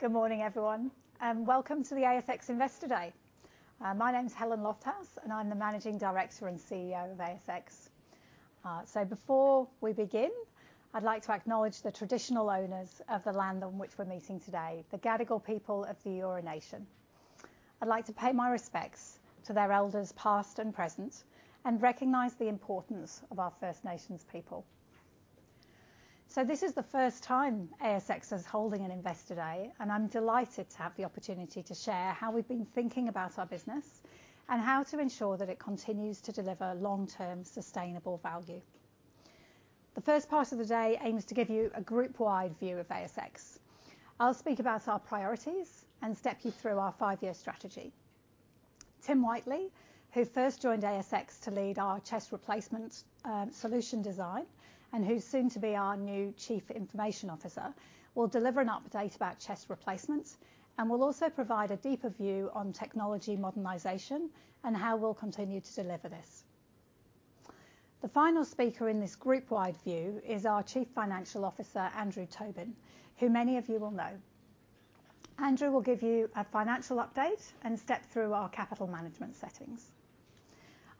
Good morning, everyone, and welcome to the ASX Investor Day. My name is Helen Lofthouse, and I'm the Managing Director and CEO of ASX. Before we begin, I'd like to acknowledge the traditional owners of the land on which we're meeting today, the Gadigal people of the Eora Nation. I'd like to pay my respects to their elders, past and present, and recognize the importance of our First Nations people. This is the first time ASX is holding an Investor Day, and I'm delighted to have the opportunity to share how we've been thinking about our business and how to ensure that it continues to deliver long-term sustainable value. The first part of the day aims to give you a group-wide view of ASX. I'll speak about our priorities and step you through our five-year strategy. Tim Whiteley, who first joined ASX to lead our CHESS Replacement, solution design, and who's soon to be our new Chief Information Officer, will deliver an update about CHESS replacements and will also provide a deeper view on technology modernization and how we'll continue to deliver this. The final speaker in this group-wide view is our Chief Financial Officer, Andrew Tobin, who many of you will know. Andrew will give you a financial update and step through our capital management settings.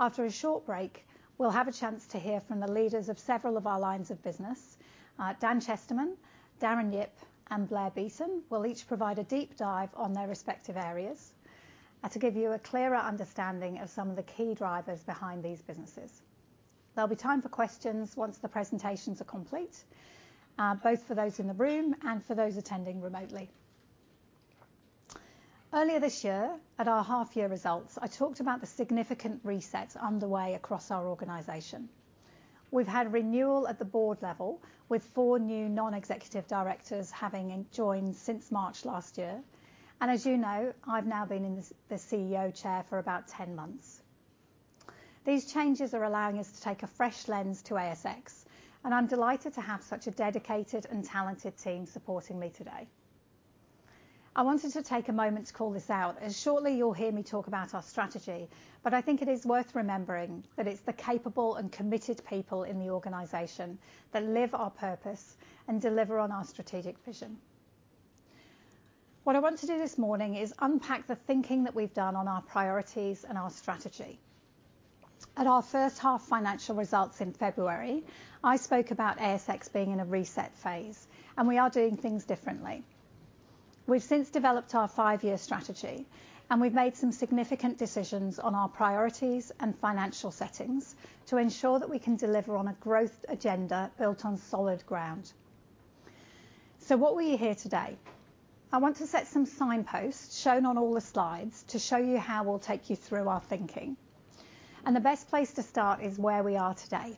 After a short break, we'll have a chance to hear from the leaders of several of our lines of business. Dan Chesterman, Darren Yip, and Blair Beaton will each provide a deep dive on their respective areas, to give you a clearer understanding of some of the key drivers behind these businesses. There'll be time for questions once the presentations are complete, both for those in the room and for those attending remotely. Earlier this year, at our half-year results, I talked about the significant reset underway across our organization. We've had renewal at the board level, with four new non-executive directors having joined since March last year, and as you know, I've now been in the CEO chair for about 10 months. These changes are allowing us to take a fresh lens to ASX, and I'm delighted to have such a dedicated and talented team supporting me today. I wanted to take a moment to call this out, as shortly you'll hear me talk about our strategy, but I think it is worth remembering that it's the capable and committed people in the organization that live our purpose and deliver on our strategic vision. What I want to do this morning is unpack the thinking that we've done on our priorities and our strategy. At our first-half financial results in February, I spoke about ASX being in a reset phase, and we are doing things differently. We've since developed our five-year strategy, and we've made some significant decisions on our priorities and financial settings to ensure that we can deliver on a growth agenda built on solid ground. What will you hear today? I want to set some signposts shown on all the slides to show you how we'll take you through our thinking. The best place to start is where we are today.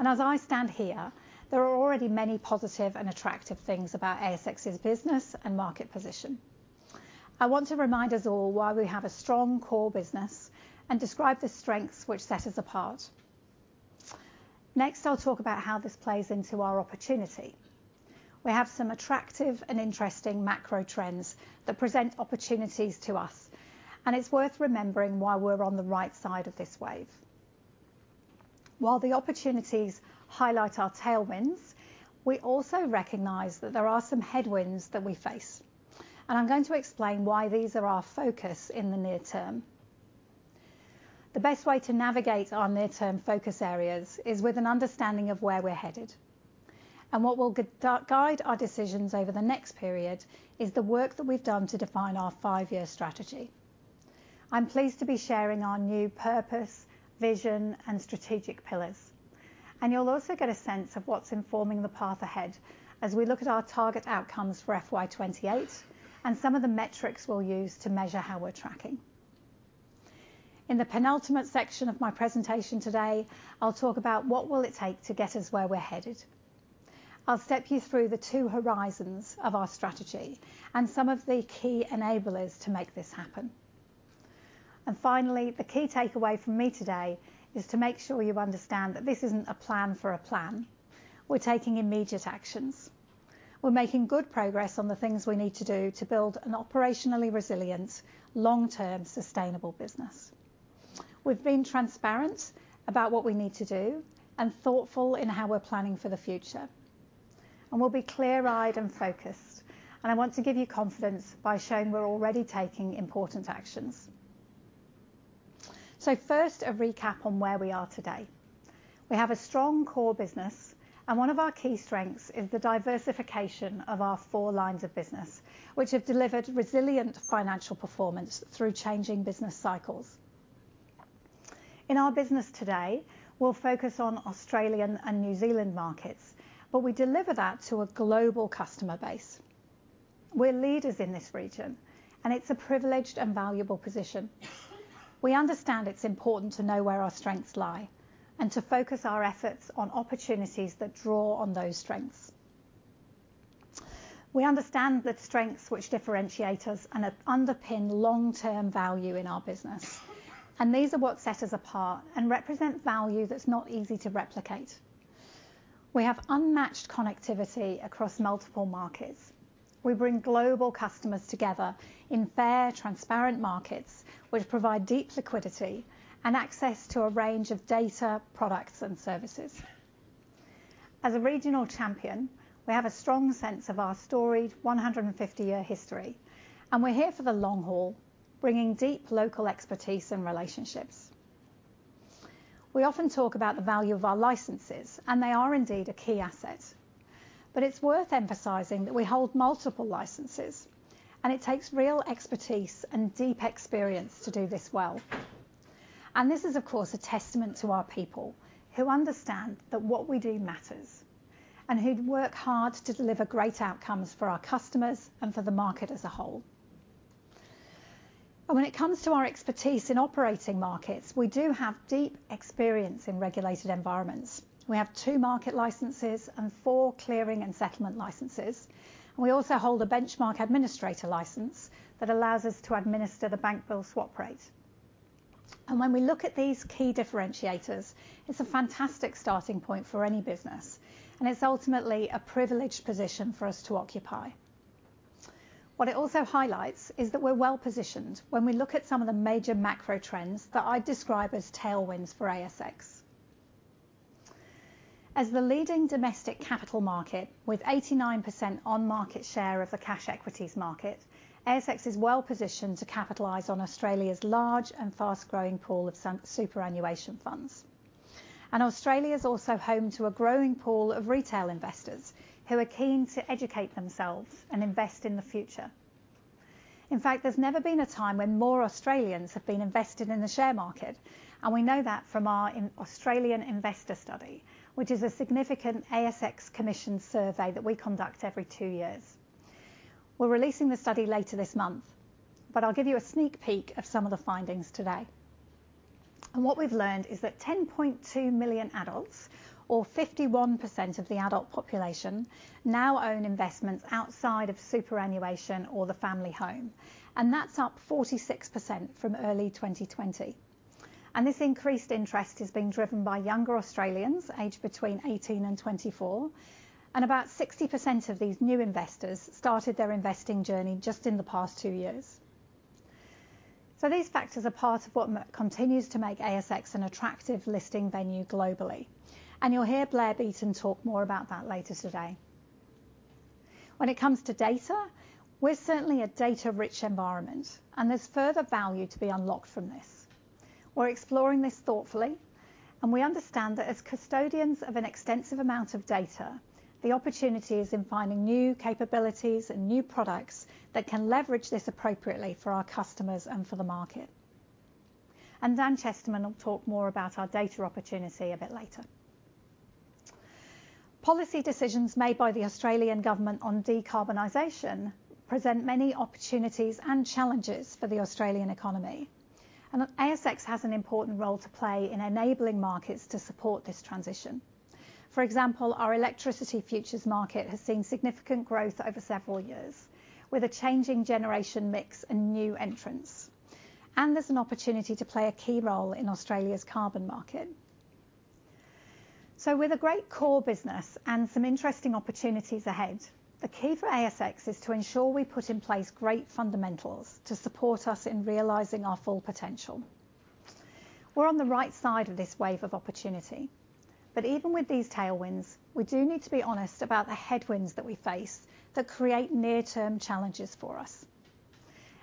As I stand here, there are already many positive and attractive things about ASX's business and market position. I want to remind us all why we have a strong core business and describe the strengths which set us apart. Next, I'll talk about how this plays into our opportunity. We have some attractive and interesting macro trends that present opportunities to us, and it's worth remembering why we're on the right side of this wave. While the opportunities highlight our tailwinds, we also recognize that there are some headwinds that we face, and I'm going to explain why these are our focus in the near term. The best way to navigate our near-term focus areas is with an understanding of where we're headed. What will guide our decisions over the next period is the work that we've done to define our five-year strategy. I'm pleased to be sharing our new purpose, vision, and strategic pillars. You'll also get a sense of what's informing the path ahead as we look at our target outcomes for FY 28 and some of the metrics we'll use to measure how we're tracking. In the penultimate section of my presentation today, I'll talk about what will it take to get us where we're headed. I'll step you through the two horizons of our strategy and some of the key enablers to make this happen. Finally, the key takeaway from me today is to make sure you understand that this isn't a plan for a plan. We're taking immediate actions. We're making good progress on the things we need to do to build an operationally resilient, long-term, sustainable business. We've been transparent about what we need to do and thoughtful in how we're planning for the future. We'll be clear-eyed and focused, and I want to give you confidence by showing we're already taking important actions. First, a recap on where we are today. We have a strong core business, and one of our key strengths is the diversification of our four lines of business, which have delivered resilient financial performance through changing business cycles. In our business today, we'll focus on Australian and New Zealand markets, but we deliver that to a global customer base. We're leaders in this region, and it's a privileged and valuable position. We understand it's important to know where our strengths lie and to focus our efforts on opportunities that draw on those strengths. We understand the strengths which differentiate us and underpin long-term value in our business, and these are what set us apart and represent value that's not easy to replicate. We have unmatched connectivity across multiple markets. We bring global customers together in fair, transparent markets, which provide deep liquidity and access to a range of data, products, and services. As a regional champion, we have a strong sense of our storied 150-year history, and we're here for the long haul, bringing deep local expertise and relationships. We often talk about the value of our licenses, and they are indeed a key asset. It's worth emphasizing that we hold multiple licenses, and it takes real expertise and deep experience to do this well. This is, of course, a testament to our people, who understand that what we do matters, and who work hard to deliver great outcomes for our customers and for the market as a whole. When it comes to our expertise in operating markets, we do have deep experience in regulated environments. We have 2 market licenses and 4 clearing and settlement licenses, we also hold a benchmark administrator license that allows us to administer the Bank Bill Swap Rate. When we look at these key differentiators, it's a fantastic starting point for any business, and it's ultimately a privileged position for us to occupy. What it also highlights is that we're well-positioned when we look at some of the major macro trends that I'd describe as tailwinds for ASX. As the leading domestic capital market, with 89% on-market share of the cash equities market, ASX is well-positioned to capitalize on Australia's large and fast-growing pool of superannuation funds. Australia is also home to a growing pool of retail investors who are keen to educate themselves and invest in the future. In fact, there's never been a time when more Australians have been invested in the share market. We know that from our Australian Investor Study, which is a significant ASX-commissioned survey that we conduct every two years. We're releasing the study later this month. I'll give you a sneak peek of some of the findings today. What we've learned is that 10.2 million adults, or 51% of the adult population, now own investments outside of superannuation or the family home, and that's up 46% from early 2020. This increased interest is being driven by younger Australians aged between 18 and 24, and about 60% of these new investors started their investing journey just in the past two years. These factors are part of what continues to make ASX an attractive listing venue globally, and you'll hear Blair Beaton talk more about that later today. When it comes to data, we're certainly a data-rich environment, and there's further value to be unlocked from this. We're exploring this thoughtfully, and we understand that as custodians of an extensive amount of data, the opportunity is in finding new capabilities and new products that can leverage this appropriately for our customers and for the market. Dan Chesterman will talk more about our data opportunity a bit later. Policy decisions made by the Australian Government on decarbonization present many opportunities and challenges for the Australian economy, and ASX has an important role to play in enabling markets to support this transition. For example, our electricity futures market has seen significant growth over several years, with a changing generation mix and new entrants. There's an opportunity to play a key role in Australia's carbon market. With a great core business and some interesting opportunities ahead, the key for ASX is to ensure we put in place great fundamentals to support us in realizing our full potential. We're on the right side of this wave of opportunity, even with these tailwinds, we do need to be honest about the headwinds that we face that create near-term challenges for us.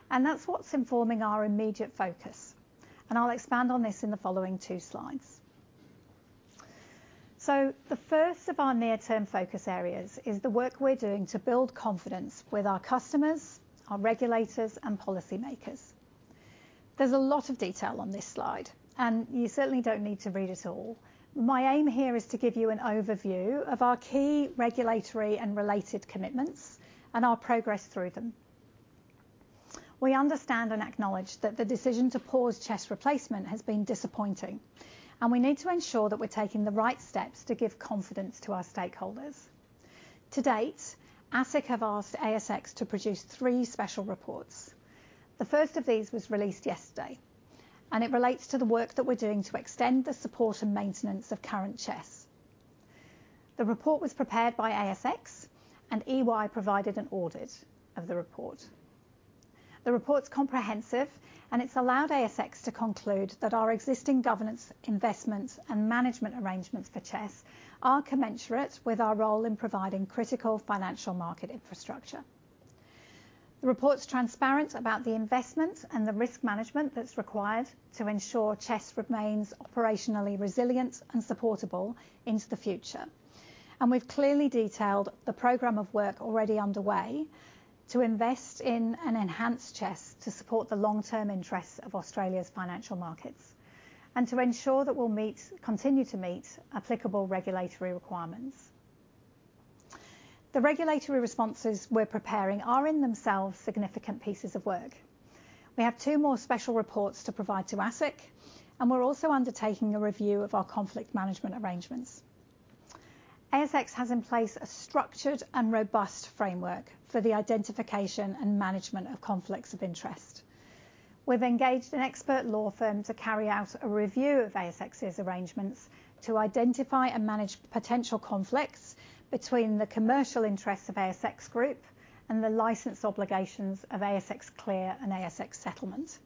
That's what's informing our immediate focus, and I'll expand on this in the following two slides. The first of our near-term focus areas is the work we're doing to build confidence with our customers, our regulators, and policymakers. There's a lot of detail on this slide, and you certainly don't need to read it all. My aim here is to give you an overview of our key regulatory and related commitments and our progress through them. We understand and acknowledge that the decision to pause CHESS replacement has been disappointing, and we need to ensure that we're taking the right steps to give confidence to our stakeholders. To date, ASIC have asked ASX to produce three special reports. The first of these was released yesterday, and it relates to the work that we're doing to extend the support and maintenance of current CHESS. The report was prepared by ASX, and EY provided an audit of the report. The report's comprehensive, and it's allowed ASX to conclude that our existing governance, investment, and management arrangements for CHESS are commensurate with our role in providing critical financial market infrastructure. The report's transparent about the investment and the risk management that's required to ensure CHESS remains operationally resilient and supportable into the future. We've clearly detailed the program of work already underway to invest in an enhanced CHESS to support the long-term interests of Australia's financial markets and to ensure that we'll meet, continue to meet applicable regulatory requirements. The regulatory responses we're preparing are, in themselves, significant pieces of work. We have two more special reports to provide to ASIC, and we're also undertaking a review of our conflict management arrangements. ASX has in place a structured and robust framework for the identification and management of conflicts of interest. We've engaged an expert law firm to carry out a review of ASX's arrangements to identify and manage potential conflicts between the commercial interests of ASX Group and the license obligations of ASX Clear and ASX Settlement....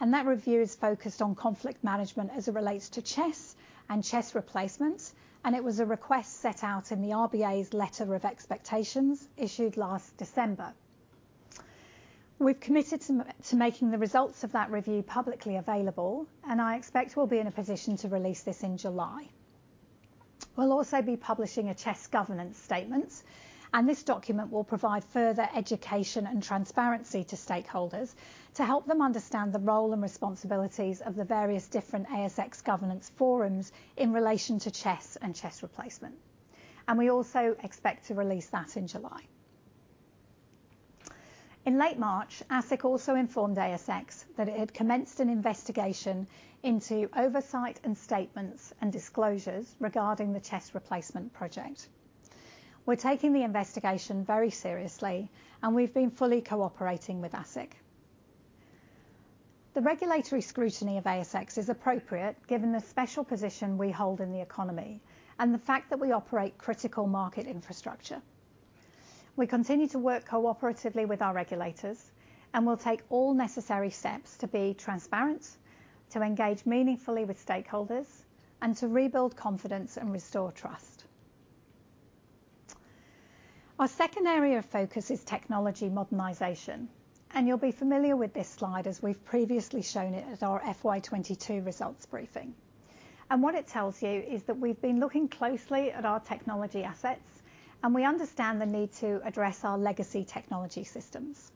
That review is focused on conflict management as it relates to CHESS and CHESS replacements, and it was a request set out in the RBA's Letter of Expectations issued last December. We've committed to making the results of that review publicly available, and I expect we'll be in a position to release this in July. We'll also be publishing a CHESS governance statement, and this document will provide further education and transparency to stakeholders to help them understand the role and responsibilities of the various different ASX governance forums in relation to CHESS and CHESS Replacement. We also expect to release that in July. In late March, ASIC also informed ASX that it had commenced an investigation into oversight and statements and disclosures regarding the CHESS Replacement project. We're taking the investigation very seriously, and we've been fully cooperating with ASIC. The regulatory scrutiny of ASX is appropriate, given the special position we hold in the economy and the fact that we operate critical market infrastructure. We continue to work cooperatively with our regulators, we'll take all necessary steps to be transparent, to engage meaningfully with stakeholders, and to rebuild confidence and restore trust. Our second area of focus is technology modernization, you'll be familiar with this slide, as we've previously shown it at our FY 22 results briefing. What it tells you is that we've been looking closely at our technology assets, and we understand the need to address our legacy technology systems.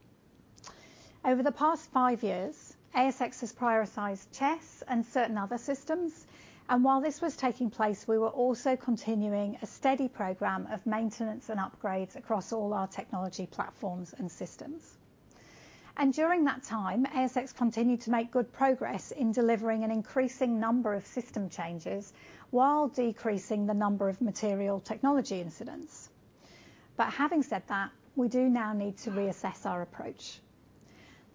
Over the past five years, ASX has prioritized CHESS and certain other systems, and while this was taking place, we were also continuing a steady program of maintenance and upgrades across all our technology platforms and systems. During that time, ASX continued to make good progress in delivering an increasing number of system changes while decreasing the number of material technology incidents. Having said that, we do now need to reassess our approach.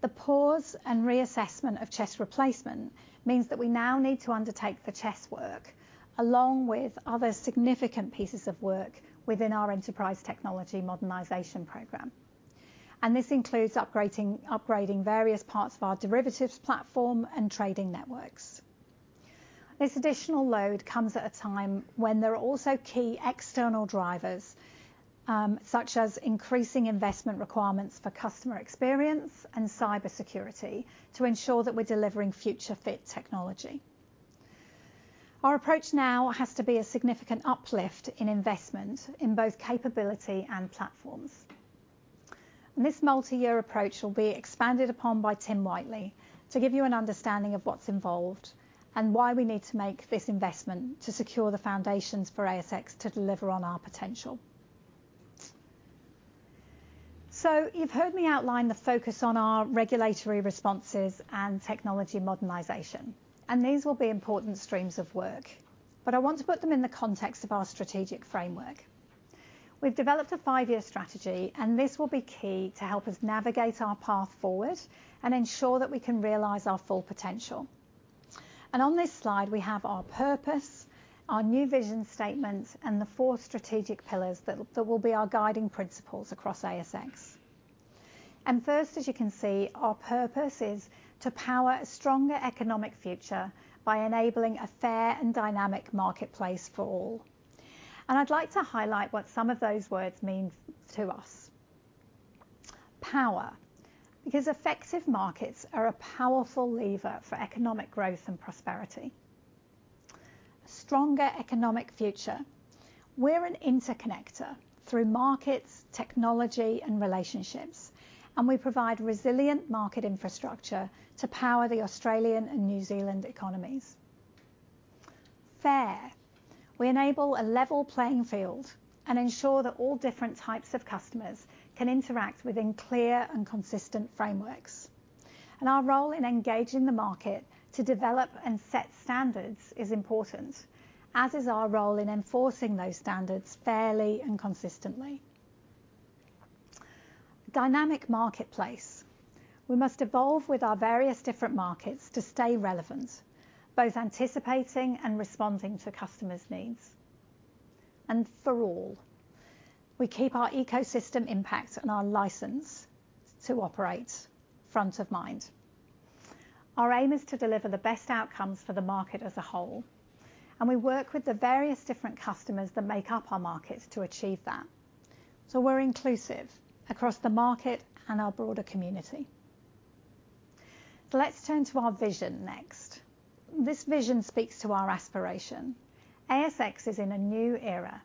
The pause and reassessment of CHESS replacement means that we now need to undertake the CHESS work, along with other significant pieces of work within our enterprise technology modernization program. This includes upgrading various parts of our derivatives platform and trading networks. This additional load comes at a time when there are also key external drivers, such as increasing investment requirements for customer experience and cybersecurity, to ensure that we're delivering future-fit technology. Our approach now has to be a significant uplift in investment in both capability and platforms. This multi-year approach will be expanded upon by Tim Whiteley to give you an understanding of what's involved and why we need to make this investment to secure the foundations for ASX to deliver on our potential. You've heard me outline the focus on our regulatory responses and technology modernization, these will be important streams of work, but I want to put them in the context of our strategic framework. We've developed a five-year strategy, this will be key to help us navigate our path forward and ensure that we can realize our full potential. On this slide, we have our purpose, our new vision statements, and the four strategic pillars that will be our guiding principles across ASX. First, as you can see, our purpose is to power a stronger economic future by enabling a fair and dynamic marketplace for all. I'd like to highlight what some of those words mean to us. Power, because effective markets are a powerful lever for economic growth and prosperity. Stronger economic future. We're an interconnector through markets, technology, and relationships, and we provide resilient market infrastructure to power the Australian and New Zealand economies. Fair. We enable a level playing field and ensure that all different types of customers can interact within clear and consistent frameworks, and our role in engaging the market to develop and set standards is important, as is our role in enforcing those standards fairly and consistently. Dynamic marketplace. We must evolve with our various different markets to stay relevant, both anticipating and responding to customers' needs. For all, we keep our ecosystem impact and our license to operate front of mind. Our aim is to deliver the best outcomes for the market as a whole. We work with the various different customers that make up our markets to achieve that. We're inclusive across the market and our broader community. Let's turn to our vision next. This vision speaks to our aspiration. ASX is in a new era.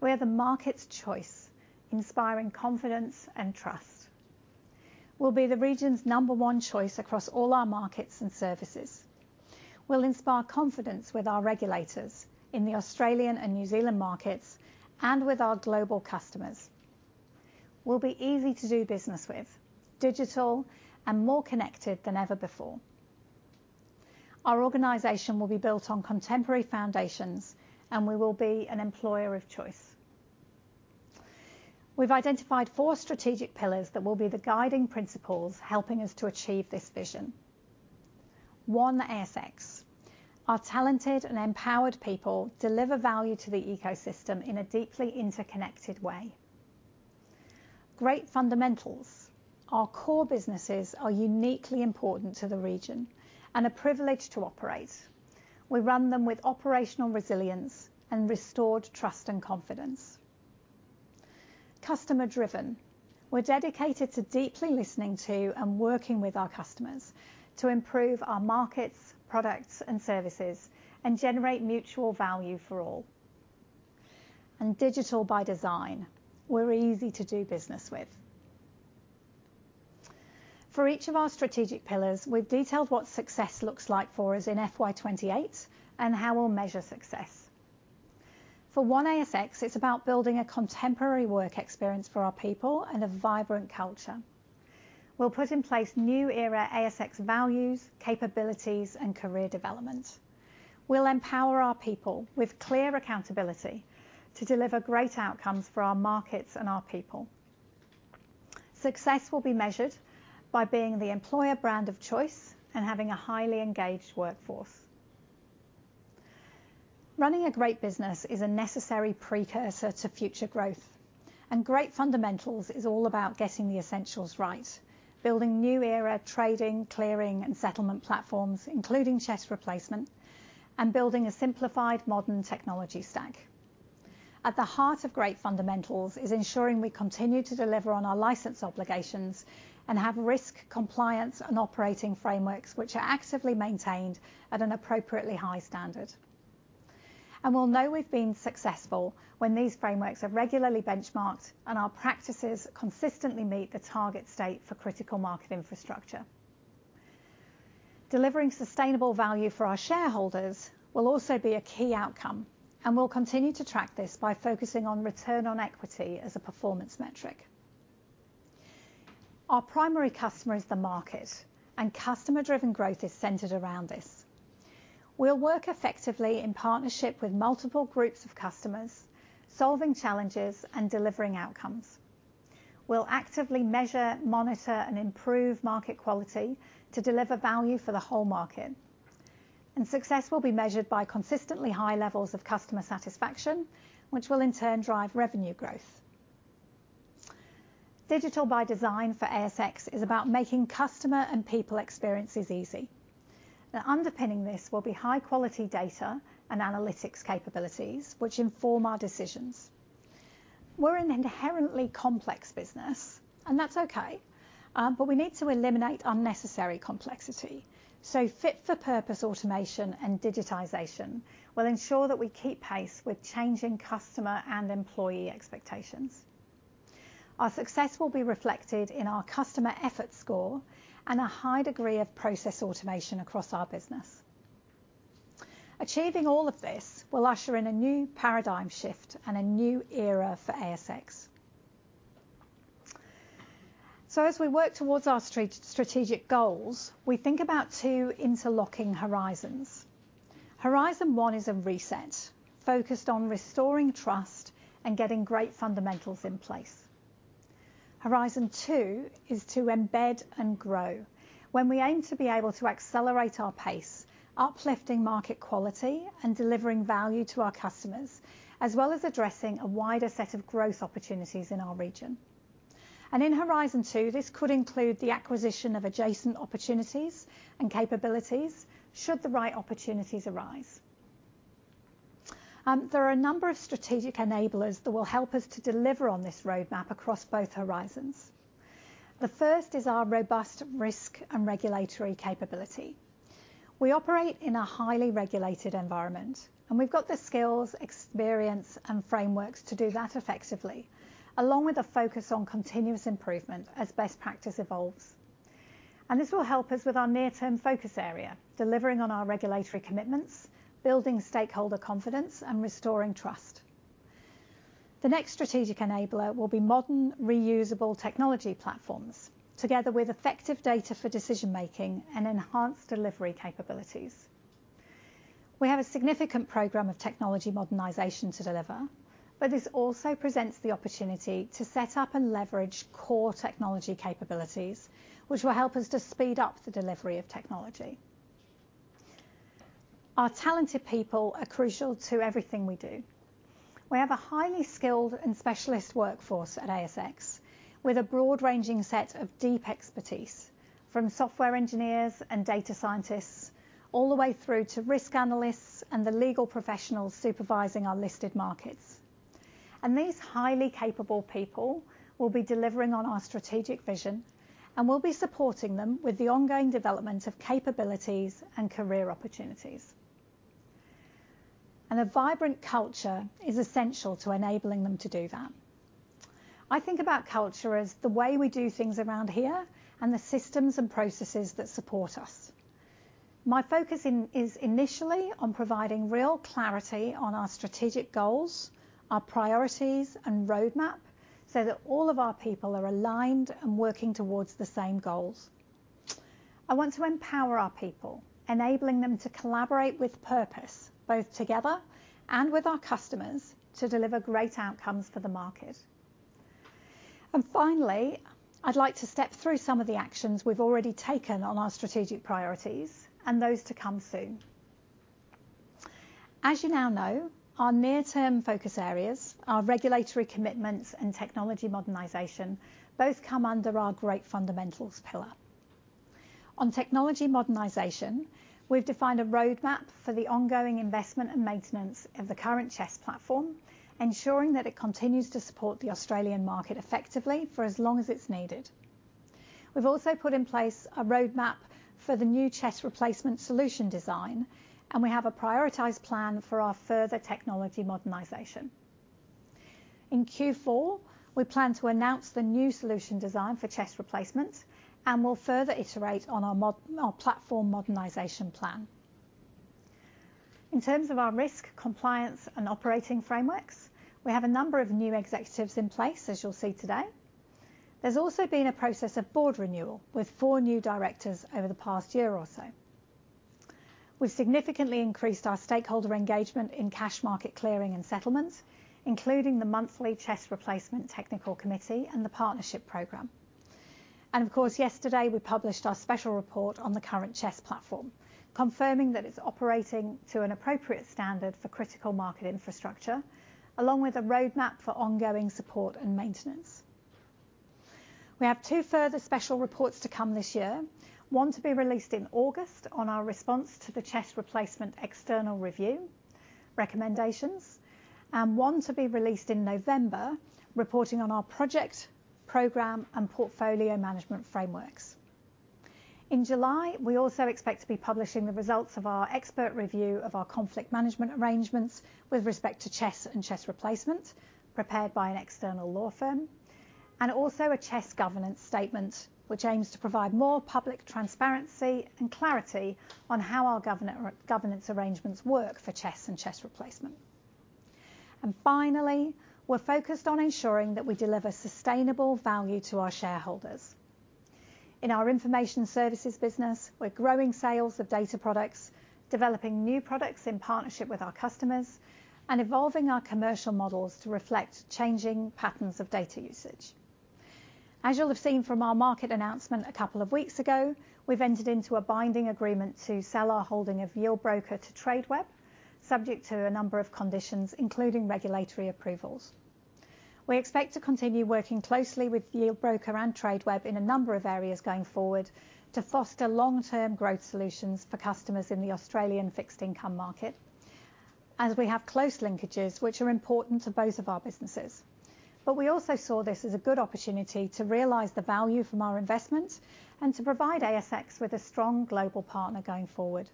We're the market's choice, inspiring confidence and trust. We'll be the region's number one choice across all our markets and services. We'll inspire confidence with our regulators in the Australian and New Zealand markets and with our global customers. We'll be easy to do business with, digital and more connected than ever before. Our organization will be built on contemporary foundations, and we will be an employer of choice. We've identified four strategic pillars that will be the guiding principles, helping us to achieve this vision. One ASX, our talented and empowered people, deliver value to the ecosystem in a deeply interconnected way. Great fundamentals. Our core businesses are uniquely important to the region and a privilege to operate. We run them with operational resilience and restored trust and confidence. Customer-driven. We're dedicated to deeply listening to and working with our customers to improve our markets, products, and services, and generate mutual value for all. Digital by design, we're easy to do business with. For each of our strategic pillars, we've detailed what success looks like for us in FY28 and how we'll measure success. For One ASX, it's about building a contemporary work experience for our people and a vibrant culture. We'll put in place new era ASX values, capabilities, and career development. We'll empower our people with clear accountability to deliver great outcomes for our markets and our people. Success will be measured by being the employer brand of choice and having a highly engaged workforce. Running a great business is a necessary precursor to future growth, great fundamentals is all about getting the essentials right, building new era trading, clearing, and settlement platforms, including CHESS Replacement, and building a simplified modern technology stack. At the heart of great fundamentals is ensuring we continue to deliver on our license obligations and have risk, compliance, and operating frameworks, which are actively maintained at an appropriately high standard. We'll know we've been successful when these frameworks are regularly benchmarked and our practices consistently meet the target state for critical market infrastructure. Delivering sustainable value for our shareholders will also be a key outcome, and we'll continue to track this by focusing on return on equity as a performance metric. Our primary customer is the market, and customer-driven growth is centered around this. We'll work effectively in partnership with multiple groups of customers, solving challenges and delivering outcomes. We'll actively measure, monitor, and improve market quality to deliver value for the whole market. Success will be measured by consistently high levels of customer satisfaction, which will, in turn, drive revenue growth. Digital by design for ASX is about making customer and people experiences easy. Underpinning this will be high-quality data and analytics capabilities, which inform our decisions. We're an inherently complex business, and that's okay, but we need to eliminate unnecessary complexity, so fit-for-purpose automation and digitization will ensure that we keep pace with changing customer and employee expectations. Our success will be reflected in our customer effort score and a high degree of process automation across our business. Achieving all of this will usher in a new paradigm shift and a new era for ASX. As we work towards our strategic goals, we think about 2 interlocking horizons. Horizon 1 is a reset, focused on restoring trust and getting great fundamentals in place. Horizon 2 is to embed and grow, when we aim to be able to accelerate our pace, uplifting market quality and delivering value to our customers, as well as addressing a wider set of growth opportunities in our region. In horizon 2, this could include the acquisition of adjacent opportunities and capabilities, should the right opportunities arise. There are a number of strategic enablers that will help us to deliver on this roadmap across both horizons. The first is our robust risk and regulatory capability. We operate in a highly regulated environment, and we've got the skills, experience, and frameworks to do that effectively, along with a focus on continuous improvement as best practice evolves. This will help us with our near-term focus area, delivering on our regulatory commitments, building stakeholder confidence, and restoring trust. The next strategic enabler will be modern, reusable technology platforms, together with effective data for decision-making and enhanced delivery capabilities. We have a significant program of technology modernization to deliver, but this also presents the opportunity to set up and leverage core technology capabilities, which will help us to speed up the delivery of technology. Our talented people are crucial to everything we do. We have a highly skilled and specialist workforce at ASX, with a broad-ranging set of deep expertise, from software engineers and data scientists all the way through to risk analysts and the legal professionals supervising our listed markets. These highly capable people will be delivering on our strategic vision, and we'll be supporting them with the ongoing development of capabilities and career opportunities. A vibrant culture is essential to enabling them to do that. I think about culture as the way we do things around here and the systems and processes that support us. My focus in, is initially on providing real clarity on our strategic goals, our priorities, and roadmap, so that all of our people are aligned and working towards the same goals. I want to empower our people, enabling them to collaborate with purpose, both together and with our customers, to deliver great outcomes for the market. Finally, I'd like to step through some of the actions we've already taken on our strategic priorities and those to come soon. As you now know, our near-term focus areas, our regulatory commitments, and technology modernization both come under our great fundamentals pillar. On technology modernization, we've defined a roadmap for the ongoing investment and maintenance of the current CHESS platform, ensuring that it continues to support the Australian market effectively for as long as it's needed. We've also put in place a roadmap for the new CHESS replacement solution design, and we have a prioritized plan for our further technology modernization. In Q4, we plan to announce the new solution design for CHESS Replacement, and we'll further iterate on our platform modernization plan. In terms of our risk, compliance, and operating frameworks, we have a number of new executives in place, as you'll see today. There's also been a process of board renewal, with four new directors over the past year or so. We've significantly increased our stakeholder engagement in cash market clearing and settlements, including the monthly CHESS Replacement Technical Committee and the Partnership Program. Of course, yesterday, we published our special report on the current CHESS platform, confirming that it's operating to an appropriate standard for critical market infrastructure, along with a roadmap for ongoing support and maintenance. We have two further special reports to come this year. One to be released in August on our response to the CHESS Replacement external review recommendations and one to be released in November, reporting on our project, program, and portfolio management frameworks. In July, we also expect to be publishing the results of our expert review of our conflict management arrangements with respect to CHESS and CHESS Replacement, prepared by an external law firm. Also a CHESS governance statement, which aims to provide more public transparency and clarity on how our governance arrangements work for CHESS and CHESS Replacement. Finally, we're focused on ensuring that we deliver sustainable value to our shareholders. In our information services business, we're growing sales of data products, developing new products in partnership with our customers, and evolving our commercial models to reflect changing patterns of data usage. As you'll have seen from our market announcement a couple of weeks ago, we've entered into a binding agreement to sell our holding of Yieldbroker to Tradeweb, subject to a number of conditions, including regulatory approvals. We expect to continue working closely with Yieldbroker and Tradeweb in a number of areas going forward to foster long-term growth solutions for customers in the Australian fixed income market, as we have close linkages which are important to both of our businesses. We also saw this as a good opportunity to realize the value from our investment and to provide ASX with a strong global partner going forward.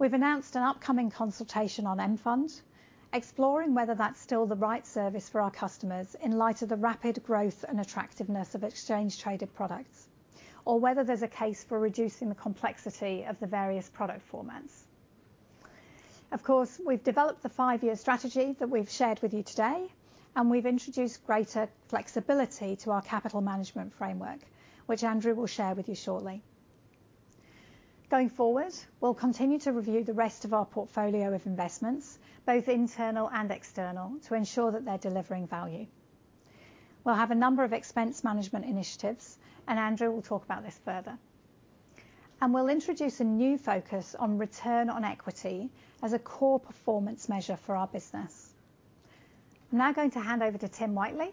We've announced an upcoming consultation on mFund, exploring whether that's still the right service for our customers in light of the rapid growth and attractiveness of exchange-traded products, or whether there's a case for reducing the complexity of the various product formats. Of course, we've developed the five-year strategy that we've shared with you today, we've introduced greater flexibility to our capital management framework, which Andrew will share with you shortly. Going forward, we'll continue to review the rest of our portfolio of investments, both internal and external, to ensure that they're delivering value. We'll have a number of expense management initiatives, Andrew will talk about this further. We'll introduce a new focus on return on equity as a core performance measure for our business. I'm now going to hand over to Tim Whiteley,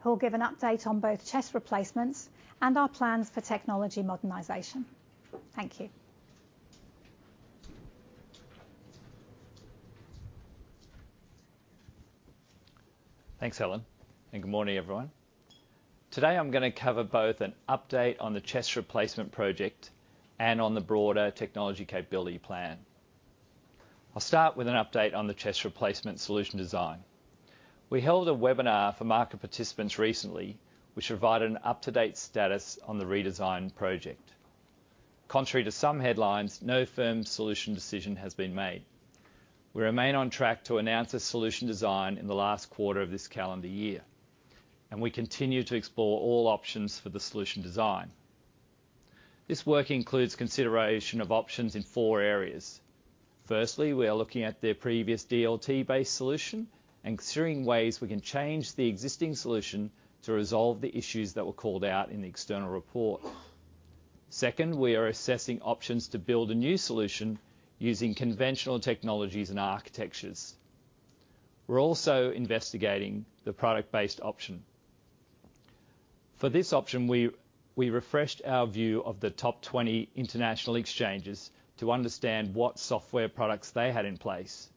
who will give an update on both CHESS Replacement and our plans for technology modernization. Thank you. Thanks, Helen. Good morning, everyone. Today, I'm gonna cover both an update on the CHESS Replacement project and on the broader technology capability plan. I'll start with an update on the CHESS Replacement solution design. We held a webinar for market participants recently, which provided an up-to-date status on the redesign project. Contrary to some headlines, no firm solution decision has been made. We remain on track to announce a solution design in the last quarter of this calendar year. We continue to explore all options for the solution design. This work includes consideration of options in four areas. Firstly, we are looking at the previous DLT-based solution and considering ways we can change the existing solution to resolve the issues that were called out in the external report. Second, we are assessing options to build a new solution using conventional technologies and architectures. We're also investigating the product-based option. For this option, we refreshed our view of the top 20 international exchanges to understand what software products they had in place.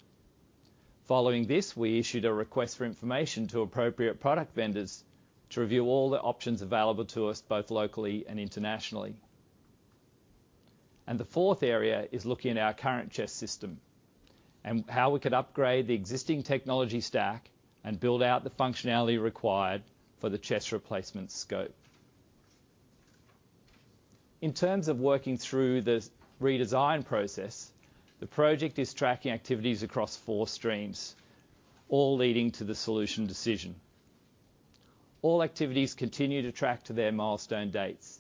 Following this, we issued a request for information to appropriate product vendors to review all the options available to us, both locally and internationally. The fourth area is looking at our current CHESS system and how we could upgrade the existing technology stack and build out the functionality required for the CHESS Replacement scope. In terms of working through this redesign process, the project is tracking activities across 4 streams, all leading to the solution decision. All activities continue to track to their milestone dates.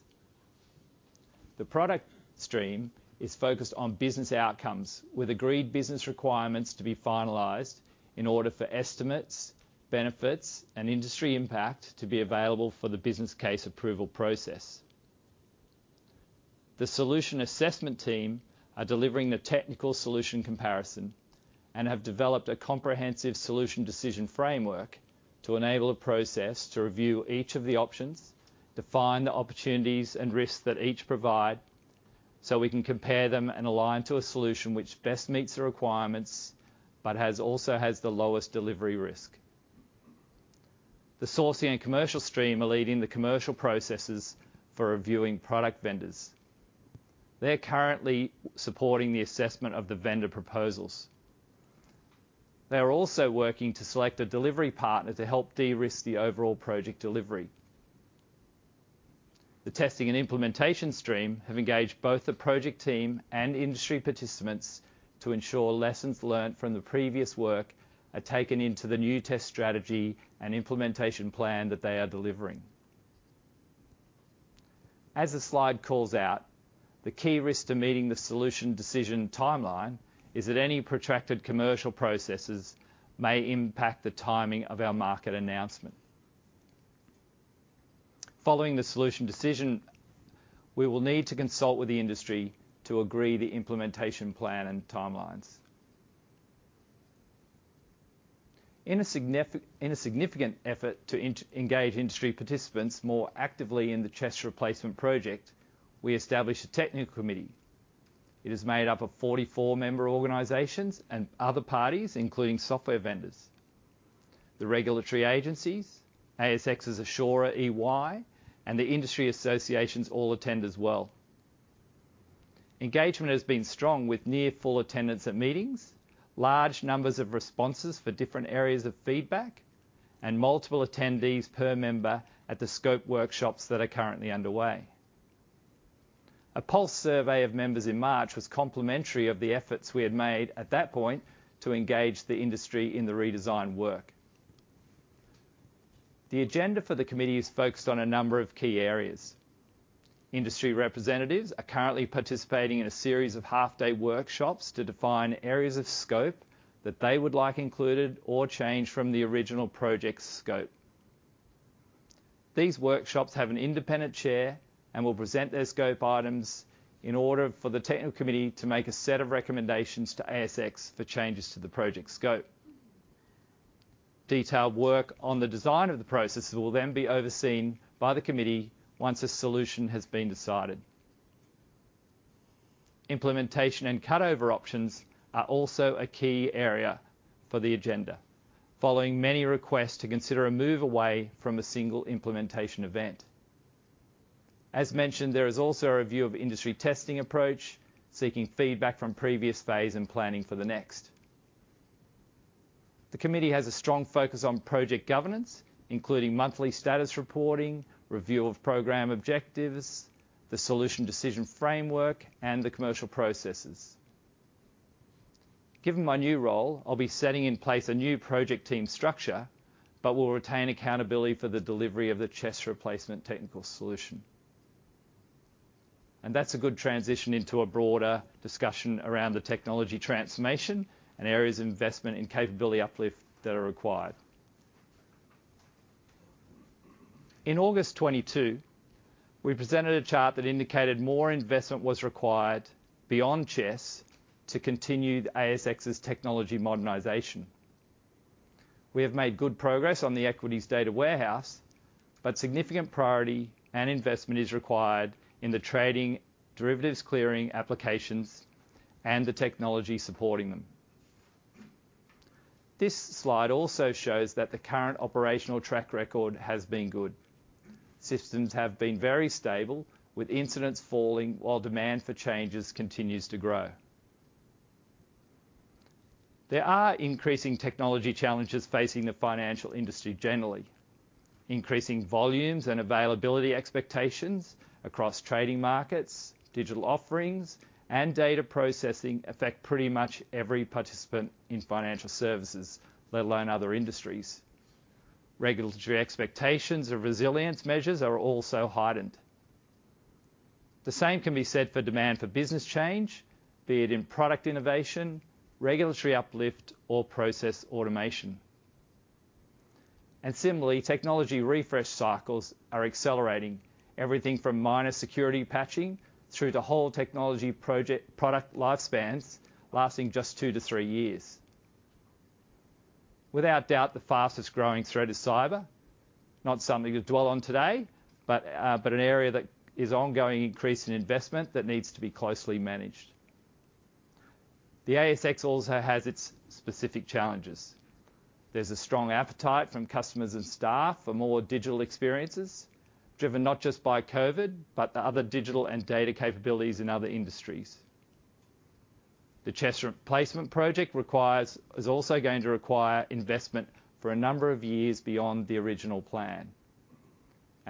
The product stream is focused on business outcomes, with agreed business requirements to be finalized in order for estimates, benefits, and industry impact to be available for the business case approval process. The solution assessment team are delivering the technical solution comparison and have developed a comprehensive solution decision framework to enable a process to review each of the options, define the opportunities and risks that each provide, so we can compare them and align to a solution which best meets the requirements but also has the lowest delivery risk. The sourcing and commercial stream are leading the commercial processes for reviewing product vendors. They're currently supporting the assessment of the vendor proposals. They are also working to select a delivery partner to help de-risk the overall project delivery. The testing and implementation stream have engaged both the project team and industry participants to ensure lessons learned from the previous work are taken into the new test strategy and implementation plan that they are delivering. As the slide calls out, the key risk to meeting the solution decision timeline is that any protracted commercial processes may impact the timing of our market announcement. Following the solution decision, we will need to consult with the industry to agree the implementation plan and timelines. In a significant effort to engage industry participants more actively in the CHESS Replacement project, we established a technical committee. It is made up of 44 member organizations and other parties, including software vendors. The regulatory agencies, ASX's assurer, EY, and the industry associations all attend as well. Engagement has been strong with near full attendance at meetings, large numbers of responses for different areas of feedback, and multiple attendees per member at the scope workshops that are currently underway. A pulse survey of members in March was complimentary of the efforts we had made at that point to engage the industry in the redesign work. The agenda for the committee is focused on a number of key areas. Industry representatives are currently participating in a series of half-day workshops to define areas of scope that they would like included or changed from the original project scope. These workshops have an independent chair and will present their scope items in order for the technical committee to make a set of recommendations to ASX for changes to the project scope. Detailed work on the design of the processes will then be overseen by the committee once a solution has been decided. Implementation and cut-over options are also a key area for the agenda, following many requests to consider a move away from a single implementation event. As mentioned, there is also a review of industry testing approach, seeking feedback from previous phase and planning for the next. The committee has a strong focus on project governance, including monthly status reporting, review of program objectives, the solution decision framework, and the commercial processes. Given my new role, I'll be setting in place a new project team structure, but will retain accountability for the delivery of the CHESS Replacement technical solution. That's a good transition into a broader discussion around the technology transformation and areas of investment and capability uplift that are required. In August 2022, we presented a chart that indicated more investment was required beyond CHESS to continue the ASX's technology modernization. We have made good progress on the equities data warehouse. Significant priority and investment is required in the trading, derivatives clearing applications, and the technology supporting them. This slide also shows that the current operational track record has been good. Systems have been very stable, with incidents falling while demand for changes continues to grow. There are increasing technology challenges facing the financial industry generally. Increasing volumes and availability expectations across trading markets, digital offerings, and data processing affect pretty much every participant in financial services, let alone other industries. Regulatory expectations or resilience measures are also heightened. The same can be said for demand for business change, be it in product innovation, regulatory uplift, or process automation. Similarly, technology refresh cycles are accelerating. Everything from minor security patching through to whole technology product lifespans lasting just 2 to 3 years. Without doubt, the fastest growing threat is cyber. Not something to dwell on today, but an area that is ongoing increase in investment that needs to be closely managed. The ASX also has its specific challenges. There's a strong appetite from customers and staff for more digital experiences, driven not just by COVID, but the other digital and data capabilities in other industries. The CHESS Replacement project is also going to require investment for a number of years beyond the original plan.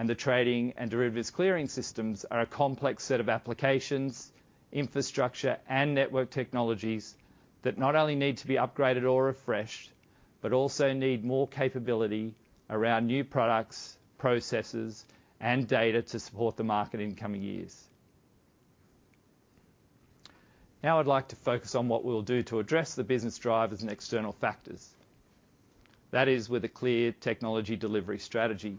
The trading and derivatives clearing systems are a complex set of applications, infrastructure, and network technologies that not only need to be upgraded or refreshed, but also need more capability around new products, processes, and data to support the market in coming years. Now I'd like to focus on what we'll do to address the business drivers and external factors. That is, with a clear technology delivery strategy.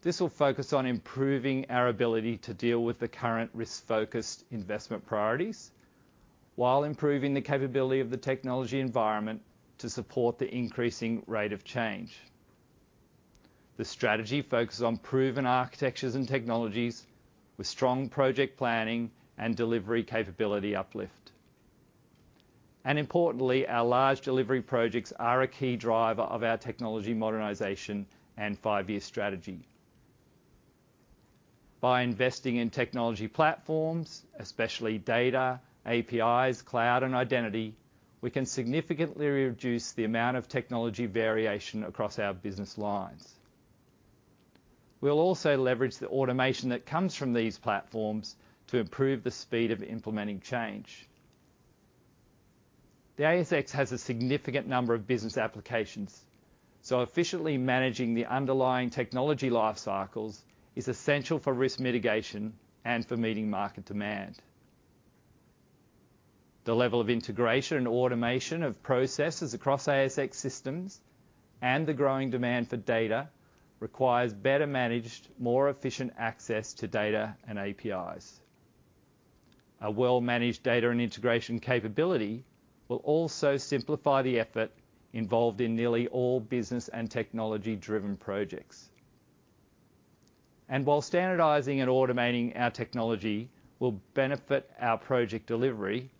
This will focus on improving our ability to deal with the current risk-focused investment priorities, while improving the capability of the technology environment to support the increasing rate of change. The strategy focuses on proven architectures and technologies, with strong project planning and delivery capability uplift. Importantly, our large delivery projects are a key driver of our technology modernization and five-year strategy. By investing in technology platforms, especially data, APIs, cloud, and identity, we can significantly reduce the amount of technology variation across our business lines. We'll also leverage the automation that comes from these platforms to improve the speed of implementing change. The ASX has a significant number of business applications, efficiently managing the underlying technology life cycles is essential for risk mitigation and for meeting market demand. The level of integration and automation of processes across ASX systems and the growing demand for data requires better managed, more efficient access to data and APIs. A well-managed data and integration capability will also simplify the effort involved in nearly all business and technology-driven projects. While standardizing and automating our technology will benefit our project delivery,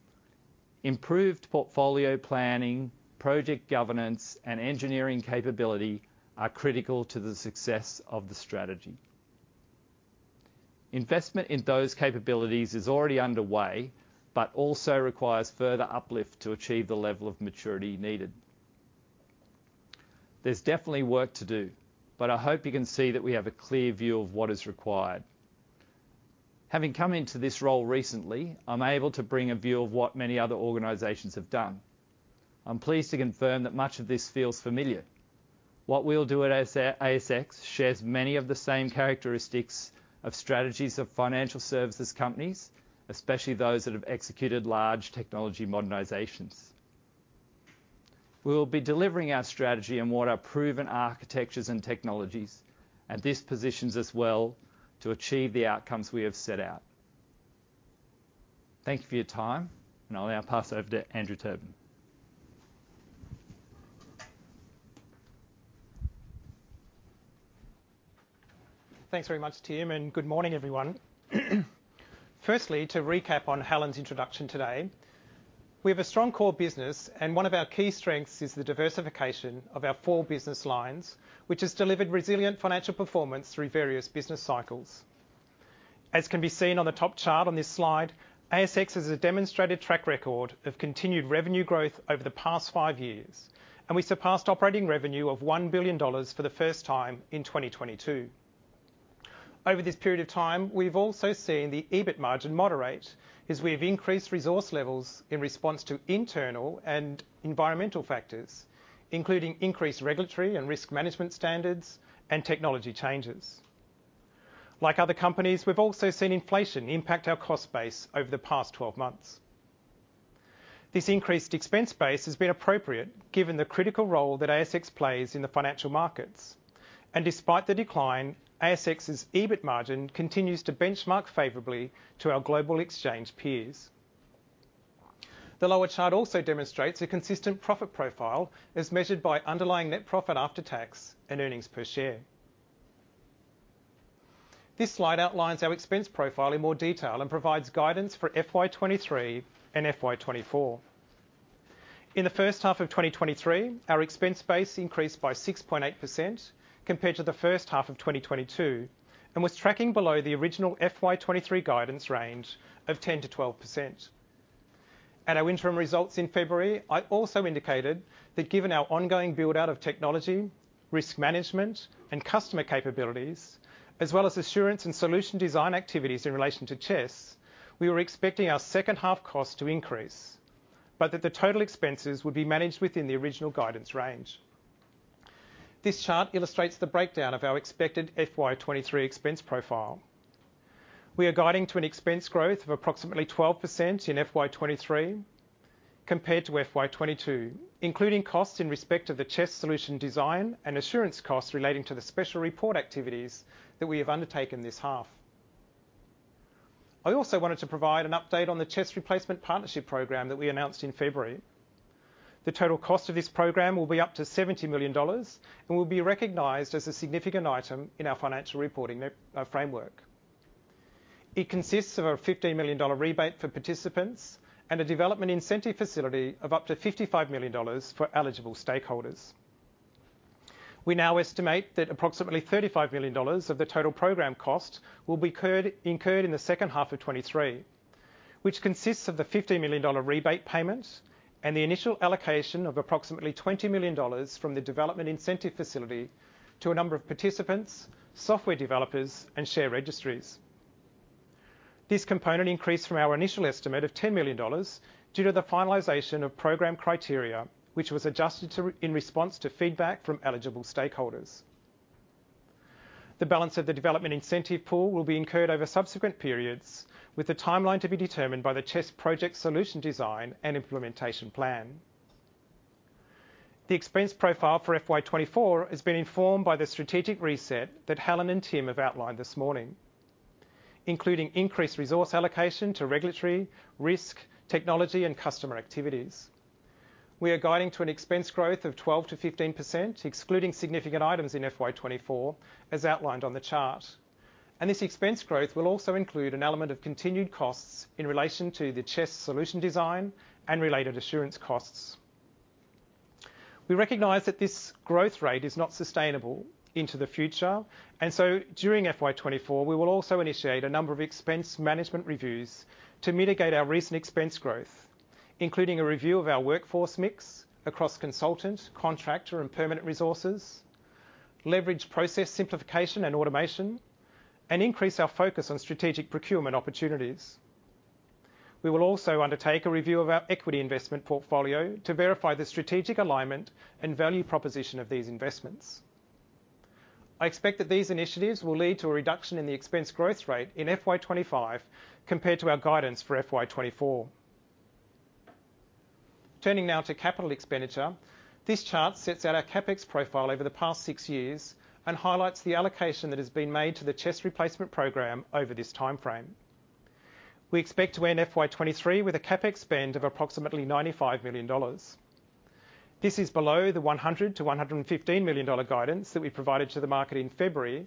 improved portfolio planning, project governance, and engineering capability are critical to the success of the strategy. Investment in those capabilities is already underway, also requires further uplift to achieve the level of maturity needed. There's definitely work to do, I hope you can see that we have a clear view of what is required. Having come into this role recently, I'm able to bring a view of what many other organizations have done. I'm pleased to confirm that much of this feels familiar. What we'll do at ASX shares many of the same characteristics of strategies of financial services companies, especially those that have executed large technology modernizations. We will be delivering our strategy and what are proven architectures and technologies, and this positions us well to achieve the outcomes we have set out. Thank you for your time. I'll now pass over to Andrew Tobin. Thanks very much, Tim, and good morning, everyone. Firstly, to recap on Helen's introduction today, we have a strong core business, and one of our key strengths is the diversification of our four business lines, which has delivered resilient financial performance through various business cycles. As can be seen on the top chart on this slide, ASX has a demonstrated track record of continued revenue growth over the past five years, and we surpassed operating revenue of 1 billion dollars for the first time in 2022. Over this period of time, we've also seen the EBIT margin moderate as we've increased resource levels in response to internal and environmental factors, including increased regulatory and risk management standards and technology changes. Like other companies, we've also seen inflation impact our cost base over the past 12 months. This increased expense base has been appropriate, given the critical role that ASX plays in the financial markets. Despite the decline, ASX's EBIT margin continues to benchmark favorably to our global exchange peers. The lower chart also demonstrates a consistent profit profile as measured by underlying net profit after tax and earnings per share. This slide outlines our expense profile in more detail and provides guidance for FY 2023 and FY 2024. In the first half of 2023, our expense base increased by 6.8% compared to the first half of 2022, and was tracking below the original FY 2023 guidance range of 10%-12%. At our interim results in February, I also indicated that given our ongoing build-out of technology, risk management, and customer capabilities, as well as assurance and solution design activities in relation to CHESS, we were expecting our second half cost to increase, but that the total expenses would be managed within the original guidance range. This chart illustrates the breakdown of our expected FY23 expense profile. We are guiding to an expense growth of approximately 12% in FY23 compared to FY22, including costs in respect of the CHESS solution design and assurance costs relating to the special report activities that we have undertaken this half. I also wanted to provide an update on the CHESS Replacement Partnership Program that we announced in February. The total cost of this program will be up to 70 million dollars and will be recognized as a significant item in our financial reporting framework. It consists of a 15 million dollar rebate for participants and a development incentive facility of up to 55 million dollars for eligible stakeholders. We now estimate that approximately 35 million dollars of the total program cost will be incurred in the second half of 2023, which consists of the 50 million dollar rebate payment and the initial allocation of approximately 20 million dollars from the development incentive facility to a number of participants, software developers, and share registries. This component increased from our initial estimate of 10 million dollars due to the finalization of program criteria, which was adjusted in response to feedback from eligible stakeholders. The balance of the development incentive pool will be incurred over subsequent periods, with the timeline to be determined by the CHESS project solution design and implementation plan. The expense profile for FY 2024 has been informed by the strategic reset that Helen and Tim have outlined this morning, including increased resource allocation to regulatory, risk, technology, and customer activities. We are guiding to an expense growth of 12%-15%, excluding significant items in FY 2024, as outlined on the chart. This expense growth will also include an element of continued costs in relation to the CHESS solution design and related assurance costs. We recognize that this growth rate is not sustainable into the future. During FY 2024, we will also initiate a number of expense management reviews to mitigate our recent expense growth, including a review of our workforce mix across consultant, contractor, and permanent resources, leverage process simplification and automation, and increase our focus on strategic procurement opportunities. We will also undertake a review of our equity investment portfolio to verify the strategic alignment and value proposition of these investments. I expect that these initiatives will lead to a reduction in the expense growth rate in FY 2025, compared to our guidance for FY 2024. Turning now to capital expenditure. This chart sets out our CapEx profile over the past six years and highlights the allocation that has been made to the CHESS Replacement program over this timeframe. We expect to end FY 2023 with a CapEx spend of approximately 95 million dollars. This is below the 100 million-115 million dollar guidance that we provided to the market in February,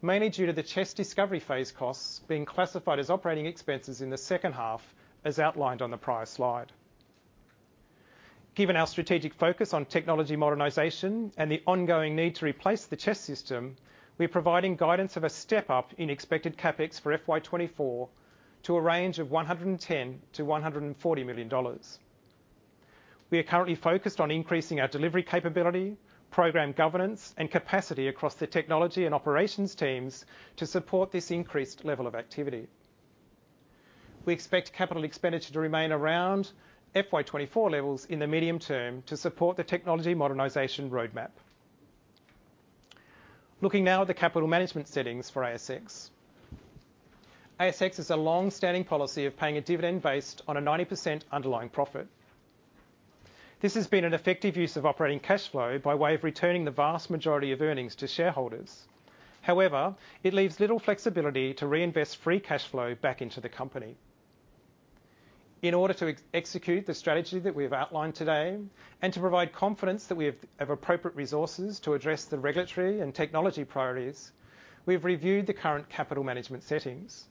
mainly due to the CHESS discovery phase costs being classified as operating expenses in the second half, as outlined on the prior slide. Given our strategic focus on technology modernization and the ongoing need to replace the CHESS system, we're providing guidance of a step up in expected CapEx for FY 2024 to a range of 110 million-140 million dollars. We are currently focused on increasing our delivery capability, program governance, and capacity across the technology and operations teams to support this increased level of activity. We expect capital expenditure to remain around FY 2024 levels in the medium term to support the technology modernization roadmap. Looking now at the capital management settings for ASX. ASX has a long-standing policy of paying a dividend based on a 90% underlying profit. This has been an effective use of operating cash flow by way of returning the vast majority of earnings to shareholders. However, it leaves little flexibility to reinvest free cash flow back into the company. In order to execute the strategy that we've outlined today, and to provide confidence that we have appropriate resources to address the regulatory and technology priorities, we've reviewed the current capital management settings.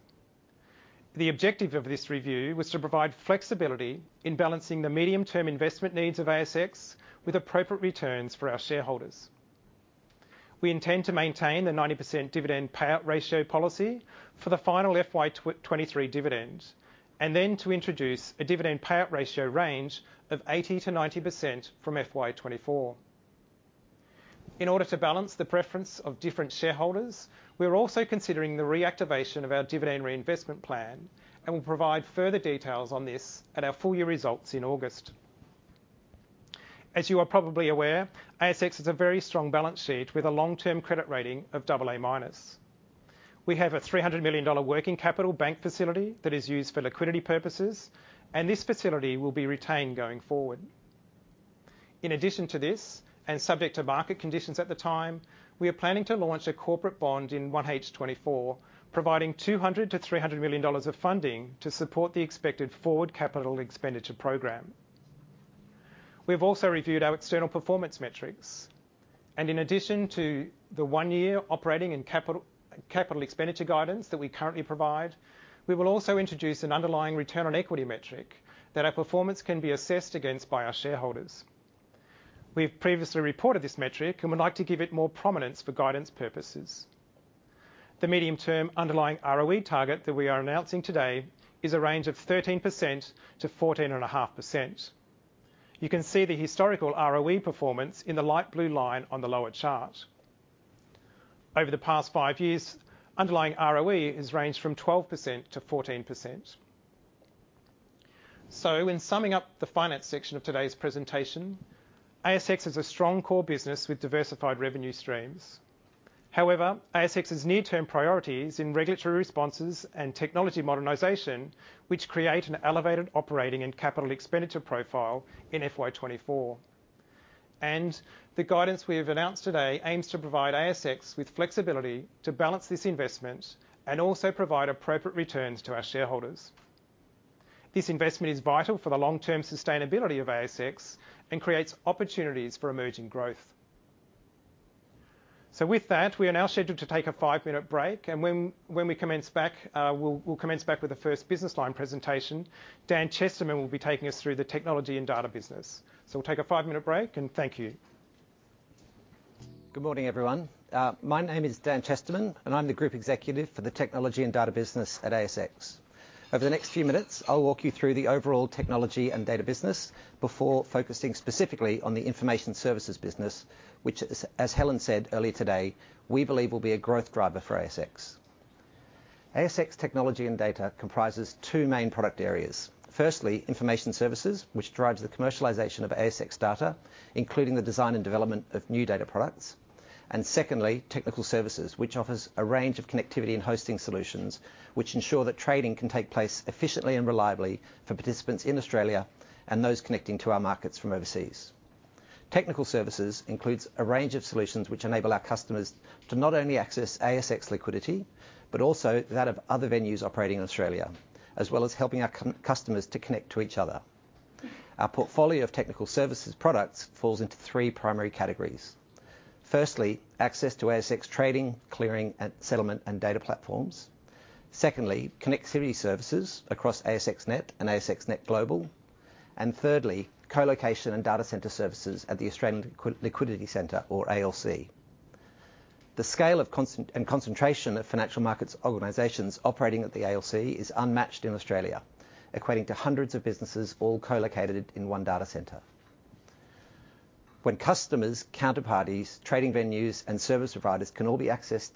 The objective of this review was to provide flexibility in balancing the medium-term investment needs of ASX with appropriate returns for our shareholders. We intend to maintain the 90% dividend payout ratio policy for the final FY 2023 dividend, and then to introduce a dividend payout ratio range of 80%-90% from FY 2024. In order to balance the preference of different shareholders, we are also considering the reactivation of our dividend reinvestment plan and will provide further details on this at our full year results in August. As you are probably aware, ASX has a very strong balance sheet with a long-term credit rating of AA-. We have an 300 million dollar working capital bank facility that is used for liquidity purposes, this facility will be retained going forward. In addition to this, subject to market conditions at the time, we are planning to launch a corporate bond in 1H 2024, providing 200 million-300 million dollars of funding to support the expected forward capital expenditure program. We've also reviewed our external performance metrics, in addition to the 1-year operating and capital expenditure guidance that we currently provide, we will also introduce an underlying return on equity metric that our performance can be assessed against by our shareholders. We've previously reported this metric, we'd like to give it more prominence for guidance purposes. The medium-term underlying ROE target that we are announcing today is a range of 13%-14.5%. You can see the historical ROE performance in the light blue line on the lower chart. Over the past five years, underlying ROE has ranged from 12%-14%. In summing up the finance section of today's presentation, ASX is a strong core business with diversified revenue streams. However, ASX's near-term priority is in regulatory responses and technology modernization, which create an elevated operating and capital expenditure profile in FY 2024. The guidance we have announced today aims to provide ASX with flexibility to balance this investment and also provide appropriate returns to our shareholders. This investment is vital for the long-term sustainability of ASX and creates opportunities for emerging growth. With that, we are now scheduled to take a 5-minute break, and when we commence back, we'll commence back with the first business line presentation. Dan Chesterman will be taking us through the technology and data business. We'll take a five-minute break, and thank you. Good morning, everyone. My name is Dan Chesterman, and I'm the Group Executive for the Technology & Data business at ASX. Over the next few minutes, I'll walk you through the overall technology & data business before focusing specifically on the information services business, which as Helen said earlier today, we believe will be a growth driver for ASX.... ASX Technology and Data comprises two main product areas. Firstly, information services, which drives the commercialization of ASX data, including the design and development of new data products. Secondly, technical services, which offers a range of connectivity and hosting solutions, which ensure that trading can take place efficiently and reliably for participants in Australia and those connecting to our markets from overseas. Technical services includes a range of solutions which enable our customers to not only access ASX liquidity, but also that of other venues operating in Australia, as well as helping our customers to connect to each other. Our portfolio of technical services products falls into three primary categories. Firstly, access to ASX trading, clearing, and settlement, and data platforms. Secondly, connectivity services across ASX Net and ASX Net Global. Thirdly, colocation and data center services at the Australian Liquidity Center or ALC. The scale of and concentration of financial markets organizations operating at the ALC is unmatched in Australia, equating to hundreds of businesses all collocated in one data center. When customers, counterparties, trading venues, and service providers can all be accessed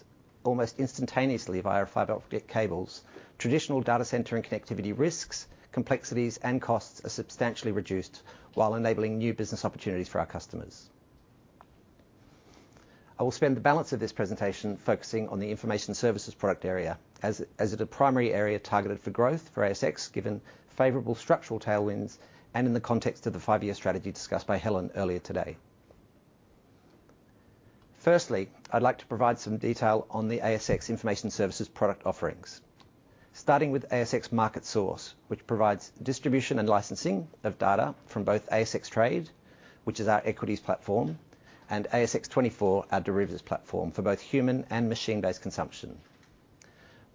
almost instantaneously via fiber optic cables, traditional data center and connectivity risks, complexities, and costs are substantially reduced while enabling new business opportunities for our customers. I will spend the balance of this presentation focusing on the information services product area, as a primary area targeted for growth for ASX, given favorable structural tailwinds and in the context of the five-year strategy discussed by Helen earlier today. Firstly, I'd like to provide some detail on the ASX information services product offerings. Starting with ASX MarketSource, which provides distribution and licensing of data from both ASX Trade, which is our equities platform, and ASX 24, our derivatives platform for both human and machine-based consumption.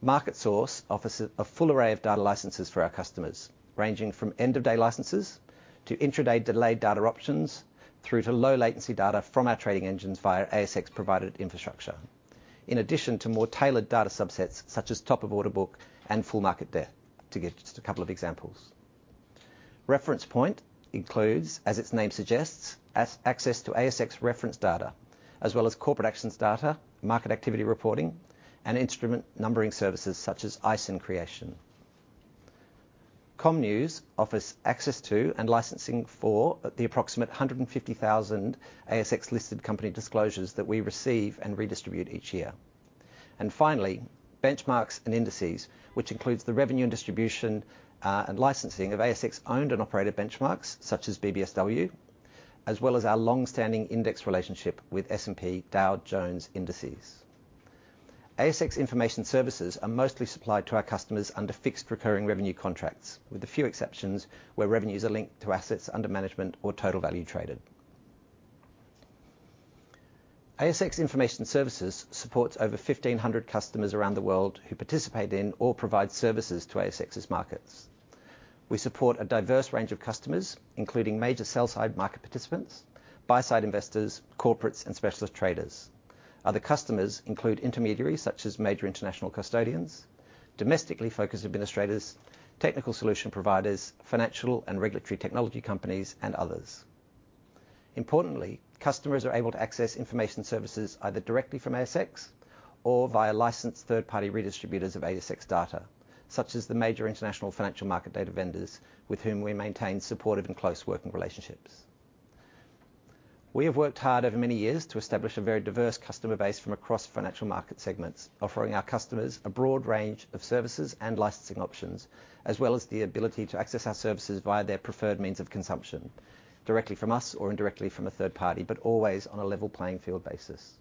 MarketSource offers a full array of data licenses for our customers, ranging from end-of-day licenses to intraday delayed data options, through to low latency data from our trading engines via ASX-provided infrastructure. In addition to more tailored data subsets, such as top of order book and full market depth, to give just a couple of examples. ReferencePoint includes, as its name suggests, access to ASX reference data, as well as corporate actions data, market activity reporting, and instrument numbering services such as ISIN creation. ComNews offers access to and licensing for the approximate 150,000 ASX-listed company disclosures that we receive and redistribute each year. Finally, Benchmarks and Indices, which includes the revenue and distribution and licensing of ASX-owned and operated benchmarks, such as BBSW, as well as our long-standing index relationship with S&P Dow Jones Indices. ASX Information Services are mostly supplied to our customers under fixed recurring revenue contracts, with a few exceptions, where revenues are linked to assets under management or total value traded. ASX Information Services supports over 1,500 customers around the world who participate in or provide services to ASX's markets. We support a diverse range of customers, including major sell-side market participants, buy-side investors, corporates, and specialist traders. Other customers include intermediaries, such as major international custodians, domestically focused administrators, technical solution providers, financial and regulatory technology companies, and others. Customers are able to access information services either directly from ASX or via licensed third-party redistributors of ASX data, such as the major international financial market data vendors with whom we maintain supportive and close working relationships. We have worked hard over many years to establish a very diverse customer base from across financial market segments, offering our customers a broad range of services and licensing options, as well as the ability to access our services via their preferred means of consumption, directly from us or indirectly from a third-party, always on a level playing field basis.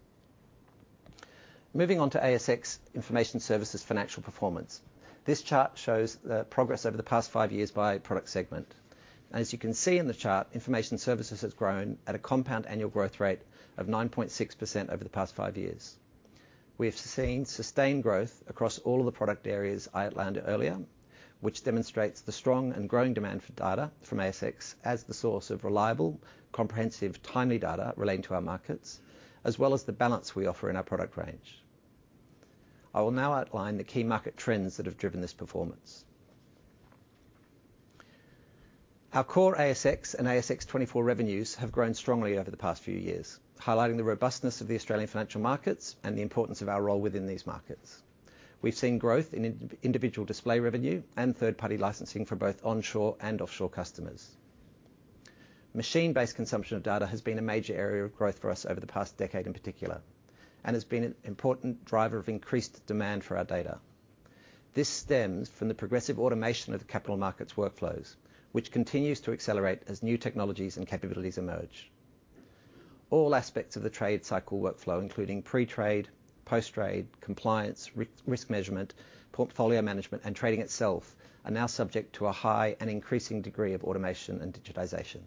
Moving on to ASX Information Services financial performance. This chart shows the progress over the past five years by product segment. You can see in the chart, Information Services has grown at a compound annual growth rate of 9.6% over the past five years. We have seen sustained growth across all of the product areas I outlined earlier, which demonstrates the strong and growing demand for data from ASX as the source of reliable, comprehensive, timely data relating to our markets, as well as the balance we offer in our product range. I will now outline the key market trends that have driven this performance. Our core ASX and ASX 24 revenues have grown strongly over the past few years, highlighting the robustness of the Australian financial markets and the importance of our role within these markets. We've seen growth in individual display revenue and third-party licensing for both onshore and offshore customers. Machine-based consumption of data has been a major area of growth for us over the past decade in particular, and has been an important driver of increased demand for our data. This stems from the progressive automation of the capital markets workflows, which continues to accelerate as new technologies and capabilities emerge. All aspects of the trade cycle workflow, including pre-trade, post-trade, compliance, risk measurement, portfolio management, and trading itself, are now subject to a high and increasing degree of automation and digitization.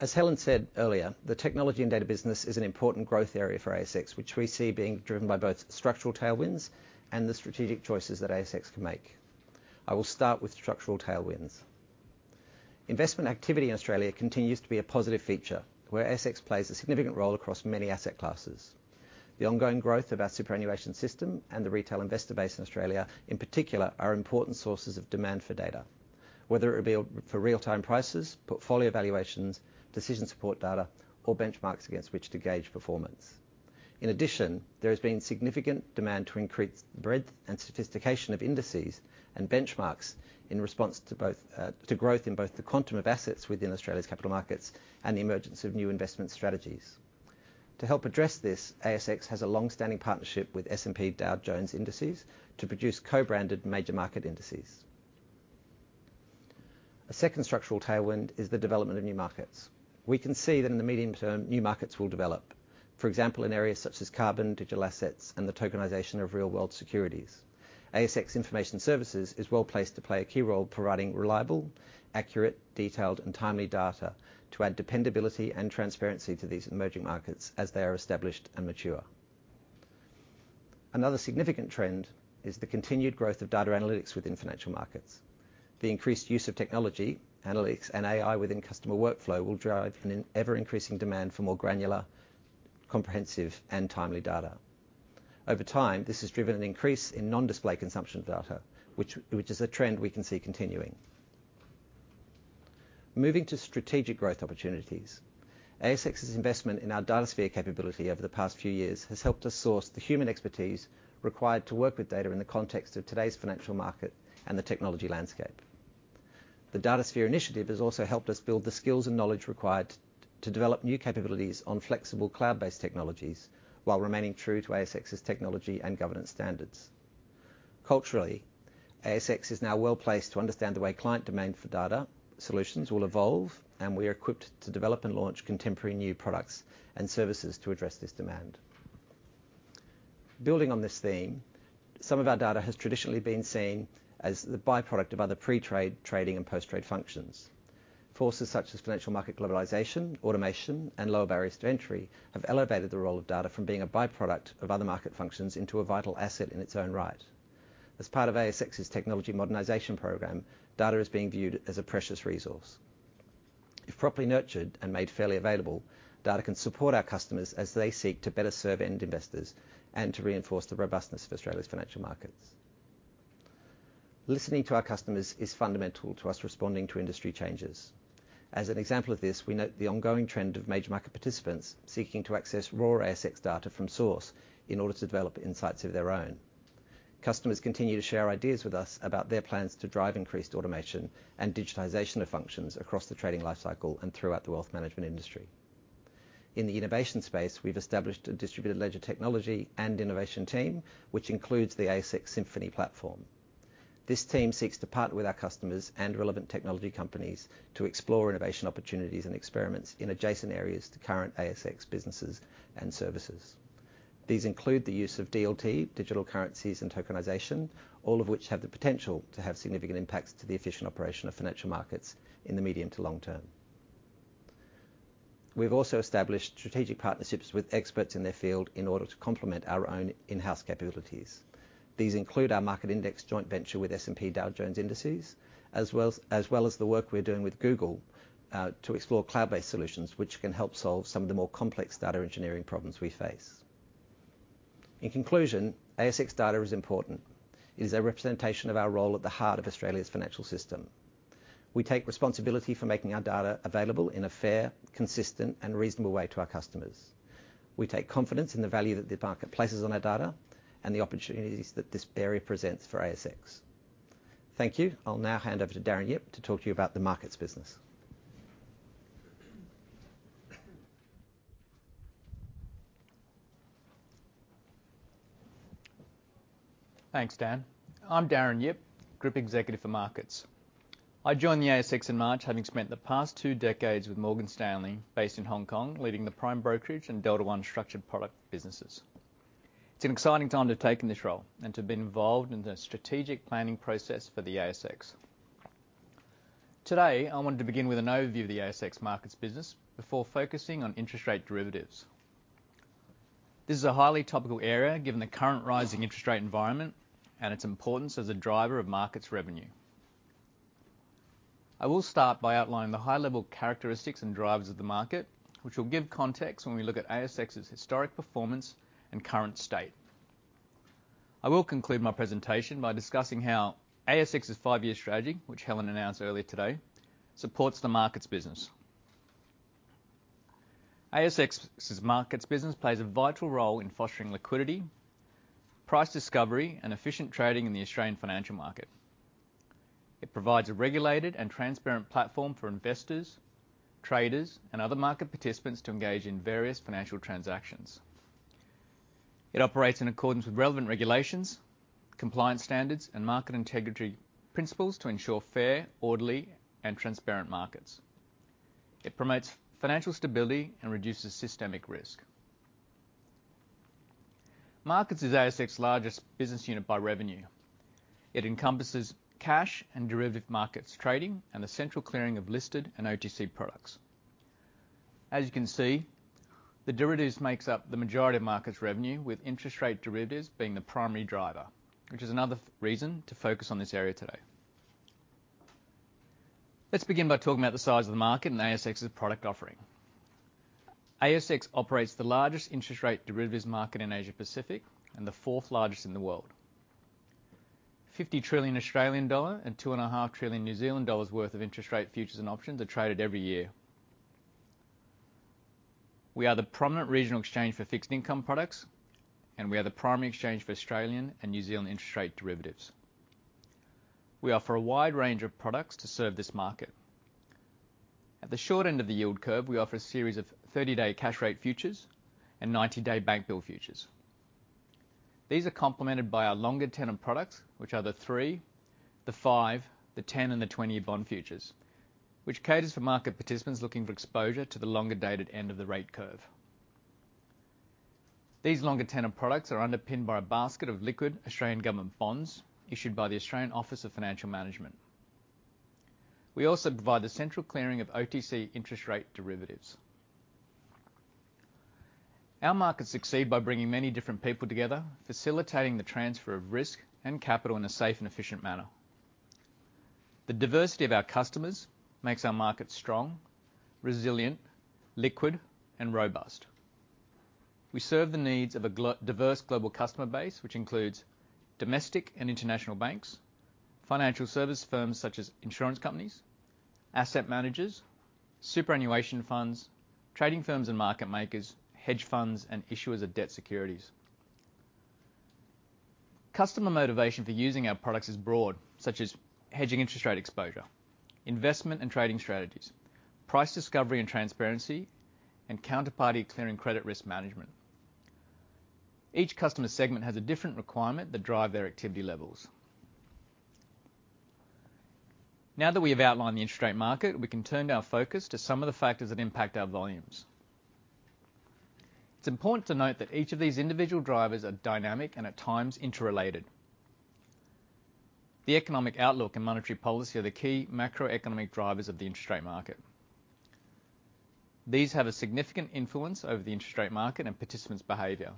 As Helen said earlier, the technology and data business is an important growth area for ASX, which we see being driven by both structural tailwinds and the strategic choices that ASX can make. I will start with structural tailwinds. Investment activity in Australia continues to be a positive feature, where ASX plays a significant role across many asset classes. The ongoing growth of our superannuation system and the retail investor base in Australia, in particular, are important sources of demand for data. whether it be for real-time prices, portfolio valuations, decision support data, or benchmarks against which to gauge performance. In addition, there has been significant demand to increase breadth and sophistication of indices and benchmarks in response to both to growth in both the quantum of assets within Australia's capital markets and the emergence of new investment strategies. To help address this, ASX has a long-standing partnership with S&P Dow Jones Indices to produce co-branded major market indices. A second structural tailwind is the development of new markets. We can see that in the medium term, new markets will develop, for example, in areas such as carbon, digital assets, and the tokenization of real-world securities. ASX Information Services is well-placed to play a key role providing reliable, accurate, detailed, and timely data to add dependability and transparency to these emerging markets as they are established and mature. Another significant trend is the continued growth of data analytics within financial markets. The increased use of technology, analytics, and AI within customer workflow will drive an ever-increasing demand for more granular, comprehensive, and timely data. Over time, this has driven an increase in non-display consumption data, which is a trend we can see continuing. Moving to strategic growth opportunities. ASX's investment in our DataSphere capability over the past few years has helped us source the human expertise required to work with data in the context of today's financial market and the technology landscape. The DataSphere initiative has also helped us build the skills and knowledge required to develop new capabilities on flexible cloud-based technologies, while remaining true to ASX's technology and governance standards. Culturally, ASX is now well-placed to understand the way client demand for data solutions will evolve, and we are equipped to develop and launch contemporary new products and services to address this demand. Building on this theme, some of our data has traditionally been seen as the by-product of other pre-trade, trading, and post-trade functions. Forces such as financial market globalization, automation, and lower barriers to entry, have elevated the role of data from being a by-product of other market functions into a vital asset in its own right. As part of ASX's technology modernization program, data is being viewed as a precious resource. If properly nurtured and made fairly available, data can support our customers as they seek to better serve end investors and to reinforce the robustness of Australia's financial markets. Listening to our customers is fundamental to us responding to industry changes. As an example of this, we note the ongoing trend of major market participants seeking to access raw ASX data from source in order to develop insights of their own. Customers continue to share ideas with us about their plans to drive increased automation and digitization of functions across the trading life cycle and throughout the wealth management industry. In the innovation space, we've established a distributed ledger technology and innovation team, which includes the ASX Synfini platform. This team seeks to partner with our customers and relevant technology companies to explore innovation opportunities and experiments in adjacent areas to current ASX businesses and services. These include the use of DLT, digital currencies, and tokenization, all of which have the potential to have significant impacts to the efficient operation of financial markets in the medium to long term. We've also established strategic partnerships with experts in their field in order to complement our own in-house capabilities. These include our market index joint venture with S&P Dow Jones Indices, as well as the work we're doing with Google to explore cloud-based solutions, which can help solve some of the more complex data engineering problems we face. In conclusion, ASX data is important. It is a representation of our role at the heart of Australia's financial system. We take responsibility for making our data available in a fair, consistent, and reasonable way to our customers. We take confidence in the value that the market places on our data, and the opportunities that this barrier presents for ASX. Thank you. I'll now hand over to Darren Yip to talk to you about the markets business. Thanks, Dan. I'm Darren Yip, Group Executive for Markets. I joined the ASX in March, having spent the past two decades with Morgan Stanley, based in Hong Kong, leading the prime brokerage and Delta One structured product businesses. It's an exciting time to take in this role and to be involved in the strategic planning process for the ASX. Today, I wanted to begin with an overview of the ASX markets business before focusing on interest rate derivatives. This is a highly topical area, given the current rising interest rate environment and its importance as a driver of markets revenue. I will start by outlining the high-level characteristics and drivers of the market, which will give context when we look at ASX's historic performance and current state. I will conclude my presentation by discussing how ASX's five-year strategy, which Helen announced earlier today, supports the markets business. ASX's markets business plays a vital role in fostering liquidity, price discovery, and efficient trading in the Australian financial market. It provides a regulated and transparent platform for investors, traders, and other market participants to engage in various financial transactions. It operates in accordance with relevant regulations, compliance standards, and market integrity principles to ensure fair, orderly, and transparent markets. It promotes financial stability and reduces systemic risk. Markets is ASX's largest business unit by revenue. It encompasses cash and derivative markets trading, and the central clearing of listed and OTC products. As you can see, the derivatives makes up the majority of markets revenue, with interest rate derivatives being the primary driver, which is another reason to focus on this area today. Let's begin by talking about the size of the market and ASX's product offering. ASX operates the largest interest rate derivatives market in Asia Pacific and the fourth largest in the world. 50 trillion Australian dollar and 2.5 trillion New Zealand dollars worth of interest rate futures and options are traded every year. We are the prominent regional exchange for fixed income products, and we are the primary exchange for Australian and New Zealand interest rate derivatives. We offer a wide range of products to serve this market. At the short end of the yield curve, we offer a series of 30-day cash rate futures and 90-day bank bill futures. These are complemented by our longer-tenor products, which are the 3, the 5, the 10, and the 20-year bond futures, which caters for market participants looking for exposure to the longer-dated end of the rate curve. These longer-tenor products are underpinned by a basket of liquid Australian government bonds issued by the Australian Office of Financial Management. We also provide the central clearing of OTC interest rate derivatives. Our markets succeed by bringing many different people together, facilitating the transfer of risk and capital in a safe and efficient manner. The diversity of our customers makes our markets strong, resilient, liquid, and robust. We serve the needs of a diverse global customer base, which includes domestic and international banks, financial service firms, such as insurance companies, asset managers, superannuation funds, trading firms and market makers, hedge funds, and issuers of debt securities. Customer motivation for using our products is broad, such as hedging interest rate exposure, investment and trading strategies, price discovery and transparency, and counterparty clearing credit risk management. Each customer segment has a different requirement that drive their activity levels. Now that we have outlined the interest rate market, we can turn our focus to some of the factors that impact our volumes. It's important to note that each of these individual drivers are dynamic and, at times, interrelated. The economic outlook and monetary policy are the key macroeconomic drivers of the interest rate market. These have a significant influence over the interest rate market and participants' behavior.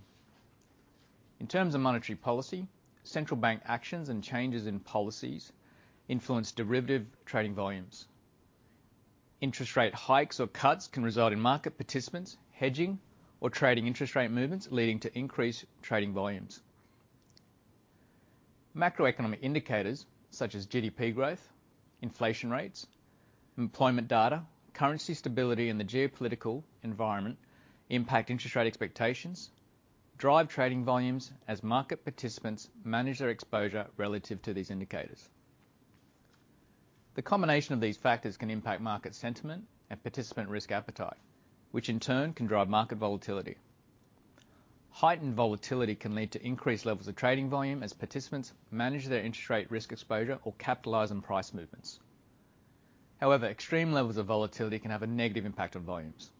In terms of monetary policy, central bank actions and changes in policies influence derivative trading volumes. Interest rate hikes or cuts can result in market participants hedging or trading interest rate movements, leading to increased trading volumes. Macroeconomic indicators, such as GDP growth, inflation rates, employment data, currency stability, and the geopolitical environment, impact interest rate expectations, drive trading volumes as market participants manage their exposure relative to these indicators. The combination of these factors can impact market sentiment and participant risk appetite, which in turn can drive market volatility. Heightened volatility can lead to increased levels of trading volume as participants manage their interest rate risk exposure or capitalize on price movements. However, extreme levels of volatility can have a negative impact on volumes.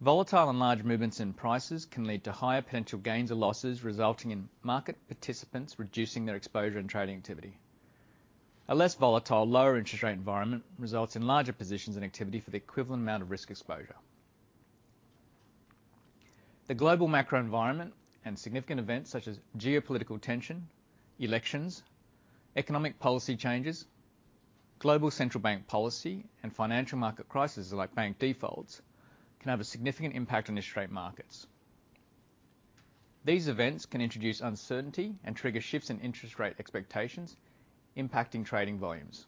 Volatile and large movements in prices can lead to higher potential gains or losses, resulting in market participants reducing their exposure and trading activity. A less volatile, lower interest rate environment results in larger positions and activity for the equivalent amount of risk exposure. The global macro environment and significant events such as geopolitical tension, elections, economic policy changes, global central bank policy, and financial market crises like bank defaults, can have a significant impact on interest rate markets. These events can introduce uncertainty and trigger shifts in interest rate expectations, impacting trading volumes.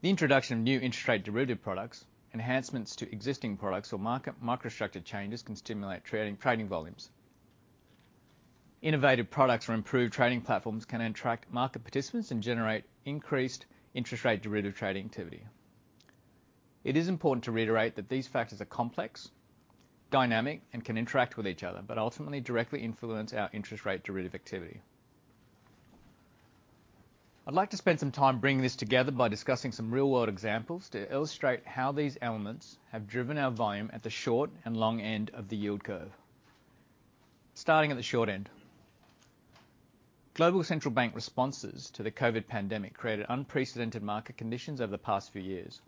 The introduction of new interest rate derivative products, enhancements to existing products or market microstructure changes can stimulate trading volumes. Innovative products or improved trading platforms can attract market participants and generate increased interest rate derivative trading activity. It is important to reiterate that these factors are complex, dynamic, and can interact with each other, but ultimately directly influence our interest rate derivative activity. I'd like to spend some time bringing this together by discussing some real-world examples to illustrate how these elements have driven our volume at the short and long end of the yield curve. Starting at the short end. Global Central bank responses to the COVID pandemic created unprecedented market conditions over the past few years.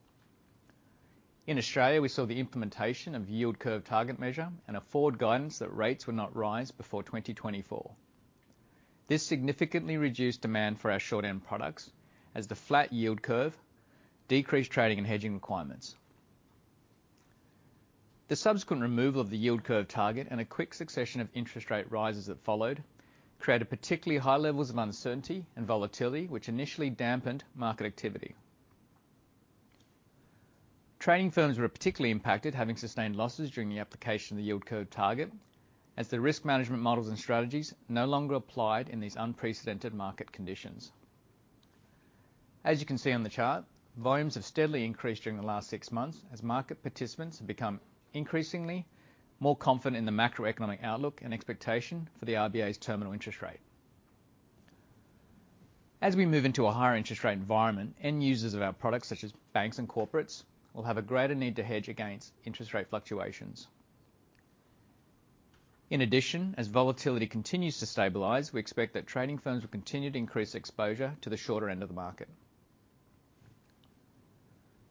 In Australia, we saw the implementation of yield curve target measure and a forward guidance that rates would not rise before 2024. This significantly reduced demand for our short-end products as the flat yield curve decreased trading and hedging requirements. The subsequent removal of the yield curve target and a quick succession of interest rate rises that followed, created particularly high levels of uncertainty and volatility, which initially dampened market activity. Trading firms were particularly impacted, having sustained losses during the application of the yield curve target, as their risk management models and strategies no longer applied in these unprecedented market conditions. As you can see on the chart, volumes have steadily increased during the last 6 months as market participants have become increasingly more confident in the macroeconomic outlook and expectation for the RBA's terminal interest rate. As we move into a higher interest rate environment, end users of our products, such as banks and corporates, will have a greater need to hedge against interest rate fluctuations. In addition, as volatility continues to stabilize, we expect that trading firms will continue to increase exposure to the shorter end of the market.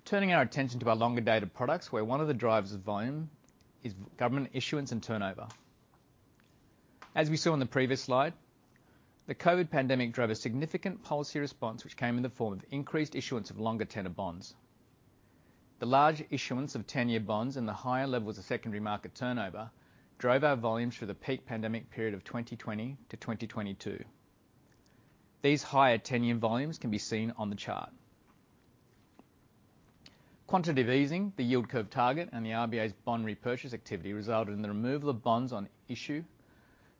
Turning our attention to our longer-dated products, where one of the drivers of volume is government issuance and turnover....As we saw on the previous slide, the COVID pandemic drove a significant policy response, which came in the form of increased issuance of longer tenor bonds. The large issuance of 10-year bonds and the higher levels of secondary market turnover drove our volumes through the peak pandemic period of 2020-2022. These higher 10-year volumes can be seen on the chart. Quantitative easing, the yield curve target, and the RBA's bond repurchase activity resulted in the removal of bonds on issue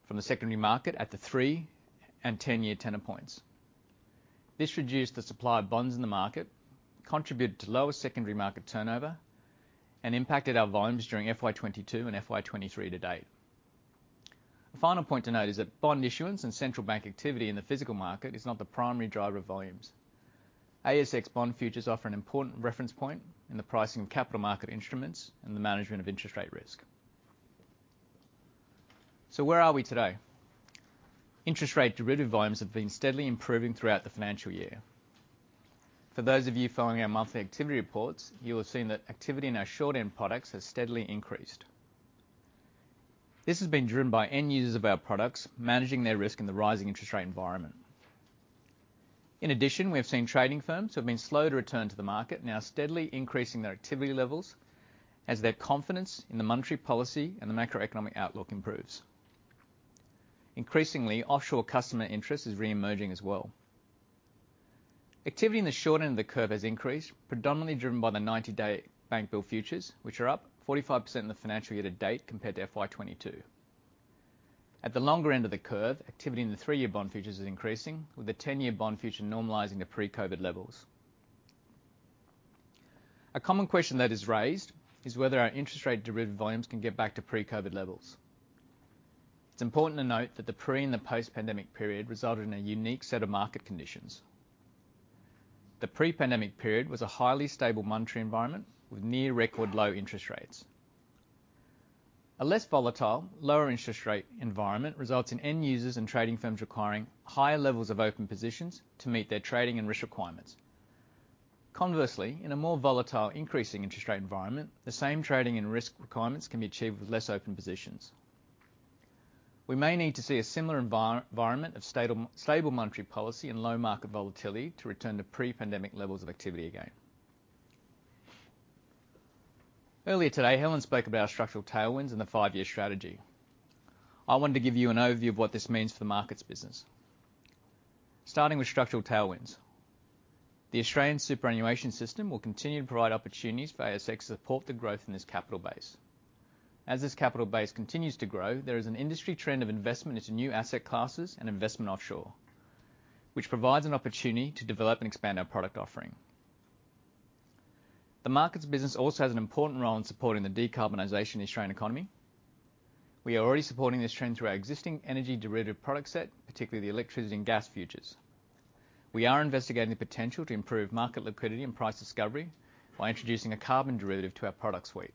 from the secondary market at the 3 and 10-year tenor points. This reduced the supply of bonds in the market, contributed to lower secondary market turnover, and impacted our volumes during FY 2022 and FY 2023 to date. The final point to note is that bond issuance and central bank activity in the physical market is not the primary driver of volumes. ASX Bond Futures offer an important reference point in the pricing of capital market instruments and the management of interest rate risk. Where are we today? Interest rate derivative volumes have been steadily improving throughout the financial year. For those of you following our monthly activity reports, you will have seen that activity in our short-end products has steadily increased. This has been driven by end users of our products managing their risk in the rising interest rate environment. In addition, we have seen trading firms who have been slow to return to the market, now steadily increasing their activity levels as their confidence in the monetary policy and the macroeconomic outlook improves. Increasingly, offshore customer interest is reemerging as well. Activity in the short end of the curve has increased, predominantly driven by the 90-day Bank Bill Futures, which are up 45% in the financial year to date, compared to FY22. At the longer end of the curve, activity in the 3-year Bond Futures is increasing, with the 10-year Bond Future normalizing to pre-COVID levels. A common question that is raised is whether our interest rate derivative volumes can get back to pre-COVID levels. It's important to note that the pre- and the post-pandemic period resulted in a unique set of market conditions. The pre-pandemic period was a highly stable monetary environment with near record low interest rates. A less volatile, lower interest rate environment results in end users and trading firms requiring higher levels of open positions to meet their trading and risk requirements. Conversely, in a more volatile, increasing interest rate environment, the same trading and risk requirements can be achieved with less open positions. We may need to see a similar environment of stable monetary policy and low market volatility to return to pre-pandemic levels of activity again. Earlier today, Helen spoke about our structural tailwinds and the five-year strategy. I wanted to give you an overview of what this means for the Markets business. Starting with structural tailwinds. The Australian superannuation system will continue to provide opportunities for ASX to support the growth in its capital base. As this capital base continues to grow, there is an industry trend of investment into new asset classes and investment offshore, which provides an opportunity to develop and expand our product offering. The markets business also has an important role in supporting the decarbonization of the Australian economy. We are already supporting this trend through our existing energy derivative product set, particularly the electricity and gas futures. We are investigating the potential to improve market liquidity and price discovery by introducing a carbon derivative to our product suite.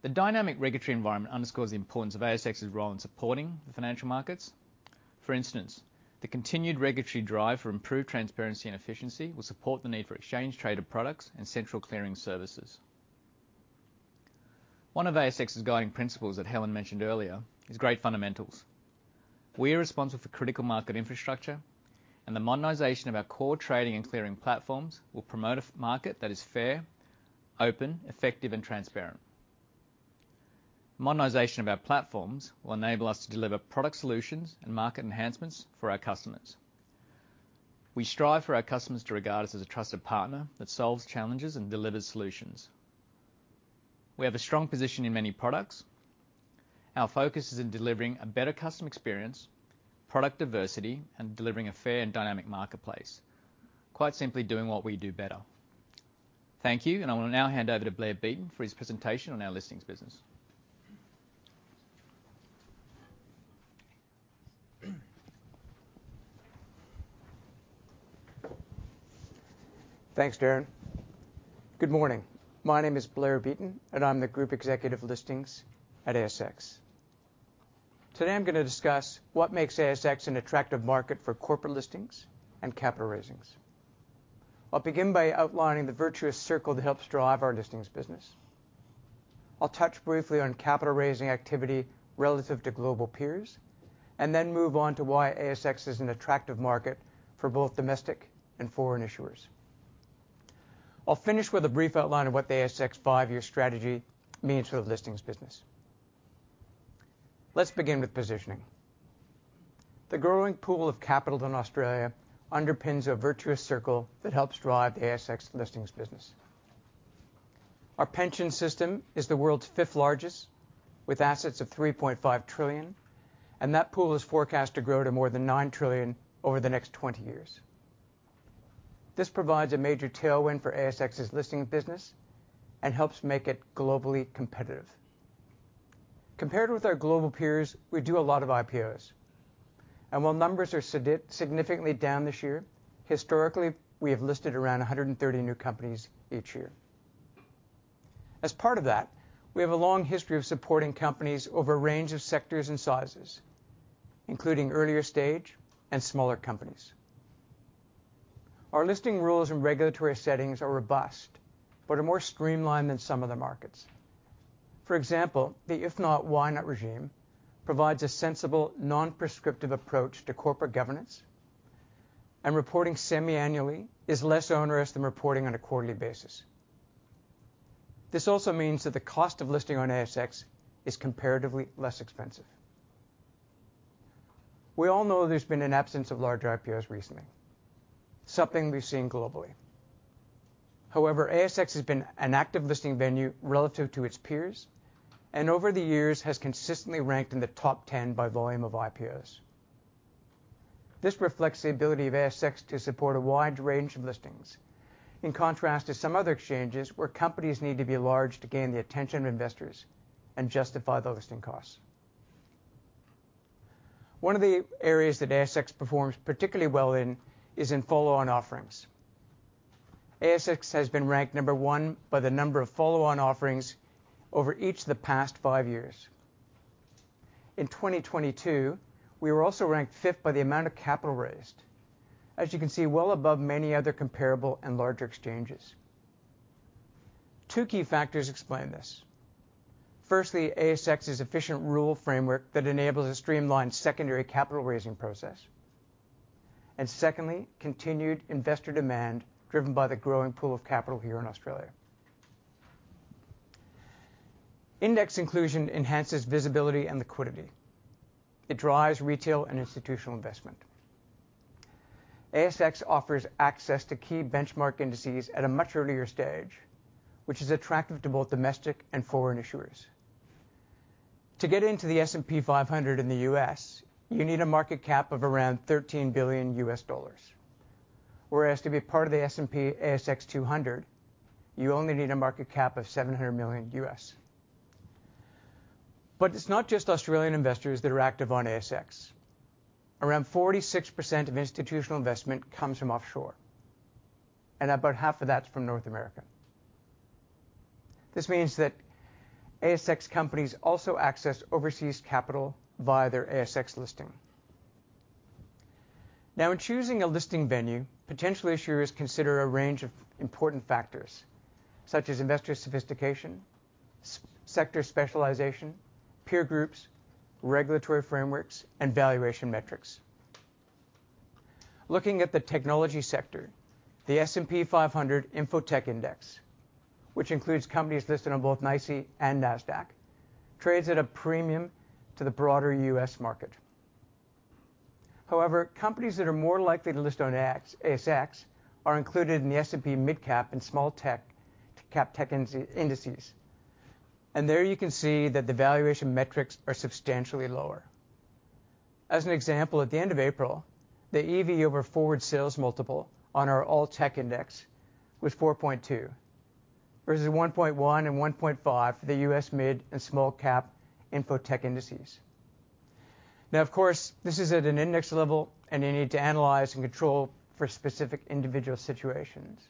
The dynamic regulatory environment underscores the importance of ASX's role in supporting the financial markets. For instance, the continued regulatory drive for improved transparency and efficiency will support the need for exchange-traded products and central clearing services. One of ASX's guiding principles that Helen mentioned earlier is great fundamentals. We are responsible for critical market infrastructure. The modernization of our core trading and clearing platforms will promote a market that is fair, open, effective, and transparent. Modernization of our platforms will enable us to deliver product solutions and market enhancements for our customers. We strive for our customers to regard us as a trusted partner that solves challenges and delivers solutions. We have a strong position in many products. Our focus is in delivering a better customer experience, product diversity, and delivering a fair and dynamic marketplace. Quite simply, doing what we do better. Thank you. I will now hand over to Blair Beaton for his presentation on our listings business. Thanks, Darren. Good morning. My name is Blair Beaton, I'm the Group Executive of Listings at ASX. Today, I'm going to discuss what makes ASX an attractive market for corporate listings and capital raisings. I'll begin by outlining the virtuous circle that helps drive our listings business. I'll touch briefly on capital-raising activity relative to global peers, then move on to why ASX is an attractive market for both domestic and foreign issuers. I'll finish with a brief outline of what the ASX 5-year strategy means for the listings business. Let's begin with positioning. The growing pool of capital in Australia underpins a virtuous circle that helps drive the ASX listings business. Our pension system is the world's fifth-largest, with assets of 3.5 trillion, that pool is forecast to grow to more than 9 trillion over the next 20 years. This provides a major tailwind for ASX's listing business and helps make it globally competitive. Compared with our global peers, we do a lot of IPOs, and while numbers are significantly down this year, historically, we have listed around 130 new companies each year. As part of that, we have a long history of supporting companies over a range of sectors and sizes, including earlier stage and smaller companies. Our listing rules and regulatory settings are robust, but are more streamlined than some other markets. For example, the if not, why not regime provides a sensible, non-prescriptive approach to corporate governance, and reporting semi-annually is less onerous than reporting on a quarterly basis. This also means that the cost of listing on ASX is comparatively less expensive. We all know there's been an absence of larger IPOs recently, something we've seen globally. ASX has been an active listing venue relative to its peers, and over the years has consistently ranked in the top 10 by volume of IPOs. This reflects the ability of ASX to support a wide range of listings, in contrast to some other exchanges where companies need to be large to gain the attention of investors and justify the listing costs. One of the areas that ASX performs particularly well in is in follow-on offerings. ASX has been ranked number one by the number of follow-on offerings over each of the past five years. In 2022, we were also ranked fifth by the amount of capital raised. As you can see, well above many other comparable and larger exchanges. Two key factors explain this. Firstly, ASX's efficient rule framework that enables a streamlined secondary capital raising process, secondly, continued investor demand driven by the growing pool of capital here in Australia. Index inclusion enhances visibility and liquidity. It drives retail and institutional investment. ASX offers access to key benchmark indices at a much earlier stage, which is attractive to both domestic and foreign issuers. To get into the S&P 500 in the U.S., you need a market cap of around $13 billion. Whereas to be part of the S&P/ASX 200, you only need a market cap of $700 million. It's not just Australian investors that are active on ASX. Around 46% of institutional investment comes from offshore, and about half of that's from North America. This means that ASX companies also access overseas capital via their ASX listing. In choosing a listing venue, potential issuers consider a range of important factors, such as investor sophistication, sector specialization, peer groups, regulatory frameworks, and valuation metrics. Looking at the technology sector, the S&P 500 Information Technology Index, which includes companies listed on both NYSE and Nasdaq, trades at a premium to the broader US market. Companies that are more likely to list on ASX are included in the S&P MidCap and small cap tech indices. There you can see that the valuation metrics are substantially lower. As an example, at the end of April, the EV/forward sales multiple on our All Technology Index was 4.2, versus 1.1 and 1.5 for the US mid and small cap infotech indices. Of course, this is at an index level, and you need to analyze and control for specific individual situations.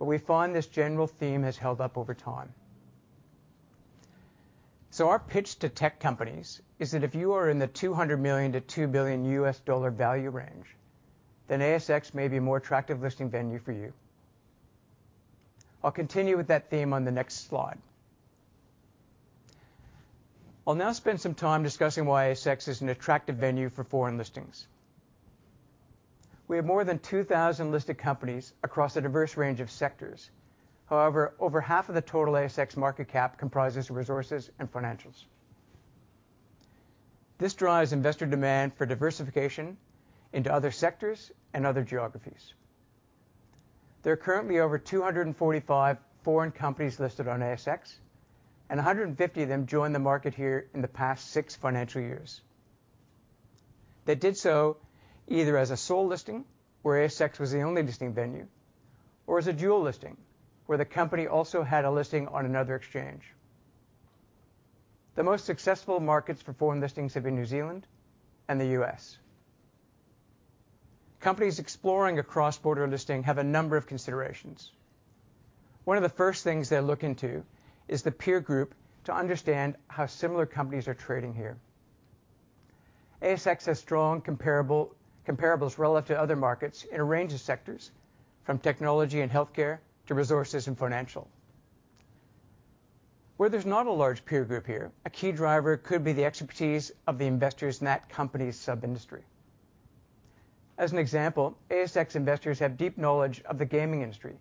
We find this general theme has held up over time. Our pitch to tech companies is that if you are in the $200 million-$2 billion value range, then ASX may be a more attractive listing venue for you. I'll continue with that theme on the next slide. I'll now spend some time discussing why ASX is an attractive venue for foreign listings. We have more than 2,000 listed companies across a diverse range of sectors. Over half of the total ASX market cap comprises resources and financials. This drives investor demand for diversification into other sectors and other geographies. There are currently over 245 foreign companies listed on ASX, and 150 of them joined the market here in the past 6 financial years. They did so either as a sole listing, where ASX was the only listing venue, or as a dual listing, where the company also had a listing on another exchange. The most successful markets for foreign listings have been New Zealand and the US. Companies exploring a cross-border listing have a number of considerations. One of the first things they look into is the peer group to understand how similar companies are trading here. ASX has strong comparables relative to other markets in a range of sectors, from technology and healthcare to resources and financial. Where there's not a large peer group here, a key driver could be the expertise of the investors in that company's sub-industry. As an example, ASX investors have deep knowledge of the gaming industry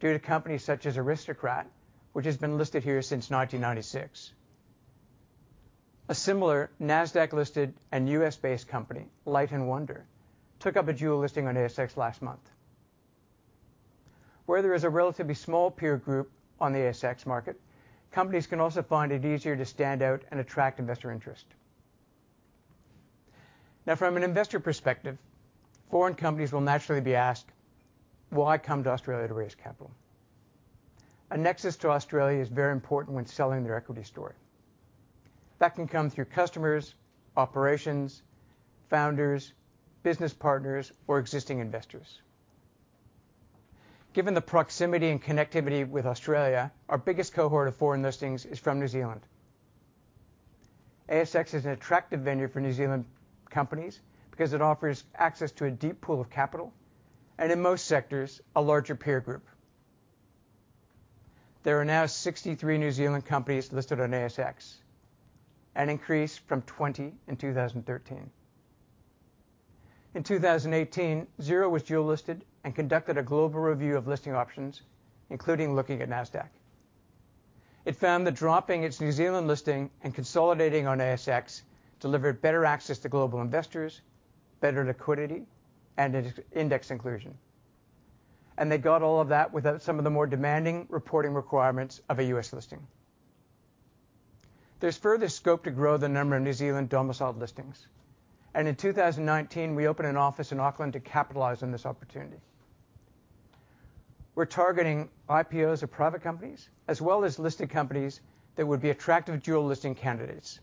due to companies such as Aristocrat, which has been listed here since 1996. A similar Nasdaq-listed and U.S.-based company, Light & Wonder, took up a dual listing on ASX last month. Where there is a relatively small peer group on the ASX market, companies can also find it easier to stand out and attract investor interest. Now, from an investor perspective, foreign companies will naturally be asked, "Why come to Australia to raise capital?" A nexus to Australia is very important when selling their equity story. That can come through customers, operations, founders, business partners, or existing investors. Given the proximity and connectivity with Australia, our biggest cohort of foreign listings is from New Zealand. ASX is an attractive venue for New Zealand companies because it offers access to a deep pool of capital, and in most sectors, a larger peer group. There are now 63 New Zealand companies listed on ASX, an increase from 20 in 2013. In 2018, Xero was dual-listed and conducted a global review of listing options, including looking at Nasdaq. It found that dropping its New Zealand listing and consolidating on ASX delivered better access to global investors, better liquidity, and an index inclusion. They got all of that without some of the more demanding reporting requirements of a US listing. There's further scope to grow the number of New Zealand-domiciled listings, and in 2019, we opened an office in Auckland to capitalize on this opportunity. We're targeting IPOs of private companies, as well as listed companies that would be attractive dual listing candidates,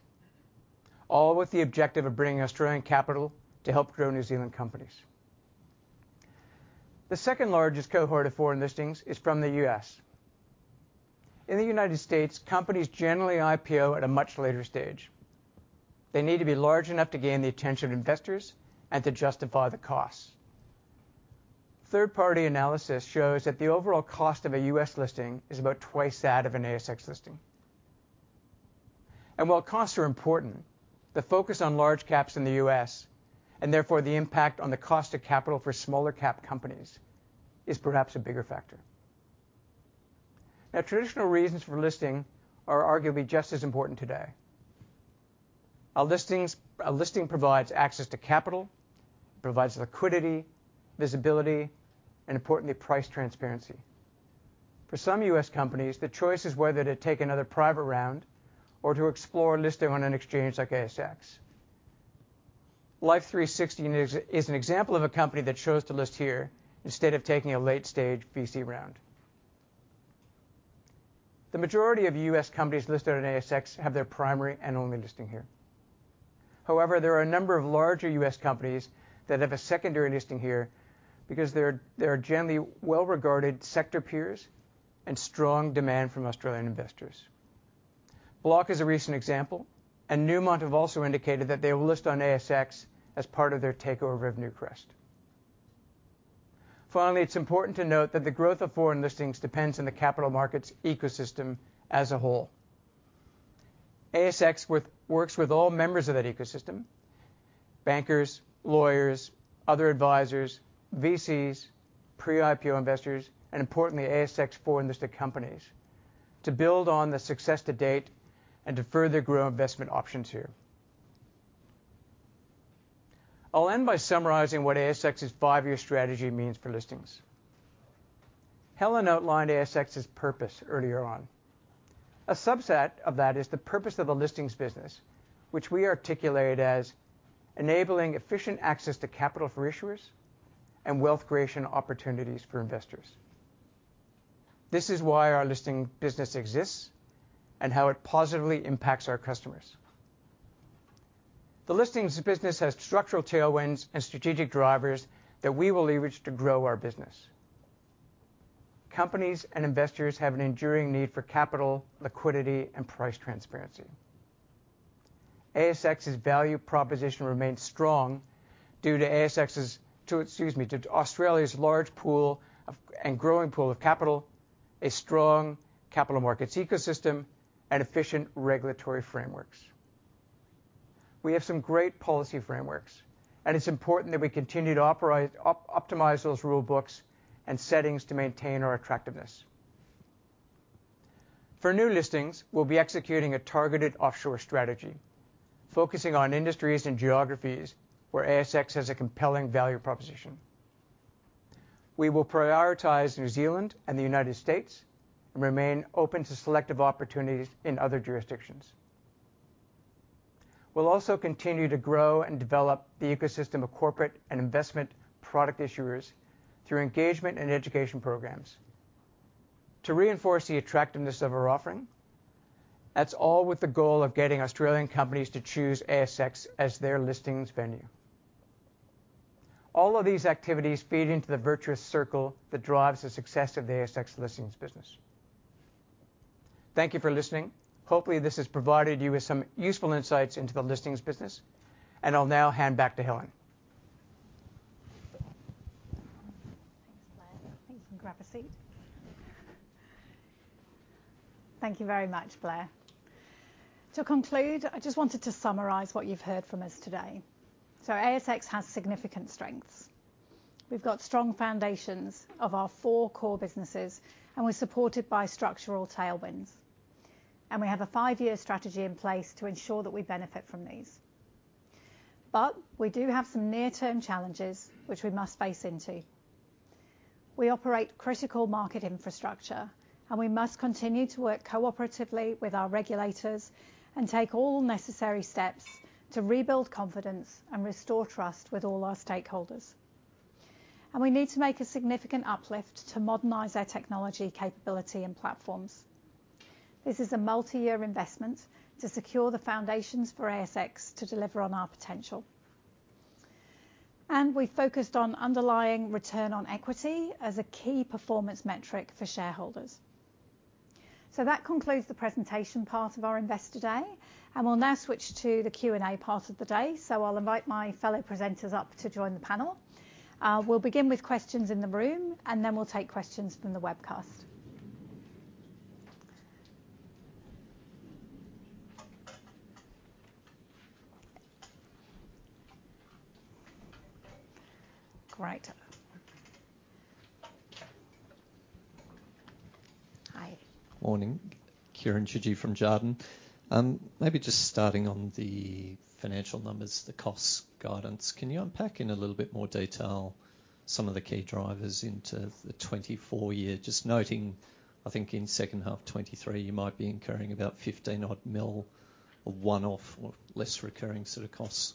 all with the objective of bringing Australian capital to help grow New Zealand companies. The second-largest cohort of foreign listings is from the U.S. In the United States, companies generally IPO at a much later stage. They need to be large enough to gain the attention of investors and to justify the costs. Third-party analysis shows that the overall cost of a U.S. listing is about twice that of an ASX listing. While costs are important, the focus on large caps in the U.S., and therefore the impact on the cost of capital for smaller cap companies, is perhaps a bigger factor. A listing provides access to capital, provides liquidity, visibility, and importantly, price transparency. For some US companies, the choice is whether to take another private round or to explore listing on an exchange like ASX. Life360 is an example of a company that chose to list here instead of taking a late-stage VC round. The majority of US companies listed on ASX have their primary and only listing here. However, there are a number of larger US companies that have a secondary listing here because they're generally well-regarded sector peers and strong demand from Australian investors. Block is a recent example, and Newmont have also indicated that they will list on ASX as part of their takeover of Newcrest. It's important to note that the growth of foreign listings depends on the capital markets ecosystem as a whole. ASX works with all members of that ecosystem, bankers, lawyers, other advisors, VCs, pre-IPO investors, and importantly, ASX foreign-listed companies, to build on the success to date and to further grow investment options here. I'll end by summarizing what ASX's five-year strategy means for listings. Helen outlined ASX's purpose earlier on. A subset of that is the purpose of a listings business, which we articulate as enabling efficient access to capital for issuers and wealth creation opportunities for investors. This is why our listing business exists and how it positively impacts our customers. The listings business has structural tailwinds and strategic drivers that we will leverage to grow our business. Companies and investors have an enduring need for capital, liquidity, and price transparency. ASX's value proposition remains strong due to ASX's... to, excuse me, to Australia's large pool of, and growing pool of capital, a strong capital markets ecosystem, and efficient regulatory frameworks. We have some great policy frameworks, and it's important that we continue to optimize those rule books and settings to maintain our attractiveness. For new listings, we'll be executing a targeted offshore strategy, focusing on industries and geographies where ASX has a compelling value proposition. We will prioritize New Zealand and the United States and remain open to selective opportunities in other jurisdictions. We'll also continue to grow and develop the ecosystem of corporate and investment product issuers through engagement and education programs. To reinforce the attractiveness of our offering, that's all with the goal of getting Australian companies to choose ASX as their listings venue. All of these activities feed into the virtuous circle that drives the success of the ASX listings business. Thank you for listening. Hopefully, this has provided you with some useful insights into the listings business. I'll now hand back to Helen. Thanks, Blair. You can grab a seat. Thank you very much, Blair. To conclude, I just wanted to summarize what you've heard from us today. ASX has significant strengths. We've got strong foundations of our four core businesses, and we're supported by structural tailwinds. We have a five-year strategy in place to ensure that we benefit from these. We do have some near-term challenges, which we must face into. We operate critical market infrastructure, and we must continue to work cooperatively with our regulators and take all necessary steps to rebuild confidence and restore trust with all our stakeholders. We need to make a significant uplift to modernize our technology, capability, and platforms. This is a multi-year investment to secure the foundations for ASX to deliver on our potential. We focused on underlying return on equity as a key performance metric for shareholders. That concludes the presentation part of our Investor Day, and we'll now switch to the Q&A part of the day. I'll invite my fellow presenters up to join the panel. We'll begin with questions in the room, and then we'll take questions from the webcast. Great. Hi. Morning. Kieran Chidgey from Jarden. Maybe just starting on the financial numbers, the costs guidance. Can you unpack in a little bit more detail, some of the key drivers into the 2024 year? Just noting, I think, in second half 2023, you might be incurring about 15 odd mil of one-off or less recurring sort of costs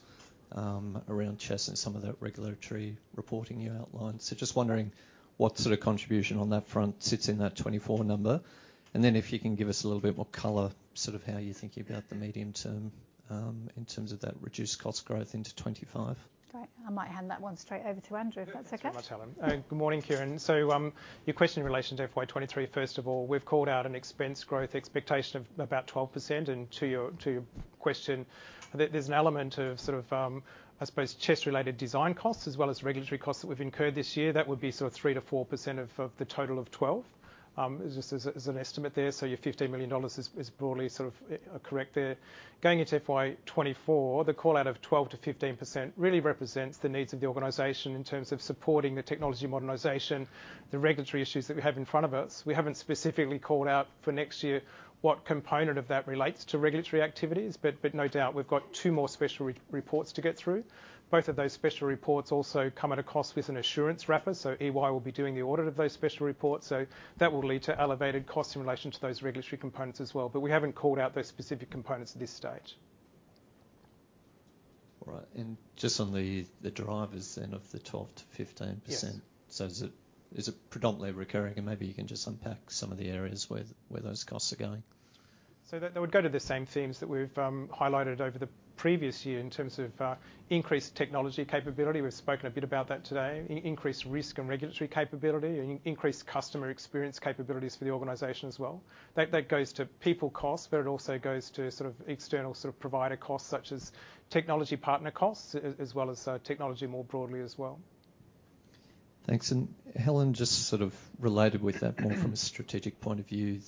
around CHESS and some of that regulatory reporting you outlined. Just wondering what sort of contribution on that front sits in that 2024 number. If you can give us a little bit more color, sort of how you're thinking about the medium term, in terms of that reduced cost growth into 2025. Great. I might hand that one straight over to Andrew, if that's okay. Thanks so much, Helen. Good morning, Kieran. Your question in relation to FY23, first of all, we've called out an expense growth expectation of about 12%. To your question, there's an element of sort of, I suppose, CHESS-related design costs as well as regulatory costs that we've incurred this year. That would be sort of 3%-4% of the total of 12. Just as an estimate there, so your 15 million dollars is broadly sort of correct there. Going into FY24, the call out of 12%-15% really represents the needs of the organization in terms of supporting the technology modernization, the regulatory issues that we have in front of us. We haven't specifically called out for next year what component of that relates to regulatory activities, but no doubt, we've got two more special reports to get through. Both of those special reports also come at a cost with an assurance wrapper, EY will be doing the audit of those special reports, that will lead to elevated costs in relation to those regulatory components as well. We haven't called out those specific components at this stage. All right. Just on the drivers then of the 12%-15%? Yes. Is it predominantly recurring? Maybe you can just unpack some of the areas where those costs are going. That would go to the same themes that we've highlighted over the previous year in terms of increased technology capability. We've spoken a bit about that today. Increased risk and regulatory capability and increased customer experience capabilities for the organization as well. That goes to people costs, but it also goes to sort of external sort of provider costs, such as technology partner costs, as well as technology more broadly as well. Thanks. Helen, just sort of related with that more from a strategic point of view.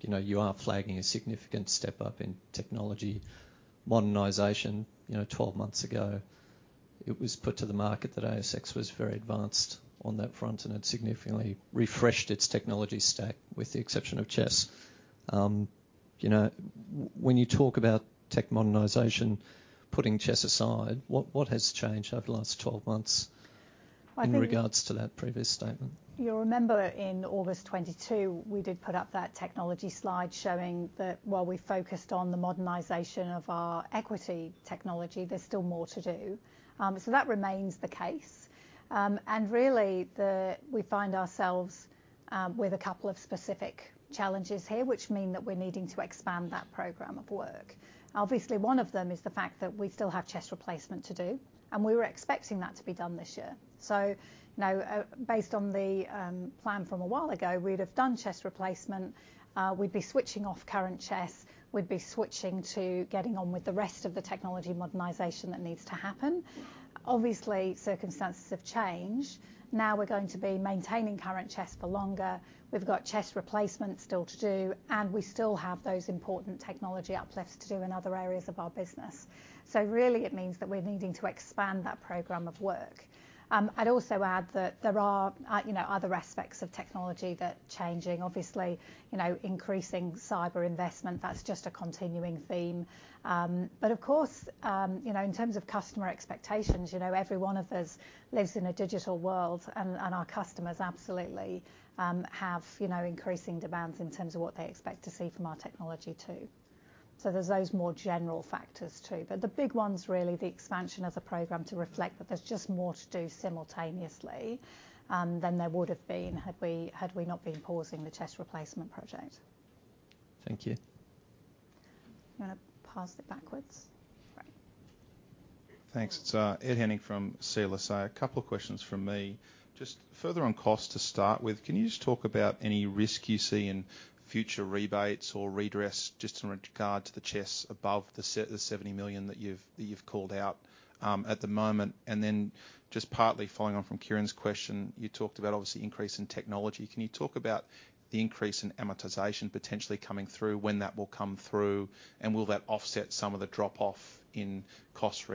You know, you are flagging a significant step up in technology modernization. You know, 12 months ago, it was put to the market that ASX was very advanced on that front, and it significantly refreshed its technology stack, with the exception of CHESS. You know, when you talk about tech modernization, putting CHESS aside, what has changed over the last 12 months? I think- in regards to that previous statement? You'll remember in August 2022, we did put up that technology slide showing that while we focused on the modernization of our equity technology, there's still more to do. That remains the case. Really, we find ourselves with a couple of specific challenges here, which mean that we're needing to expand that program of work. Obviously, one of them is the fact that we still have CHESS Replacement to do, and we were expecting that to be done this year. Now, based on the plan from a while ago, we'd have done CHESS Replacement, we'd be switching off current CHESS, we'd be switching to getting on with the rest of the technology modernization that needs to happen. Obviously, circumstances have changed. Now, we're going to be maintaining current CHESS for longer. We've got CHESS Replacement still to do, and we still have those important technology uplifts to do in other areas of our business. Really, it means that we're needing to expand that program of work. I'd also add that there are, you know, other aspects of technology that are changing. Obviously, you know, increasing cyber investment, that's just a continuing theme. Of course, you know, in terms of customer expectations, you know, every one of us lives in a digital world, and our customers absolutely have, you know, increasing demands in terms of what they expect to see from our technology, too. There's those more general factors, too. The big one's really the expansion of the program to reflect that there's just more to do simultaneously than there would have been, had we not been pausing the CHESS Replacement project. Thank you. You want to pass it backwards? Right. Thanks. It's Ed Henning from CLSA. A couple of questions from me. Just further on cost to start with, can you just talk about any risk you see in future rebates or redress, just in regard to the CHESS above the $70 million that you've called out at the moment? Then, just partly following on from Kieran's question, you talked about, obviously, increase in technology. Can you talk about the increase in amortization potentially coming through, when that will come through, and will that offset some of the drop-off in cost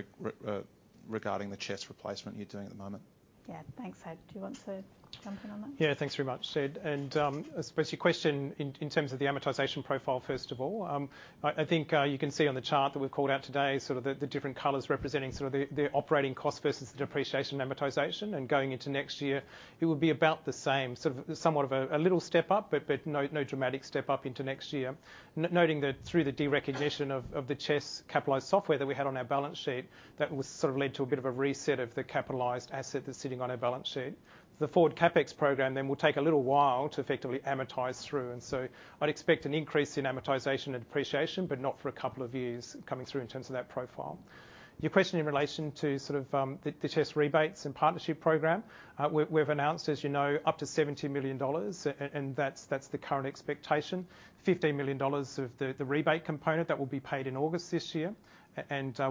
regarding the CHESS Replacement you're doing at the moment? Yeah, thanks, Ed. Do you want to jump in on that? Yeah, thanks very much, Ed. I suppose your question in terms of the amortization profile, first of all, I think you can see on the chart that we've called out today, sort of the different colors representing sort of the operating cost versus the depreciation amortization. Going into next year, it will be about the same, sort of a little step up, but no dramatic step up into next year. Noting that through the derecognition of the CHESS capitalized software that we had on our balance sheet, that was sort of led to a bit of a reset of the capitalized asset that's sitting on our balance sheet. The forward CapEx program then will take a little while to effectively amortize through, and so I'd expect an increase in amortization and depreciation, but not for a couple of years coming through in terms of that profile. Your question in relation to sort of the CHESS rebates and partnership program, we've announced, as you know, up to 70 million dollars, and that's the current expectation. 15 million dollars of the rebate component that will be paid in August this year,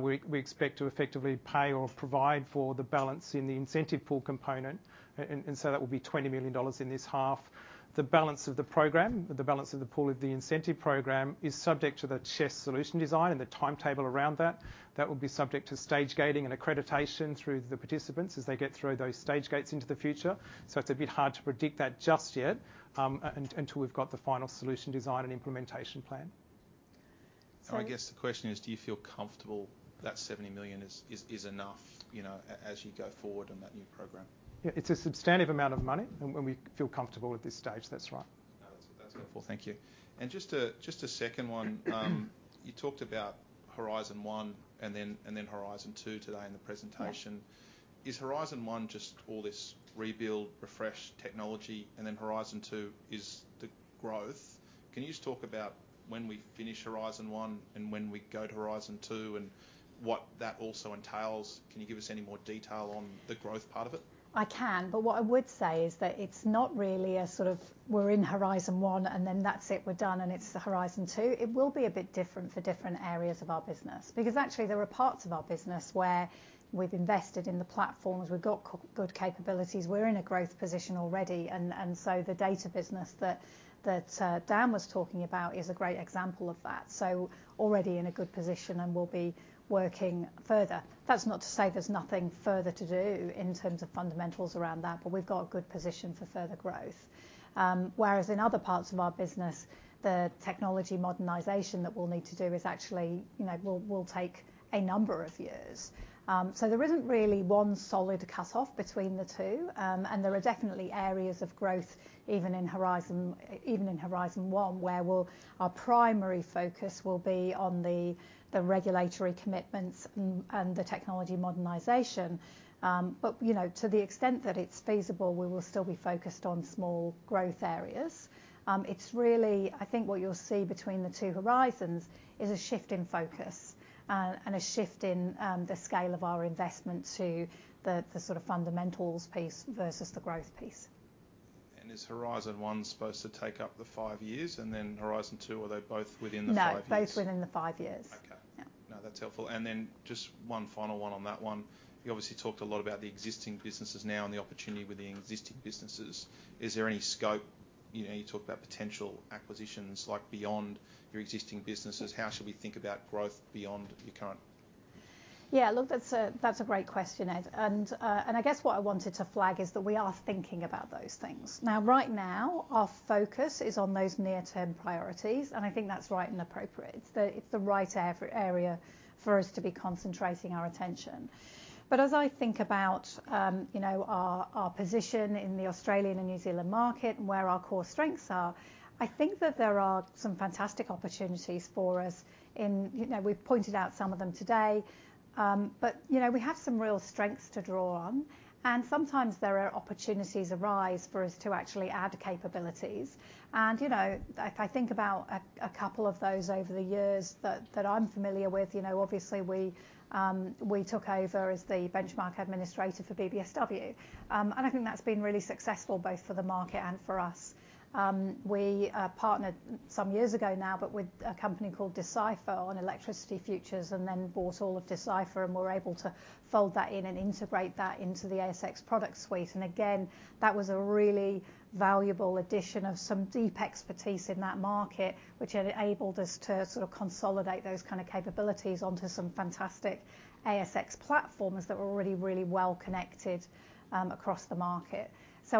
we expect to effectively pay or provide for the balance in the incentive pool component. That will be 20 million dollars in this half. The balance of the program, the balance of the pool of the incentive program, is subject to the CHESS solution design and the timetable around that. That will be subject to stage gating and accreditation through the participants as they get through those stage gates into the future. It's a bit hard to predict that just yet, until we've got the final solution design and implementation plan. So- I guess the question is, do you feel comfortable that 70 million is enough, you know, as you go forward on that new program? Yeah, it's a substantive amount of money, and we feel comfortable at this stage. That's right. That's helpful. Thank you. Just a second one. You talked about Horizon One and then Horizon Two today in the presentation. Yeah. Is Horizon One just all this rebuild, refresh technology, and then Horizon Two is the growth? Can you just talk about when we finish Horizon One and when we go to Horizon Two and what that also entails? Can you give us any more detail on the growth part of it? I can, but what I would say is that it's not really a sort of we're in Horizon One, and then that's it, we're done, and it's the Horizon Two. It will be a bit different for different areas of our business. Actually, there are parts of our business where we've invested in the platforms, we've got good capabilities, we're in a growth position already, and so the data business that Dan was talking about is a great example of that, so already in a good position, and we'll be working further. That's not to say there's nothing further to do in terms of fundamentals around that, but we've got a good position for further growth. Whereas in other parts of our business, the technology modernization that we'll need to do is actually, you know, will take a number of years. There isn't really one solid cut-off between the two. There are definitely areas of growth, even in Horizon, even in Horizon One, where our primary focus will be on the regulatory commitments and the technology modernization. You know, to the extent that it's feasible, we will still be focused on small growth areas. It's really I think what you'll see between the two horizons is a shift in focus and a shift in the scale of our investment to the sort of fundamentals piece versus the growth piece. Is Horizon One supposed to take up the 5 years and then Horizon Two, or are they both within the 5 years? No, both within the 5 years. Okay. Yeah. No, that's helpful. Just one final one on that one. You obviously talked a lot about the existing businesses now and the opportunity with the existing businesses. Is there any scope, you know, you talked about potential acquisitions, like, beyond your existing businesses, how should we think about growth beyond your current? Yeah, look, that's a, that's a great question, Ed. I guess what I wanted to flag is that we are thinking about those things. Now, right now, our focus is on those near-term priorities, and I think that's right and appropriate. It's the, it's the right area for us to be concentrating our attention. As I think about, you know, our position in the Australian and New Zealand market and where our core strengths are, I think that there are some fantastic opportunities for us in... You know, we've pointed out some of them today. But, you know, we have some real strengths to draw on, and sometimes there are opportunities arise for us to actually add capabilities. You know, if I think about a couple of those over the years that I'm familiar with, you know, obviously we took over as the benchmark administrator for BBSW. I think that's been really successful, both for the market and for us. We partnered some years ago now, but with a company called Decipher on Electricity Futures, and then bought all of Decipher, and we were able to fold that in and integrate that into the ASX product suite. Again, that was a really valuable addition of some deep expertise in that market, which enabled us to sort of consolidate those kind of capabilities onto some fantastic ASX platforms that were already really well connected across the market.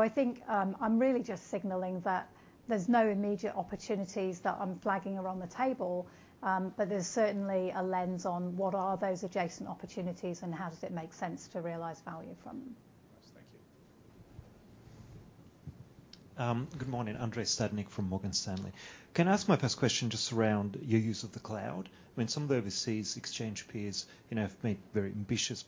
I think, I'm really just signaling that there's no immediate opportunities that I'm flagging around the table, but there's certainly a lens on what are those adjacent opportunities and how does it make sense to realize value from them. Thanks. Thank you. Good morning, Andrei Stadnik from Morgan Stanley. Can I ask my first question just around your use of the cloud? When some of the overseas exchange peers, you know, have made very ambitious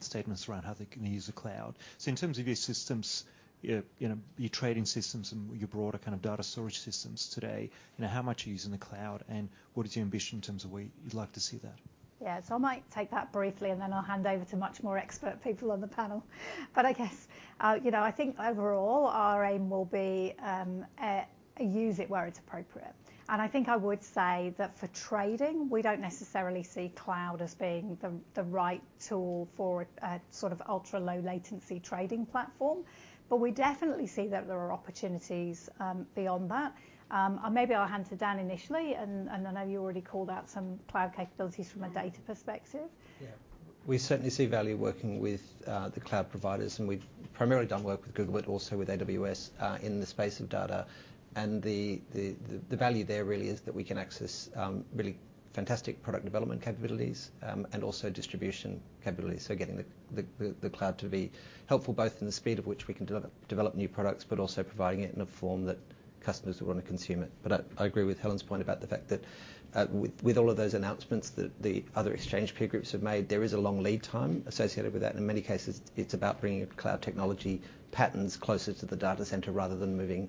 statements around how they're going to use the cloud. In terms of your systems, you know, your trading systems and your broader kind of data storage systems today, you know, how much are you using the cloud, and what is your ambition in terms of where you'd like to see that? I might take that briefly, and then I'll hand over to much more expert people on the panel. I guess, you know, I think overall, our aim will be, use it where it's appropriate. I think I would say that for trading, we don't necessarily see cloud as being the right tool for a sort of ultra-low latency trading platform. We definitely see that there are opportunities, beyond that. Maybe I'll hand to Dan initially, and I know you already called out some cloud capabilities from a data perspective. Yeah. We certainly see value working with the cloud providers, and we've primarily done work with Google, but also with AWS in the space of data. The value there really is that we can access really fantastic product development capabilities and also distribution capabilities. Getting the cloud to be helpful, both in the speed of which we can develop new products, but also providing it in a form that customers will want to consume it. I agree with Helen's point about the fact that with all of those announcements that the other exchange peer groups have made, there is a long lead time associated with that. In many cases, it's about bringing cloud technology patterns closer to the data center rather than moving,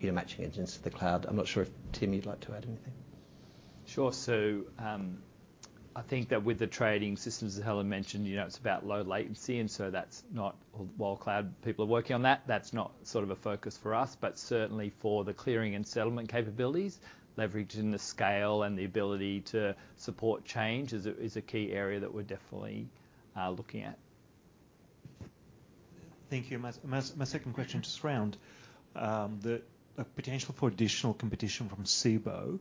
you know, matching engines to the cloud. I'm not sure if, Tim, you'd like to add anything? Sure. I think that with the trading systems, as Helen mentioned, you know, it's about low latency, and so that's not, while cloud people are working on that's not sort of a focus for us. Certainly, for the clearing and settlement capabilities, leveraging the scale and the ability to support change is a, is a key area that we're definitely looking at. Thank you. My, my second question just around the potential for additional competition from Cboe.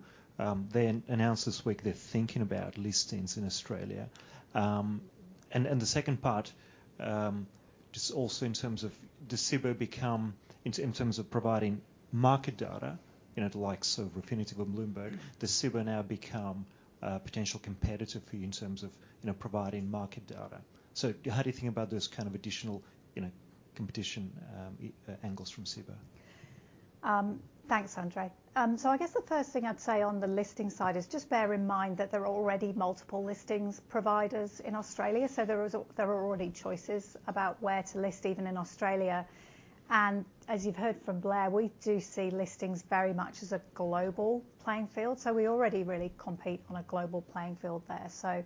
They announced this week they're thinking about listings in Australia. The second part, just also in terms of, does Cboe become, in terms of providing market data, you know, the likes of Refinitiv or Bloomberg, does Cboe now become a potential competitor for you in terms of, you know, providing market data? How do you think about those kind of additional, you know, competition angles from Cboe? Thanks, Andrei. I guess the first thing I'd say on the listing side is just bear in mind that there are already multiple listings providers in Australia. There are already choices about where to list, even in Australia. As you've heard from Blair, we do see listings very much as a global playing field, so we already really compete on a global playing field there.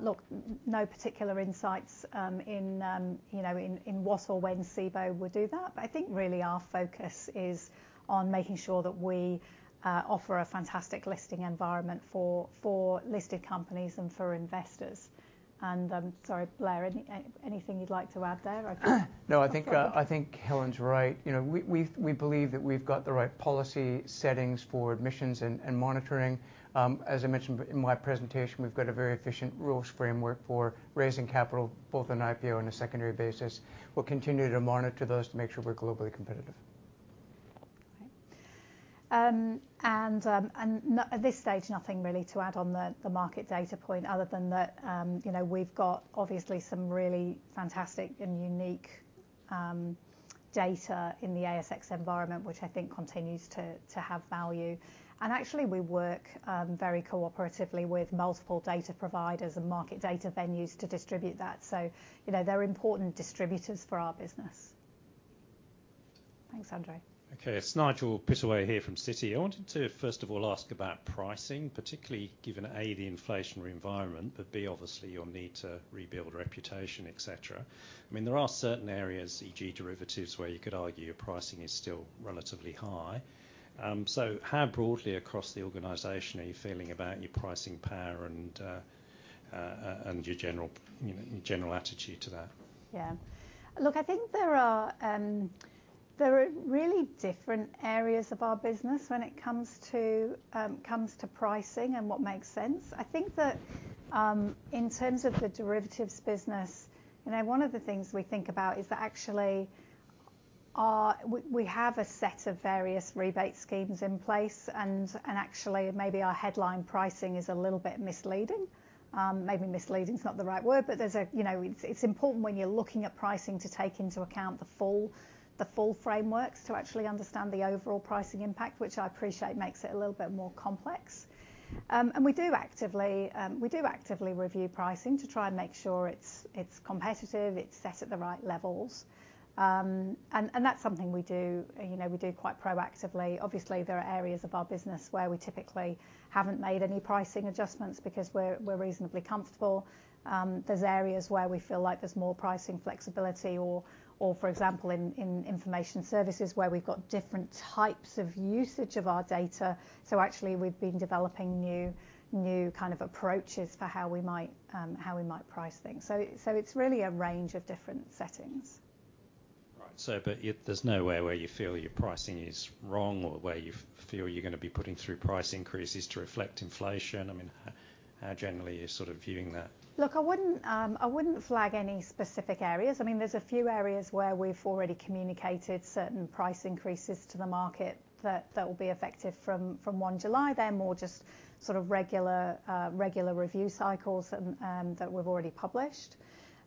Look, no particular insights, you know, in what or when Cboe would do that. I think really our focus is on making sure that we offer a fantastic listing environment for listed companies and for investors. Sorry, Blair, anything you'd like to add there? No, I think Helen's right. You know, we believe that we've got the right policy settings for admissions and monitoring. As I mentioned in my presentation, we've got a very efficient rules framework for raising capital, both on IPO and a secondary basis. We'll continue to monitor those to make sure we're globally competitive. Great. At this stage, nothing really to add on the market data point, other than that, you know, we've got obviously some really fantastic and unique data in the ASX environment, which I think continues to have value. Actually, we work very cooperatively with multiple data providers and market data venues to distribute that. You know, they're important distributors for our business. Thanks, Andrei. It's Nigel Pittaway here from Citi. I wanted to, first of all, ask about pricing, particularly given, A, the inflationary environment, but B, obviously, your need to rebuild reputation, et cetera. I mean, there are certain areas, e.g., derivatives, where you could argue your pricing is still relatively high. How broadly across the organization are you feeling about your pricing power and your general, you know, general attitude to that? Yeah. Look, I think there are really different areas of our business when it comes to comes to pricing and what makes sense. I think that in terms of the derivatives business, you know, one of the things we think about is that actually, we have a set of various rebate schemes in place, and actually, maybe our headline pricing is a little bit misleading. Maybe misleading is not the right word, there's a, you know, it's important when you're looking at pricing to take into account the full frameworks to actually understand the overall pricing impact, which I appreciate makes it a little bit more complex. We do actively review pricing to try and make sure it's competitive, it's set at the right levels. That's something we do, you know, we do quite proactively. Obviously, there are areas of our business where we typically haven't made any pricing adjustments because we're reasonably comfortable. There's areas where we feel like there's more pricing flexibility or, for example, in information services, where we've got different types of usage of our data. Actually, we've been developing new kind of approaches for how we might price things. It's really a range of different settings. There's nowhere where you feel your pricing is wrong or where you feel you're going to be putting through price increases to reflect inflation. I mean, how generally are you sort of viewing that? I wouldn't flag any specific areas. I mean, there's a few areas where we've already communicated certain price increases to the market that will be effective from 1 July. They're more just sort of regular review cycles that we've already published.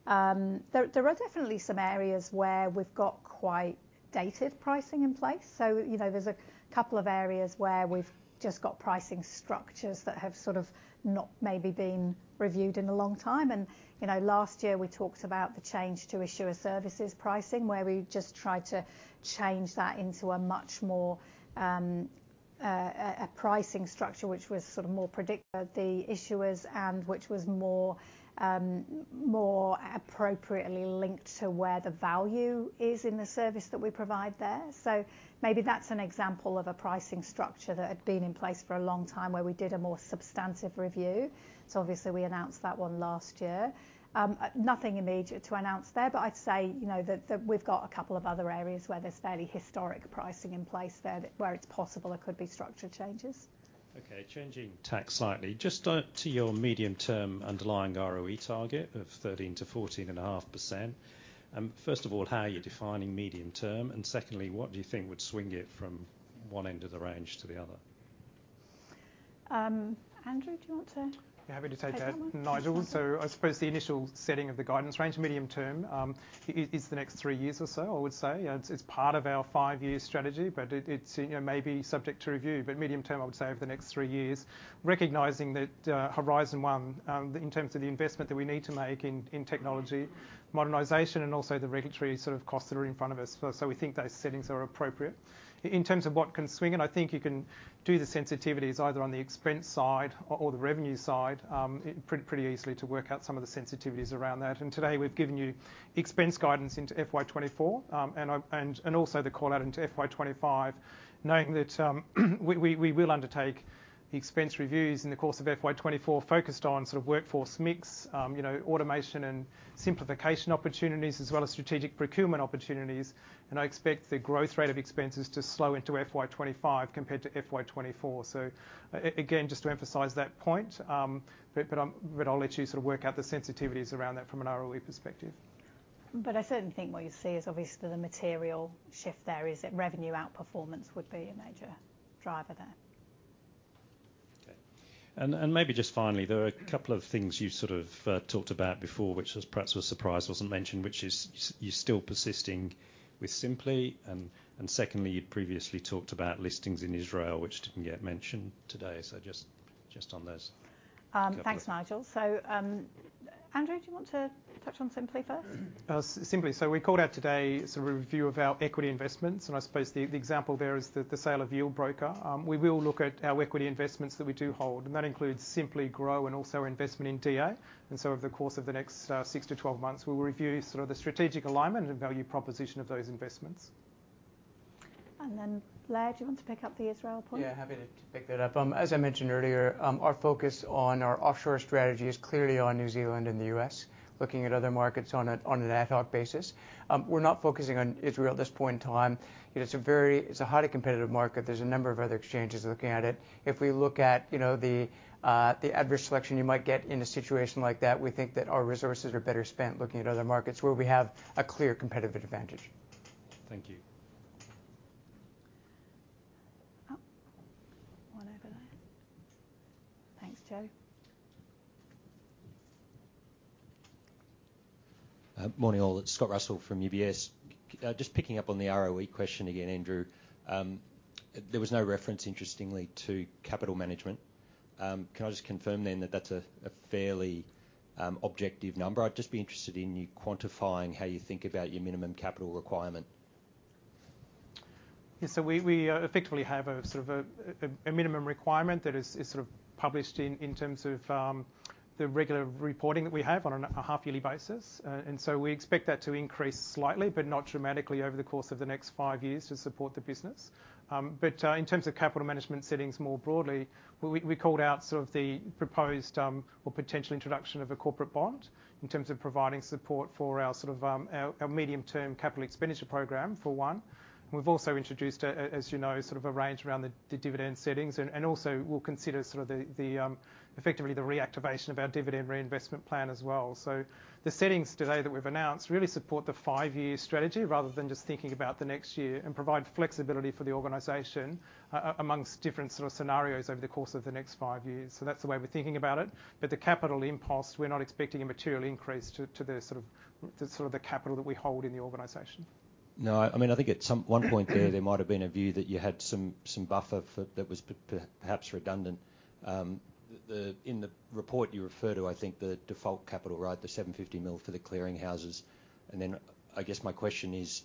There are definitely some areas where we've got quite dated pricing in place. you know, there's a couple of areas where we've just got pricing structures that have sort of not maybe been reviewed in a long time. You know, last year, we talked about the change to issuer services pricing, where we just tried to change that into a much more a pricing structure, which was sort of more predictive of the issuers and which was more appropriately linked to where the value is in the service that we provide there. Maybe that's an example of a pricing structure that had been in place for a long time, where we did a more substantive review. Obviously, we announced that one last year. Nothing immediate to announce there, but I'd say, you know, that we've got a couple of other areas where there's fairly historic pricing in place there, where it's possible there could be structure changes. Okay, changing tack slightly. Just on to your medium-term underlying ROE target of 13%-14.5%. First of all, how are you defining medium term? Secondly, what do you think would swing it from one end of the range to the other? Andrew, do you want to- Yeah, happy to take that. Take that one? Nigel. I suppose the initial setting of the guidance range, medium term, is the next 3 years or so, I would say. It's part of our 5-year strategy, but it's, you know, may be subject to review. Medium term, I would say, over the next 3 years, recognizing that horizon one, in terms of the investment that we need to make in technology modernization and also the regulatory sort of costs that are in front of us. We think those settings are appropriate. In terms of what can swing it, I think you can do the sensitivities either on the expense side or the revenue side, it easily to work out some of the sensitivities around that. Today we've given you expense guidance into FY 2024, and also the call out into FY 2025, noting that we will undertake the expense reviews in the course of FY 2024, focused on sort of workforce mix, you know, automation and simplification opportunities, as well as strategic procurement opportunities. I expect the growth rate of expenses to slow into FY 2025 compared to FY 2024. Again, just to emphasize that point, I'll let you sort of work out the sensitivities around that from an ROE perspective. I certainly think what you see is obviously the material shift there is that revenue outperformance would be a major driver there. Okay. Maybe just finally, there are a couple of things you sort of talked about before, which was perhaps a surprise wasn't mentioned, which is you're still persisting with Sympli. Secondly, you'd previously talked about listings in Israel, which didn't get mentioned today. Just on those- Thanks, Nigel. Andrew, do you want to touch on Sympli first? Simply, we called out today sort of a review of our equity investments, and I suppose the example there is the sale of Yieldbroker. We will look at our equity investments that we do hold, and that includes Sympli and also investment in DA. Over the course of the next 6 to 12 months, we'll review sort of the strategic alignment and value proposition of those investments. Blair, do you want to pick up the Israel point? Yeah, happy to pick that up. As I mentioned earlier, our focus on our offshore strategy is clearly on New Zealand and the US, looking at other markets on an ad hoc basis. We're not focusing on Israel at this point in time. It's a highly competitive market. There's a number of other exchanges looking at it. If we look at, you know, the adverse selection you might get in a situation like that, we think that our resources are better spent looking at other markets where we have a clear competitive advantage. Thank you. Oh, one over there. Thanks, Joe. Morning, all. It's Scott Russell from UBS. Just picking up on the ROE question again, Andrew, there was no reference, interestingly, to capital management. Can I just confirm then that that's a fairly objective number? I'd just be interested in you quantifying how you think about your minimum capital requirement. Yeah. We, we effectively have a sort of a minimum requirement that is sort of published in terms of the regular reporting that we have on a half yearly basis. We expect that to increase slightly, but not dramatically over the course of the next 5 years to support the business. In terms of capital management settings more broadly, we called out sort of the proposed or potential introduction of a corporate bond, in terms of providing support for our sort of our medium-term capital expenditure program, for one. We've also introduced, as you know, sort of a range around the dividend settings, and also we'll consider sort of the effectively the reactivation of our dividend reinvestment plan as well. The settings today that we've announced really support the five-year strategy rather than just thinking about the next year, and provide flexibility for the organization amongst different sort of scenarios over the course of the next five years. That's the way we're thinking about it. The capital impulse, we're not expecting a material increase to the sort of the capital that we hold in the organization. No, I mean, I think at some one point there might have been a view that you had some buffer for, that was perhaps redundant. In the report, you refer to, I think, the default capital, right? The 75 million for the clearing houses. I guess my question is,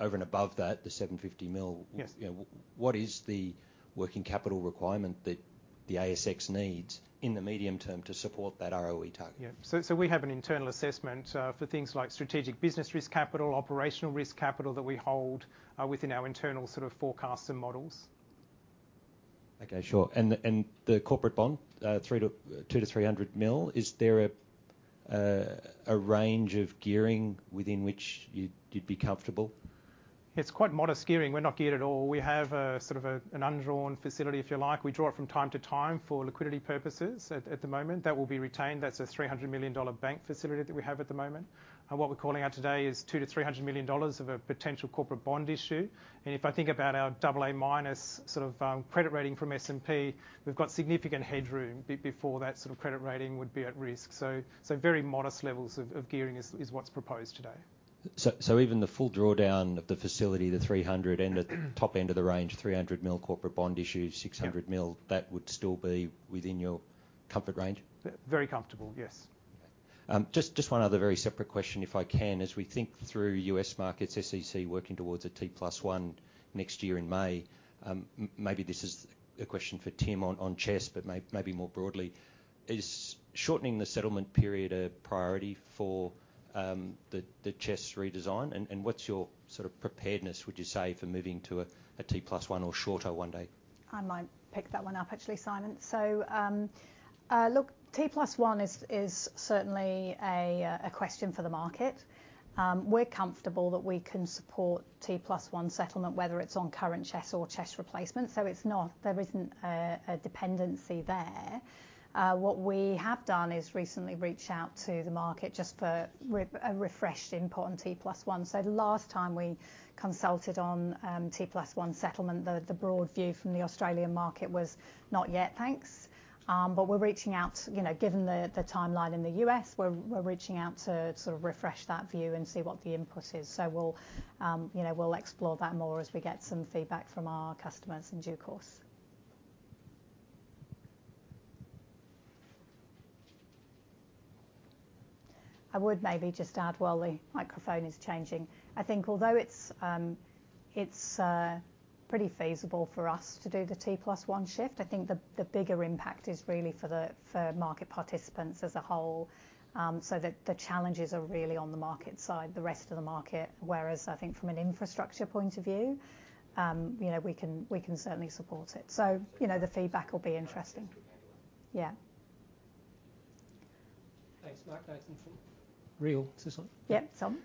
over and above that, the 75 million Yes... you know, what is the working capital requirement that the ASX needs in the medium term to support that ROE target? Yeah. We have an internal assessment for things like strategic business risk capital, operational risk capital that we hold within our internal sort of forecasts and models. Okay, sure. The corporate bond, 200 million-300 million, is there a range of gearing within which you'd be comfortable? It's quite modest gearing. We're not geared at all. We have an undrawn facility, if you like. We draw it from time to time for liquidity purposes at the moment. That will be retained. That's a 300 million dollar bank facility that we have at the moment. What we're calling out today is 200 million-300 million dollars of a potential corporate bond issue. If I think about our AA- sort of credit rating from S&P, we've got significant headroom before that sort of credit rating would be at risk. Very modest levels of gearing is what's proposed today. Even the full drawdown of the facility, the 300 and at the top end of the range, 300 million corporate bond issue, 600. Yeah... that would still be within your comfort range? Very comfortable, yes. Just one other very separate question, if I can. As we think through U.S. markets, SEC working towards a T+1 next year in May, maybe this is a question for Tim on CHESS, but maybe more broadly. Is shortening the settlement period a priority for the CHESS redesign? What's your sort of preparedness, would you say, for moving to a T+1 or shorter 1 day? I might pick that one up, actually, Simon. Look, T plus one is certainly a question for the market. We're comfortable that we can support T plus one settlement, whether it's on current CHESS or CHESS replacement. There isn't a dependency there. What we have done is recently reached out to the market just for a refresh input on T+1. The last time we consulted on T+1 settlement, the broad view from the Australian market was, "Not yet, thanks." We're reaching out, you know, given the timeline in the US, we're reaching out to sort of refresh that view and see what the input is. We'll, you know, we'll explore that more as we get some feedback from our customers in due course. I would maybe just add, while the microphone is changing, I think although it's pretty feasible for us to do the T+1 shift, I think the bigger impact is really for market participants as a whole. The challenges are really on the market side, the rest of the market, whereas I think from an infrastructure point of view, you know, we can certainly support it. You know, the feedback will be interesting. Yeah. Thanks, Mark Dyson from Real. Is this on? Yeah, some.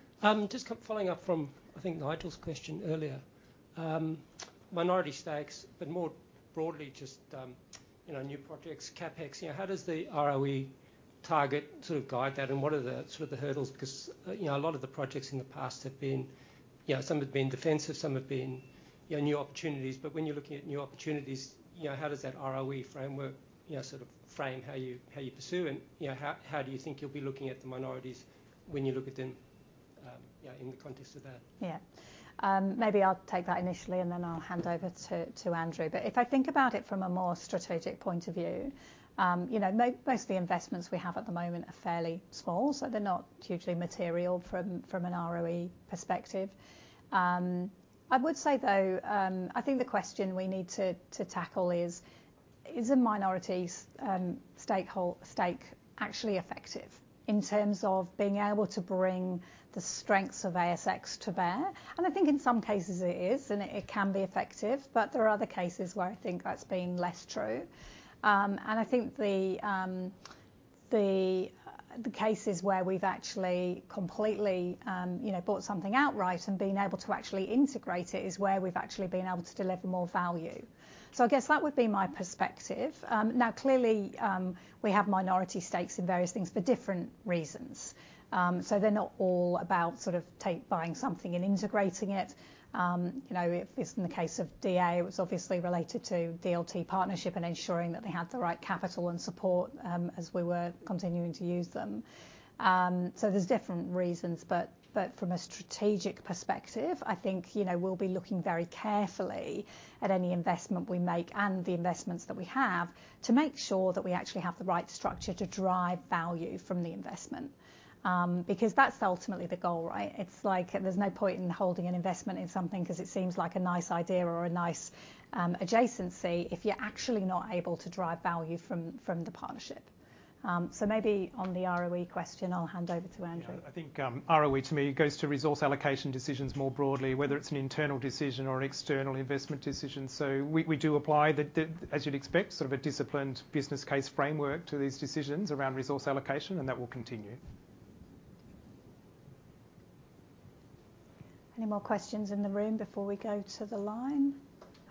Just following up from, I think, Nigel's question earlier, minority stakes, but more broadly, just, you know, new projects, CapEx. You know, how does the ROE target sort of guide that, and what are the, sort of the hurdles? Because, you know, a lot of the projects in the past have been, you know, some have been defensive, some have been, you know, new opportunities. When you're looking at new opportunities, you know, how does that ROE framework, you know, sort of frame how you, how you pursue and, you know, how do you think you'll be looking at the minorities when you look at them, you know, in the context of that? Yeah. Maybe I'll take that initially, and then I'll hand over to Andrew. If I think about it from a more strategic point of view, you know, most of the investments we have at the moment are fairly small, so they're not hugely material from an ROE perspective. I would say, though, I think the question we need to tackle is: Is a minority stake actually effective in terms of being able to bring the strengths of ASX to bear? I think in some cases it is, and it can be effective, but there are other cases where I think that's been less true. I think the cases where we've actually completely, you know, bought something outright and been able to actually integrate it, is where we've actually been able to deliver more value. I guess that would be my perspective. Clearly, we have minority stakes in various things for different reasons. They're not all about sort of take, buying something and integrating it. You know, if in the case of DA, it was obviously related to DLT partnership and ensuring that they had the right capital and support, as we were continuing to use them. There's different reasons, but from a strategic perspective, I think, you know, we'll be looking very carefully at any investment we make and the investments that we have, to make sure that we actually have the right structure to drive value from the investment. That's ultimately the goal, right? It's like there's no point in holding an investment in something 'cause it seems like a nice idea or a nice adjacency, if you're actually not able to drive value from the partnership. Maybe on the ROE question, I'll hand over to Andrew. I think, ROE, to me, it goes to resource allocation decisions more broadly, whether it's an internal decision or an external investment decision. We do apply as you'd expect, sort of a disciplined business case framework to these decisions around resource allocation, and that will continue. Any more questions in the room before we go to the line?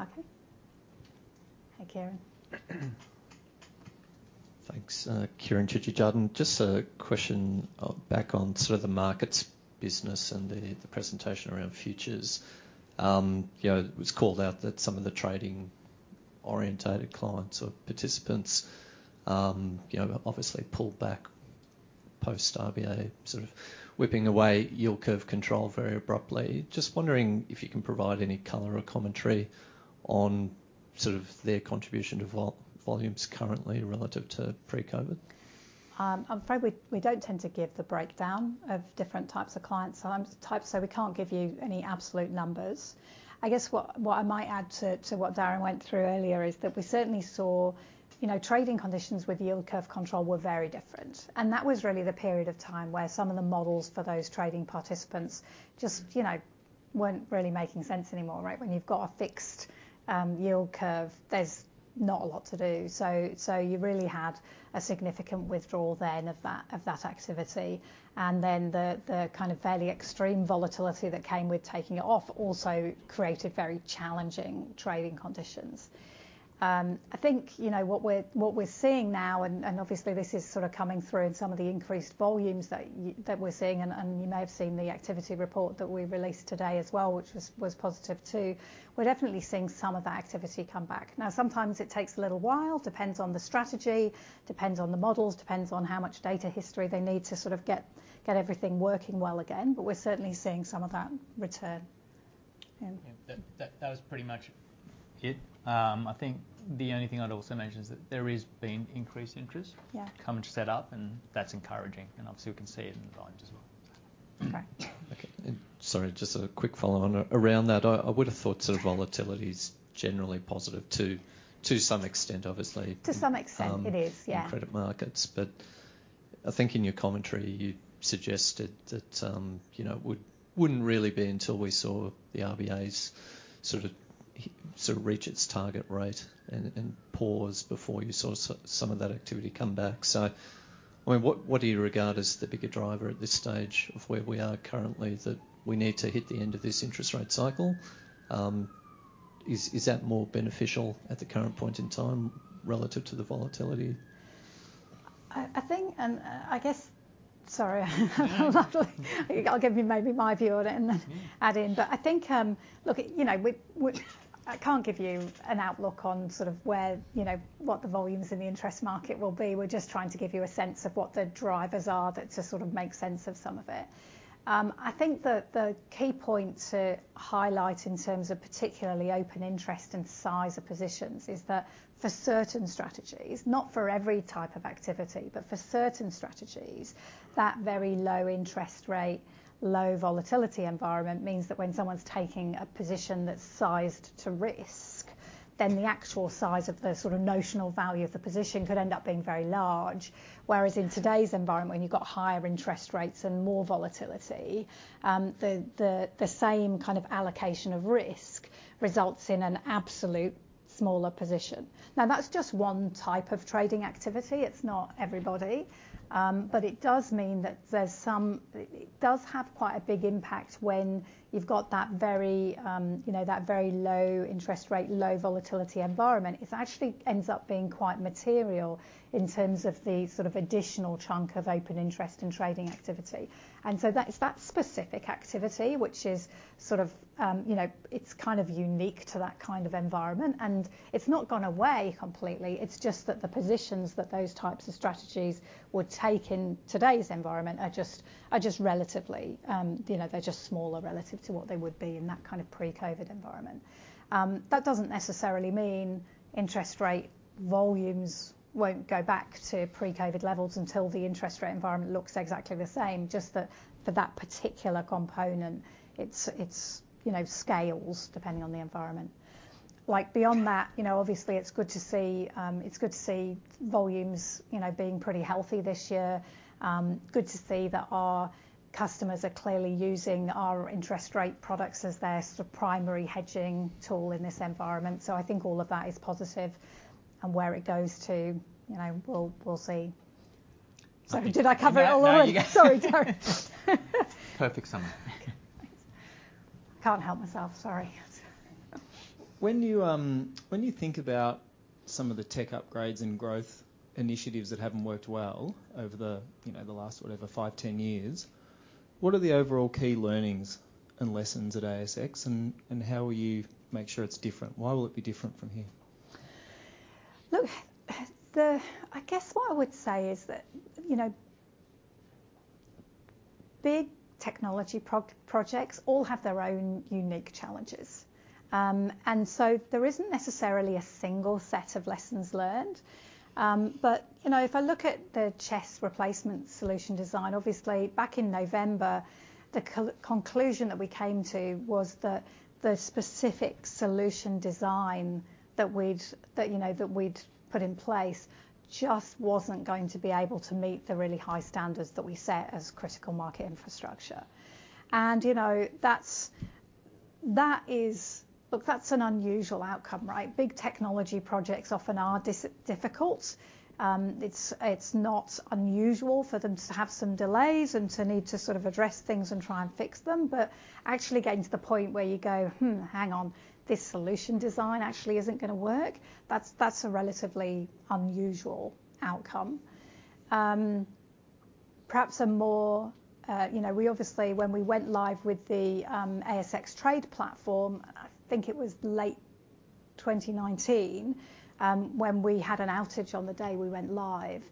Okay. Hi, Kieran. Thanks. Kieran Chidgey, Jarden. Just a question back on sort of the markets business and the presentation around futures. You know, it was called out that some of the trading-orientated clients or participants, you know, obviously pulled back post-RBA, sort of whipping away yield curve control very abruptly. Just wondering if you can provide any color or commentary on sort of their contribution to volumes currently relative to pre-COVID? I'm afraid we don't tend to give the breakdown of different types of client, types, so we can't give you any absolute numbers. I guess what I might add to what Darren went through earlier is that we certainly saw, you know, trading conditions with yield curve control were very different, and that was really the period of time where some of the models for those trading participants just, you know, weren't really making sense anymore, right? When you've got a fixed yield curve, there's not a lot to do. You really had a significant withdrawal then of that activity. Then the kind of fairly extreme volatility that came with taking it off also created very challenging trading conditions. I think, you know, what we're seeing now, and obviously, this is sort of coming through in some of the increased volumes that we're seeing, and you may have seen the activity report that we released today as well, which was positive, too. We're definitely seeing some of that activity come back. Sometimes it takes a little while, depends on the strategy, depends on the models, depends on how much data history they need to sort of get everything working well again, but we're certainly seeing some of that return. Yeah, that was pretty much it. I think the only thing I'd also mention is that there is been increased. Yeah... coming to set up, and that's encouraging. Obviously, we can see it in the volumes as well. Okay. Okay, sorry, just a quick follow-on around that. I would've thought sort of volatility is generally positive to some extent, obviously- To some extent it is, yeah.... in credit markets. I think in your commentary, you suggested that, you know, wouldn't really be until we saw the RBA's sort of reach its target rate and pause before you saw some of that activity come back. I mean, what do you regard as the bigger driver at this stage of where we are currently, that we need to hit the end of this interest rate cycle? Is that more beneficial at the current point in time relative to the volatility? I think, I guess, sorry, I'll give you maybe my view on it and then add in. I think. Look, you know, we, I can't give you an outlook on sort of where, you know, what the volumes in the interest market will be. We're just trying to give you a sense of what the drivers are that just sort of make sense of some of it. I think the key point to highlight in terms of particularly open interest and size of positions is that for certain strategies, not for every type of activity, but for certain strategies, that very low interest rate, low volatility environment means that when someone's taking a position that's sized to risk, then the actual size of the sort of notional value of the position could end up being very large. Whereas in today's environment, when you've got higher interest rates and more volatility, the same kind of allocation of risk results in an absolute smaller position. That's just one type of trading activity. It's not everybody. It does mean that it does have quite a big impact when you've got that very, you know, that very low interest rate, low volatility environment. It actually ends up being quite material in terms of the sort of additional chunk of open interest in trading activity. That, it's that specific activity, which is sort of, you know, it's kind of unique to that kind of environment, and it's not gone away completely. It's just that the positions that those types of strategies would take in today's environment are just relatively, you know, they're just smaller relative to what they would be in that kind of pre-COVID environment. That doesn't necessarily mean interest rate volumes won't go back to pre-COVID levels until the interest rate environment looks exactly the same, just that for that particular component, it's, you know, scales depending on the environment. Beyond that, you know, obviously, it's good to see, it's good to see volumes, you know, being pretty healthy this year. Good to see that our customers are clearly using our interest rate products as their sort of primary hedging tool in this environment. I think all of that is positive, and where it goes to, you know, we'll see. Did I cover it all? Yeah. SOrry, Terry. Perfect summary. Okay, thanks. I can't help myself. Sorry. When you think about some of the tech upgrades and growth initiatives that haven't worked well over the, you know, the last, whatever, 5, 10 years, what are the overall key learnings and lessons at ASX, and how will you make sure it's different? Why will it be different from here? Look, I guess what I would say is that, you know, big technology projects all have their own unique challenges. There isn't necessarily a single set of lessons learned. You know, if I look at the CHESS Replacement solution design, obviously back in November, the conclusion that we came to was that the specific solution design that we'd, you know, that we'd put in place just wasn't going to be able to meet the really high standards that we set as critical market infrastructure. You know, that's an unusual outcome, right? Big technology projects often are difficult. It's not unusual for them to have some delays and to need to sort of address things and try and fix them. Actually getting to the point where you go, "Hang on, this solution design actually isn't going to work," that's a relatively unusual outcome. Perhaps a more, you know, we obviously, when we went live with the ASX Trade platform, I think it was late 2019, when we had an outage on the day we went live,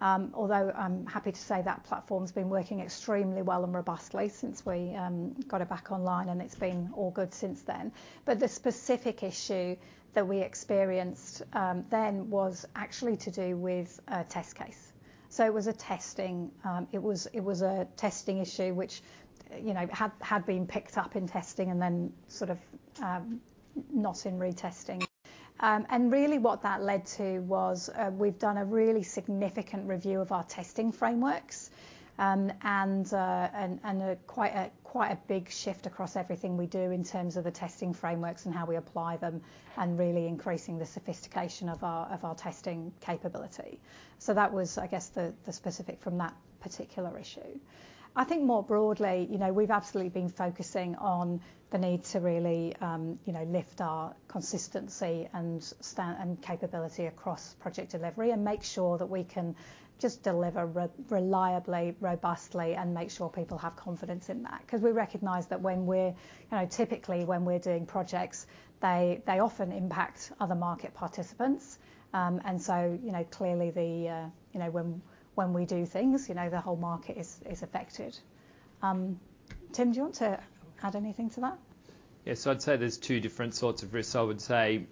although I'm happy to say that platform's been working extremely well and robustly since we got it back online, and it's been all good since then. The specific issue that we experienced then was actually to do with a test case. It was a testing, it was a testing issue, which, you know, had been picked up in testing and then sort of not in retesting. Really what that led to was, we've done a really significant review of our testing frameworks, and quite a big shift across everything we do in terms of the testing frameworks and how we apply them, and really increasing the sophistication of our testing capability. That was, I guess, the specific from that particular issue. I think more broadly, you know, we've absolutely been focusing on the need to really, you know, lift our consistency and capability across project delivery and make sure that we can just deliver reliably, robustly and make sure people have confidence in that. 'Cause we recognize that when we're, you know, typically, when we're doing projects, they often impact other market participants. you know, clearly, the, you know, when we do things, you know, the whole market is affected. Tim, do you want to add anything to that? Yes. I'd say there's two different sorts of risks. I would say,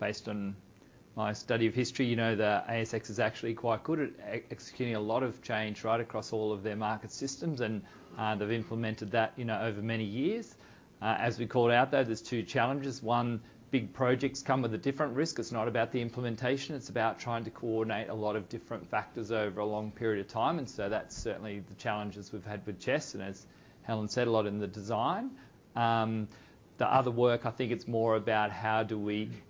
based on my study of history, you know, the ASX is actually quite good at executing a lot of change right across all of their market systems. They've implemented that, you know, over many years. As we called out, though, there's two challenges. One, big projects come with a different risk. It's not about the implementation, it's about trying to coordinate a lot of different factors over a long period of time, and so that's certainly the challenges we've had with CHESS, and as Helen said, a lot in the design. The other work, I think it's more about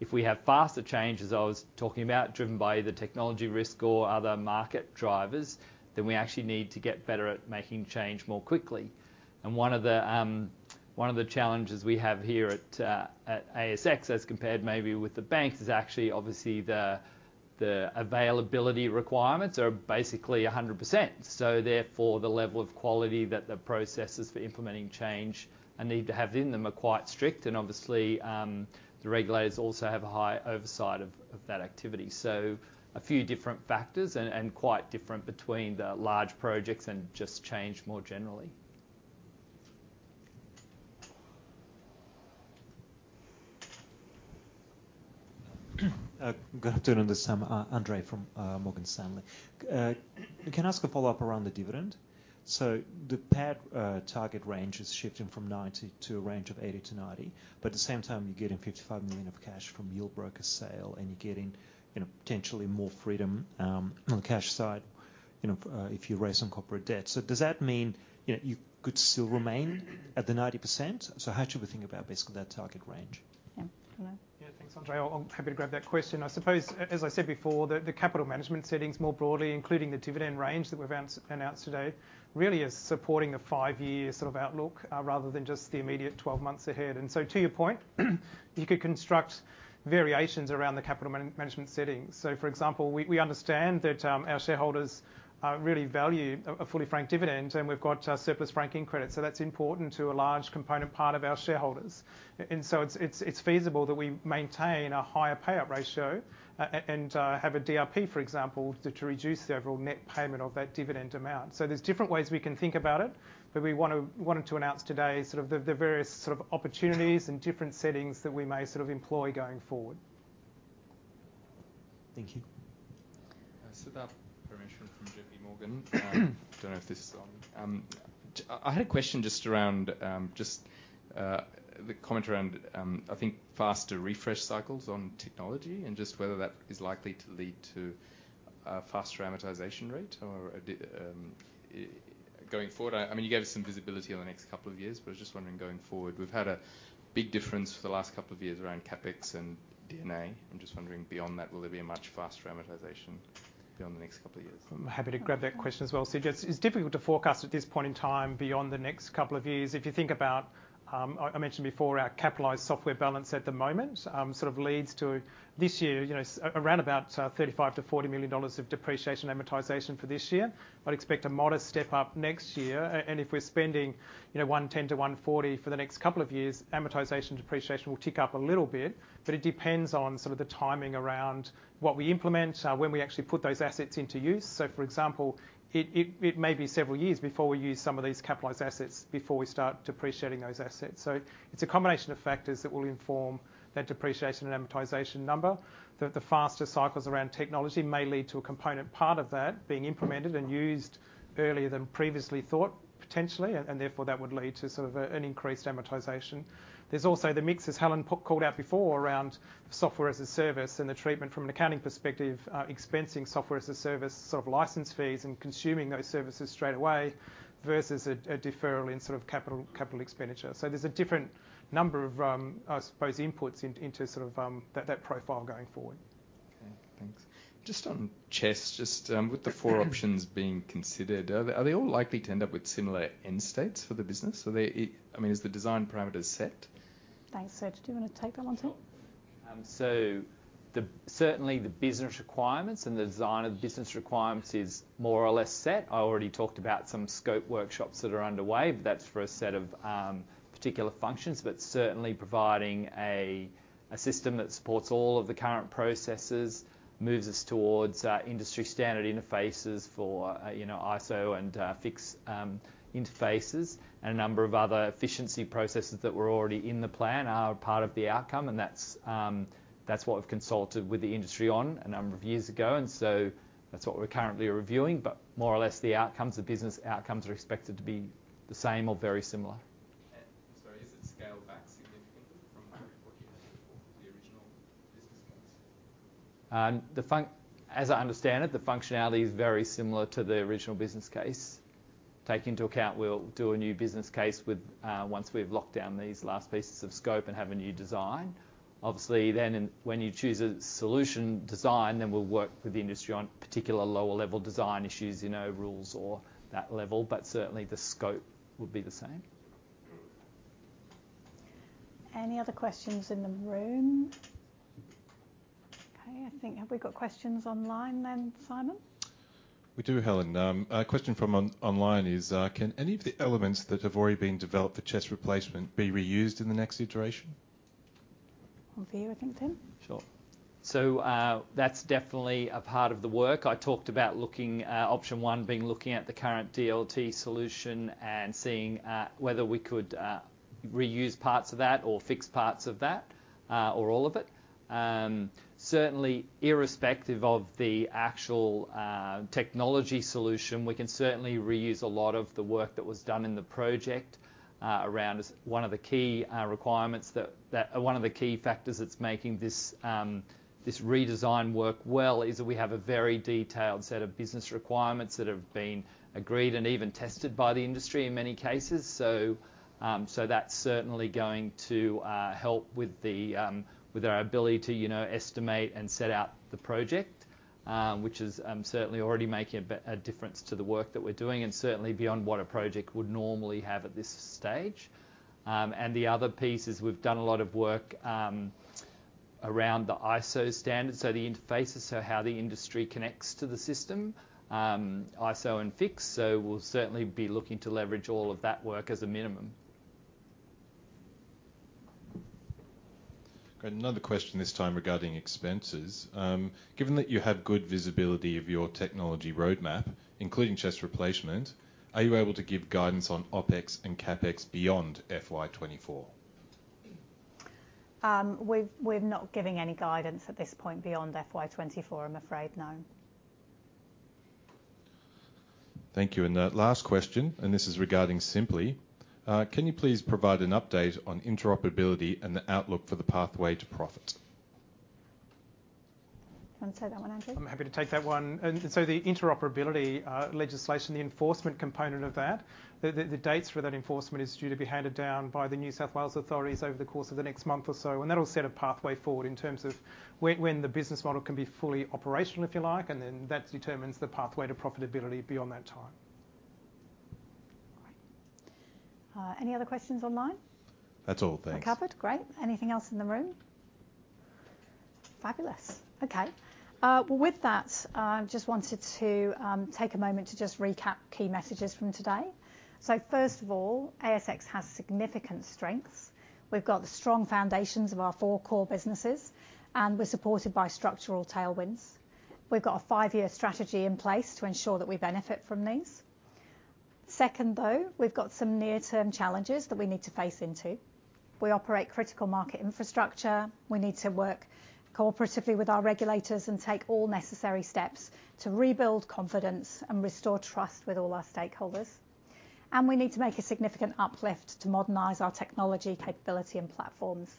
if we have faster changes, I was talking about, driven by the technology risk or other market drivers, then we actually need to get better at making change more quickly. One of the challenges we have here at ASX, as compared maybe with the banks, is actually obviously the availability requirements are basically 100%. Therefore, the level of quality that the processes for implementing change and need to have in them are quite strict. Obviously, the regulators also have a high oversight of that activity. A few different factors and quite different between the large projects and just change more generally. Good afternoon, this Andrei from Morgan Stanley. Can I ask a follow-up around the dividend? The pad target range is shifting from 90 to a range of 80-90, but at the same time, you're getting 55 million of cash from Yieldbroker sale, and you're getting, you know, potentially more freedom on the cash side, you know, if you raise some corporate debt. Does that mean, you know, you could still remain at the 90%? How should we think about basically that target range? Yeah. Hello. Yeah, thanks, Andrei. I'm happy to grab that question. I suppose, as I said before, the capital management settings more broadly, including the dividend range that we've announced today, really is supporting a five-year sort of outlook, rather than just the immediate 12 months ahead. To your point, you could construct variations around the capital management setting. For example, we understand that our shareholders really value a fully frank dividend, and we've got a surplus franking credit, so that's important to a large component part of our shareholders. It's feasible that we maintain a higher payout ratio, and have a DRP, for example, to reduce the overall net payment of that dividend amount. There's different ways we can think about it, but we wanted to announce today sort of the various sort of opportunities and different settings that we may sort of employ going forward. Thank you. Siddharth Parameswaran from JP Morgan. I don't know if this is on. I had a question just around the comment around I think faster refresh cycles on technology and just whether that is likely to lead to a faster amortization rate or going forward? I mean, you gave us some visibility on the next couple of years, but I was just wondering, going forward, we've had a big difference for the last couple of years around CapEx and DNA. I'm just wondering, beyond that, will there be a much faster amortization beyond the next couple of years? I'm happy to grab that question as well, Siddharth. It's difficult to forecast at this point in time, beyond the next couple of years. If you think about, I mentioned before, our capitalized software balance at the moment, sort of leads to this year, you know, around about 35 million-40 million dollars of depreciation, amortization for this year. I'd expect a modest step up next year. If we're spending, you know, 110 million-140 million for the next couple of years, amortization, depreciation will tick up a little bit, but it depends on some of the timing around what we implement, when we actually put those assets into use. For example, it may be several years before we use some of these capitalized assets before we start depreciating those assets. It's a combination of factors that will inform that depreciation and amortization number, that the faster cycles around technology may lead to a component part of that being implemented and used earlier than previously thought, potentially, and therefore, that would lead to an increased amortization. There's also the mix, as Helen called out before, around software as a service and the treatment from an accounting perspective, expensing software as a service license fees and consuming those services straight away versus a deferral in capital expenditure. There's a different number of, I suppose, inputs into that profile going forward. Okay, thanks. Just on CHESS, with the four options being considered, are they all likely to end up with similar end states for the business? I mean, is the design parameters set? Thanks. Do you want to take that one, Tim? Certainly, the business requirements and the design of the business requirements is more or less set. I already talked about some scope workshops that are underway. That's for a set of particular functions, but certainly providing a system that supports all of the current processes, moves us towards industry-standard interfaces for, you know, ISO and FIX interfaces, and a number of other efficiency processes that were already in the plan are part of the outcome. That's what we've consulted with the industry on a number of years ago. That's what we're currently reviewing. More or less, the outcomes, the business outcomes are expected to be the same or very similar. Sorry, is it scaled back significantly from what you had before, the original business case? As I understand it, the functionality is very similar to the original business case. Take into account, we'll do a new business case once we've locked down these last pieces of scope and have a new design. Obviously, then when you choose a solution design, then we'll work with the industry on particular lower-level design issues, you know, rules or that level. Certainly, the scope would be the same. Any other questions in the room? Okay, I think... Have we got questions online then, Simon? We do, Helen. A question from online is: "Can any of the elements that have already been developed for CHESS Replacement be reused in the next iteration? Well, for you, I think, Tim. Sure. That's definitely a part of the work. I talked about looking, option one, being looking at the current DLT solution and seeing whether we could reuse parts of that or fix parts of that or all of it. Certainly, irrespective of the actual technology solution, we can certainly reuse a lot of the work that was done in the project around as one of the key requirements. One of the key factors that's making this redesign work well, is that we have a very detailed set of business requirements that have been agreed and even tested by the industry in many cases. That's certainly going to help with the with our ability to, you know, estimate and set out the project.... which is certainly already making a difference to the work that we're doing and certainly beyond what a project would normally have at this stage. The other piece is we've done a lot of work around the ISO standard, so the interfaces, so how the industry connects to the system, ISO and FIX. We'll certainly be looking to leverage all of that work as a minimum. Got another question, this time regarding expenses. Given that you have good visibility of your technology roadmap, including CHESS Replacement, are you able to give guidance on OpEx and CapEx beyond FY24? We're not giving any guidance at this point beyond FY 24, I'm afraid. No. Thank you. The last question, and this is regarding Sympli. Can you please provide an update on interoperability and the outlook for the pathway to profit? Do you want to take that one, Andrew? I'm happy to take that one. The interoperability, legislation, the enforcement component of that, the dates for that enforcement is due to be handed down by the New South Wales authorities over the course of the next month or so. That'll set a pathway forward in terms of when the business model can be fully operational, if you like, and then that determines the pathway to profitability beyond that time. Great. Any other questions online? That's all. Thanks. We're covered? Great. Anything else in the room? Fabulous. Okay. With that, I just wanted to take a moment to just recap key messages from today. First of all, ASX has significant strengths. We've got the strong foundations of our four core businesses, and we're supported by structural tailwinds. We've got a five-year strategy in place to ensure that we benefit from these. Second, though, we've got some near-term challenges that we need to face into. We operate critical market infrastructure. We need to work cooperatively with our regulators and take all necessary steps to rebuild confidence and restore trust with all our stakeholders. We need to make a significant uplift to modernize our technology, capability, and platforms.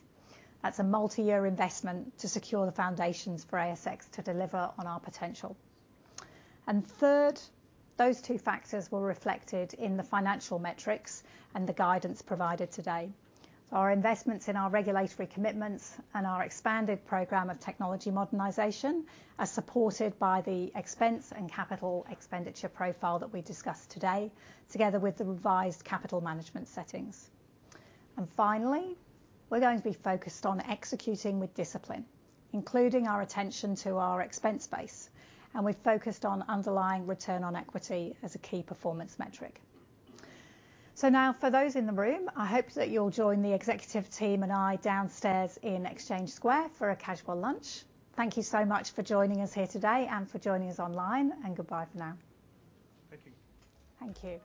That's a multi-year investment to secure the foundations for ASX to deliver on our potential. Third, those two factors were reflected in the financial metrics and the guidance provided today. Our investments in our regulatory commitments and our expanded program of technology modernization are supported by the expense and capital expenditure profile that we discussed today, together with the revised capital management settings. Finally, we're going to be focused on executing with discipline, including our attention to our expense base, and we've focused on underlying return on equity as a key performance metric. Now, for those in the room, I hope that you'll join the executive team and I downstairs in Exchange Square for a casual lunch. Thank you so much for joining us here today and for joining us online, and goodbye for now. Thank you. Thank you.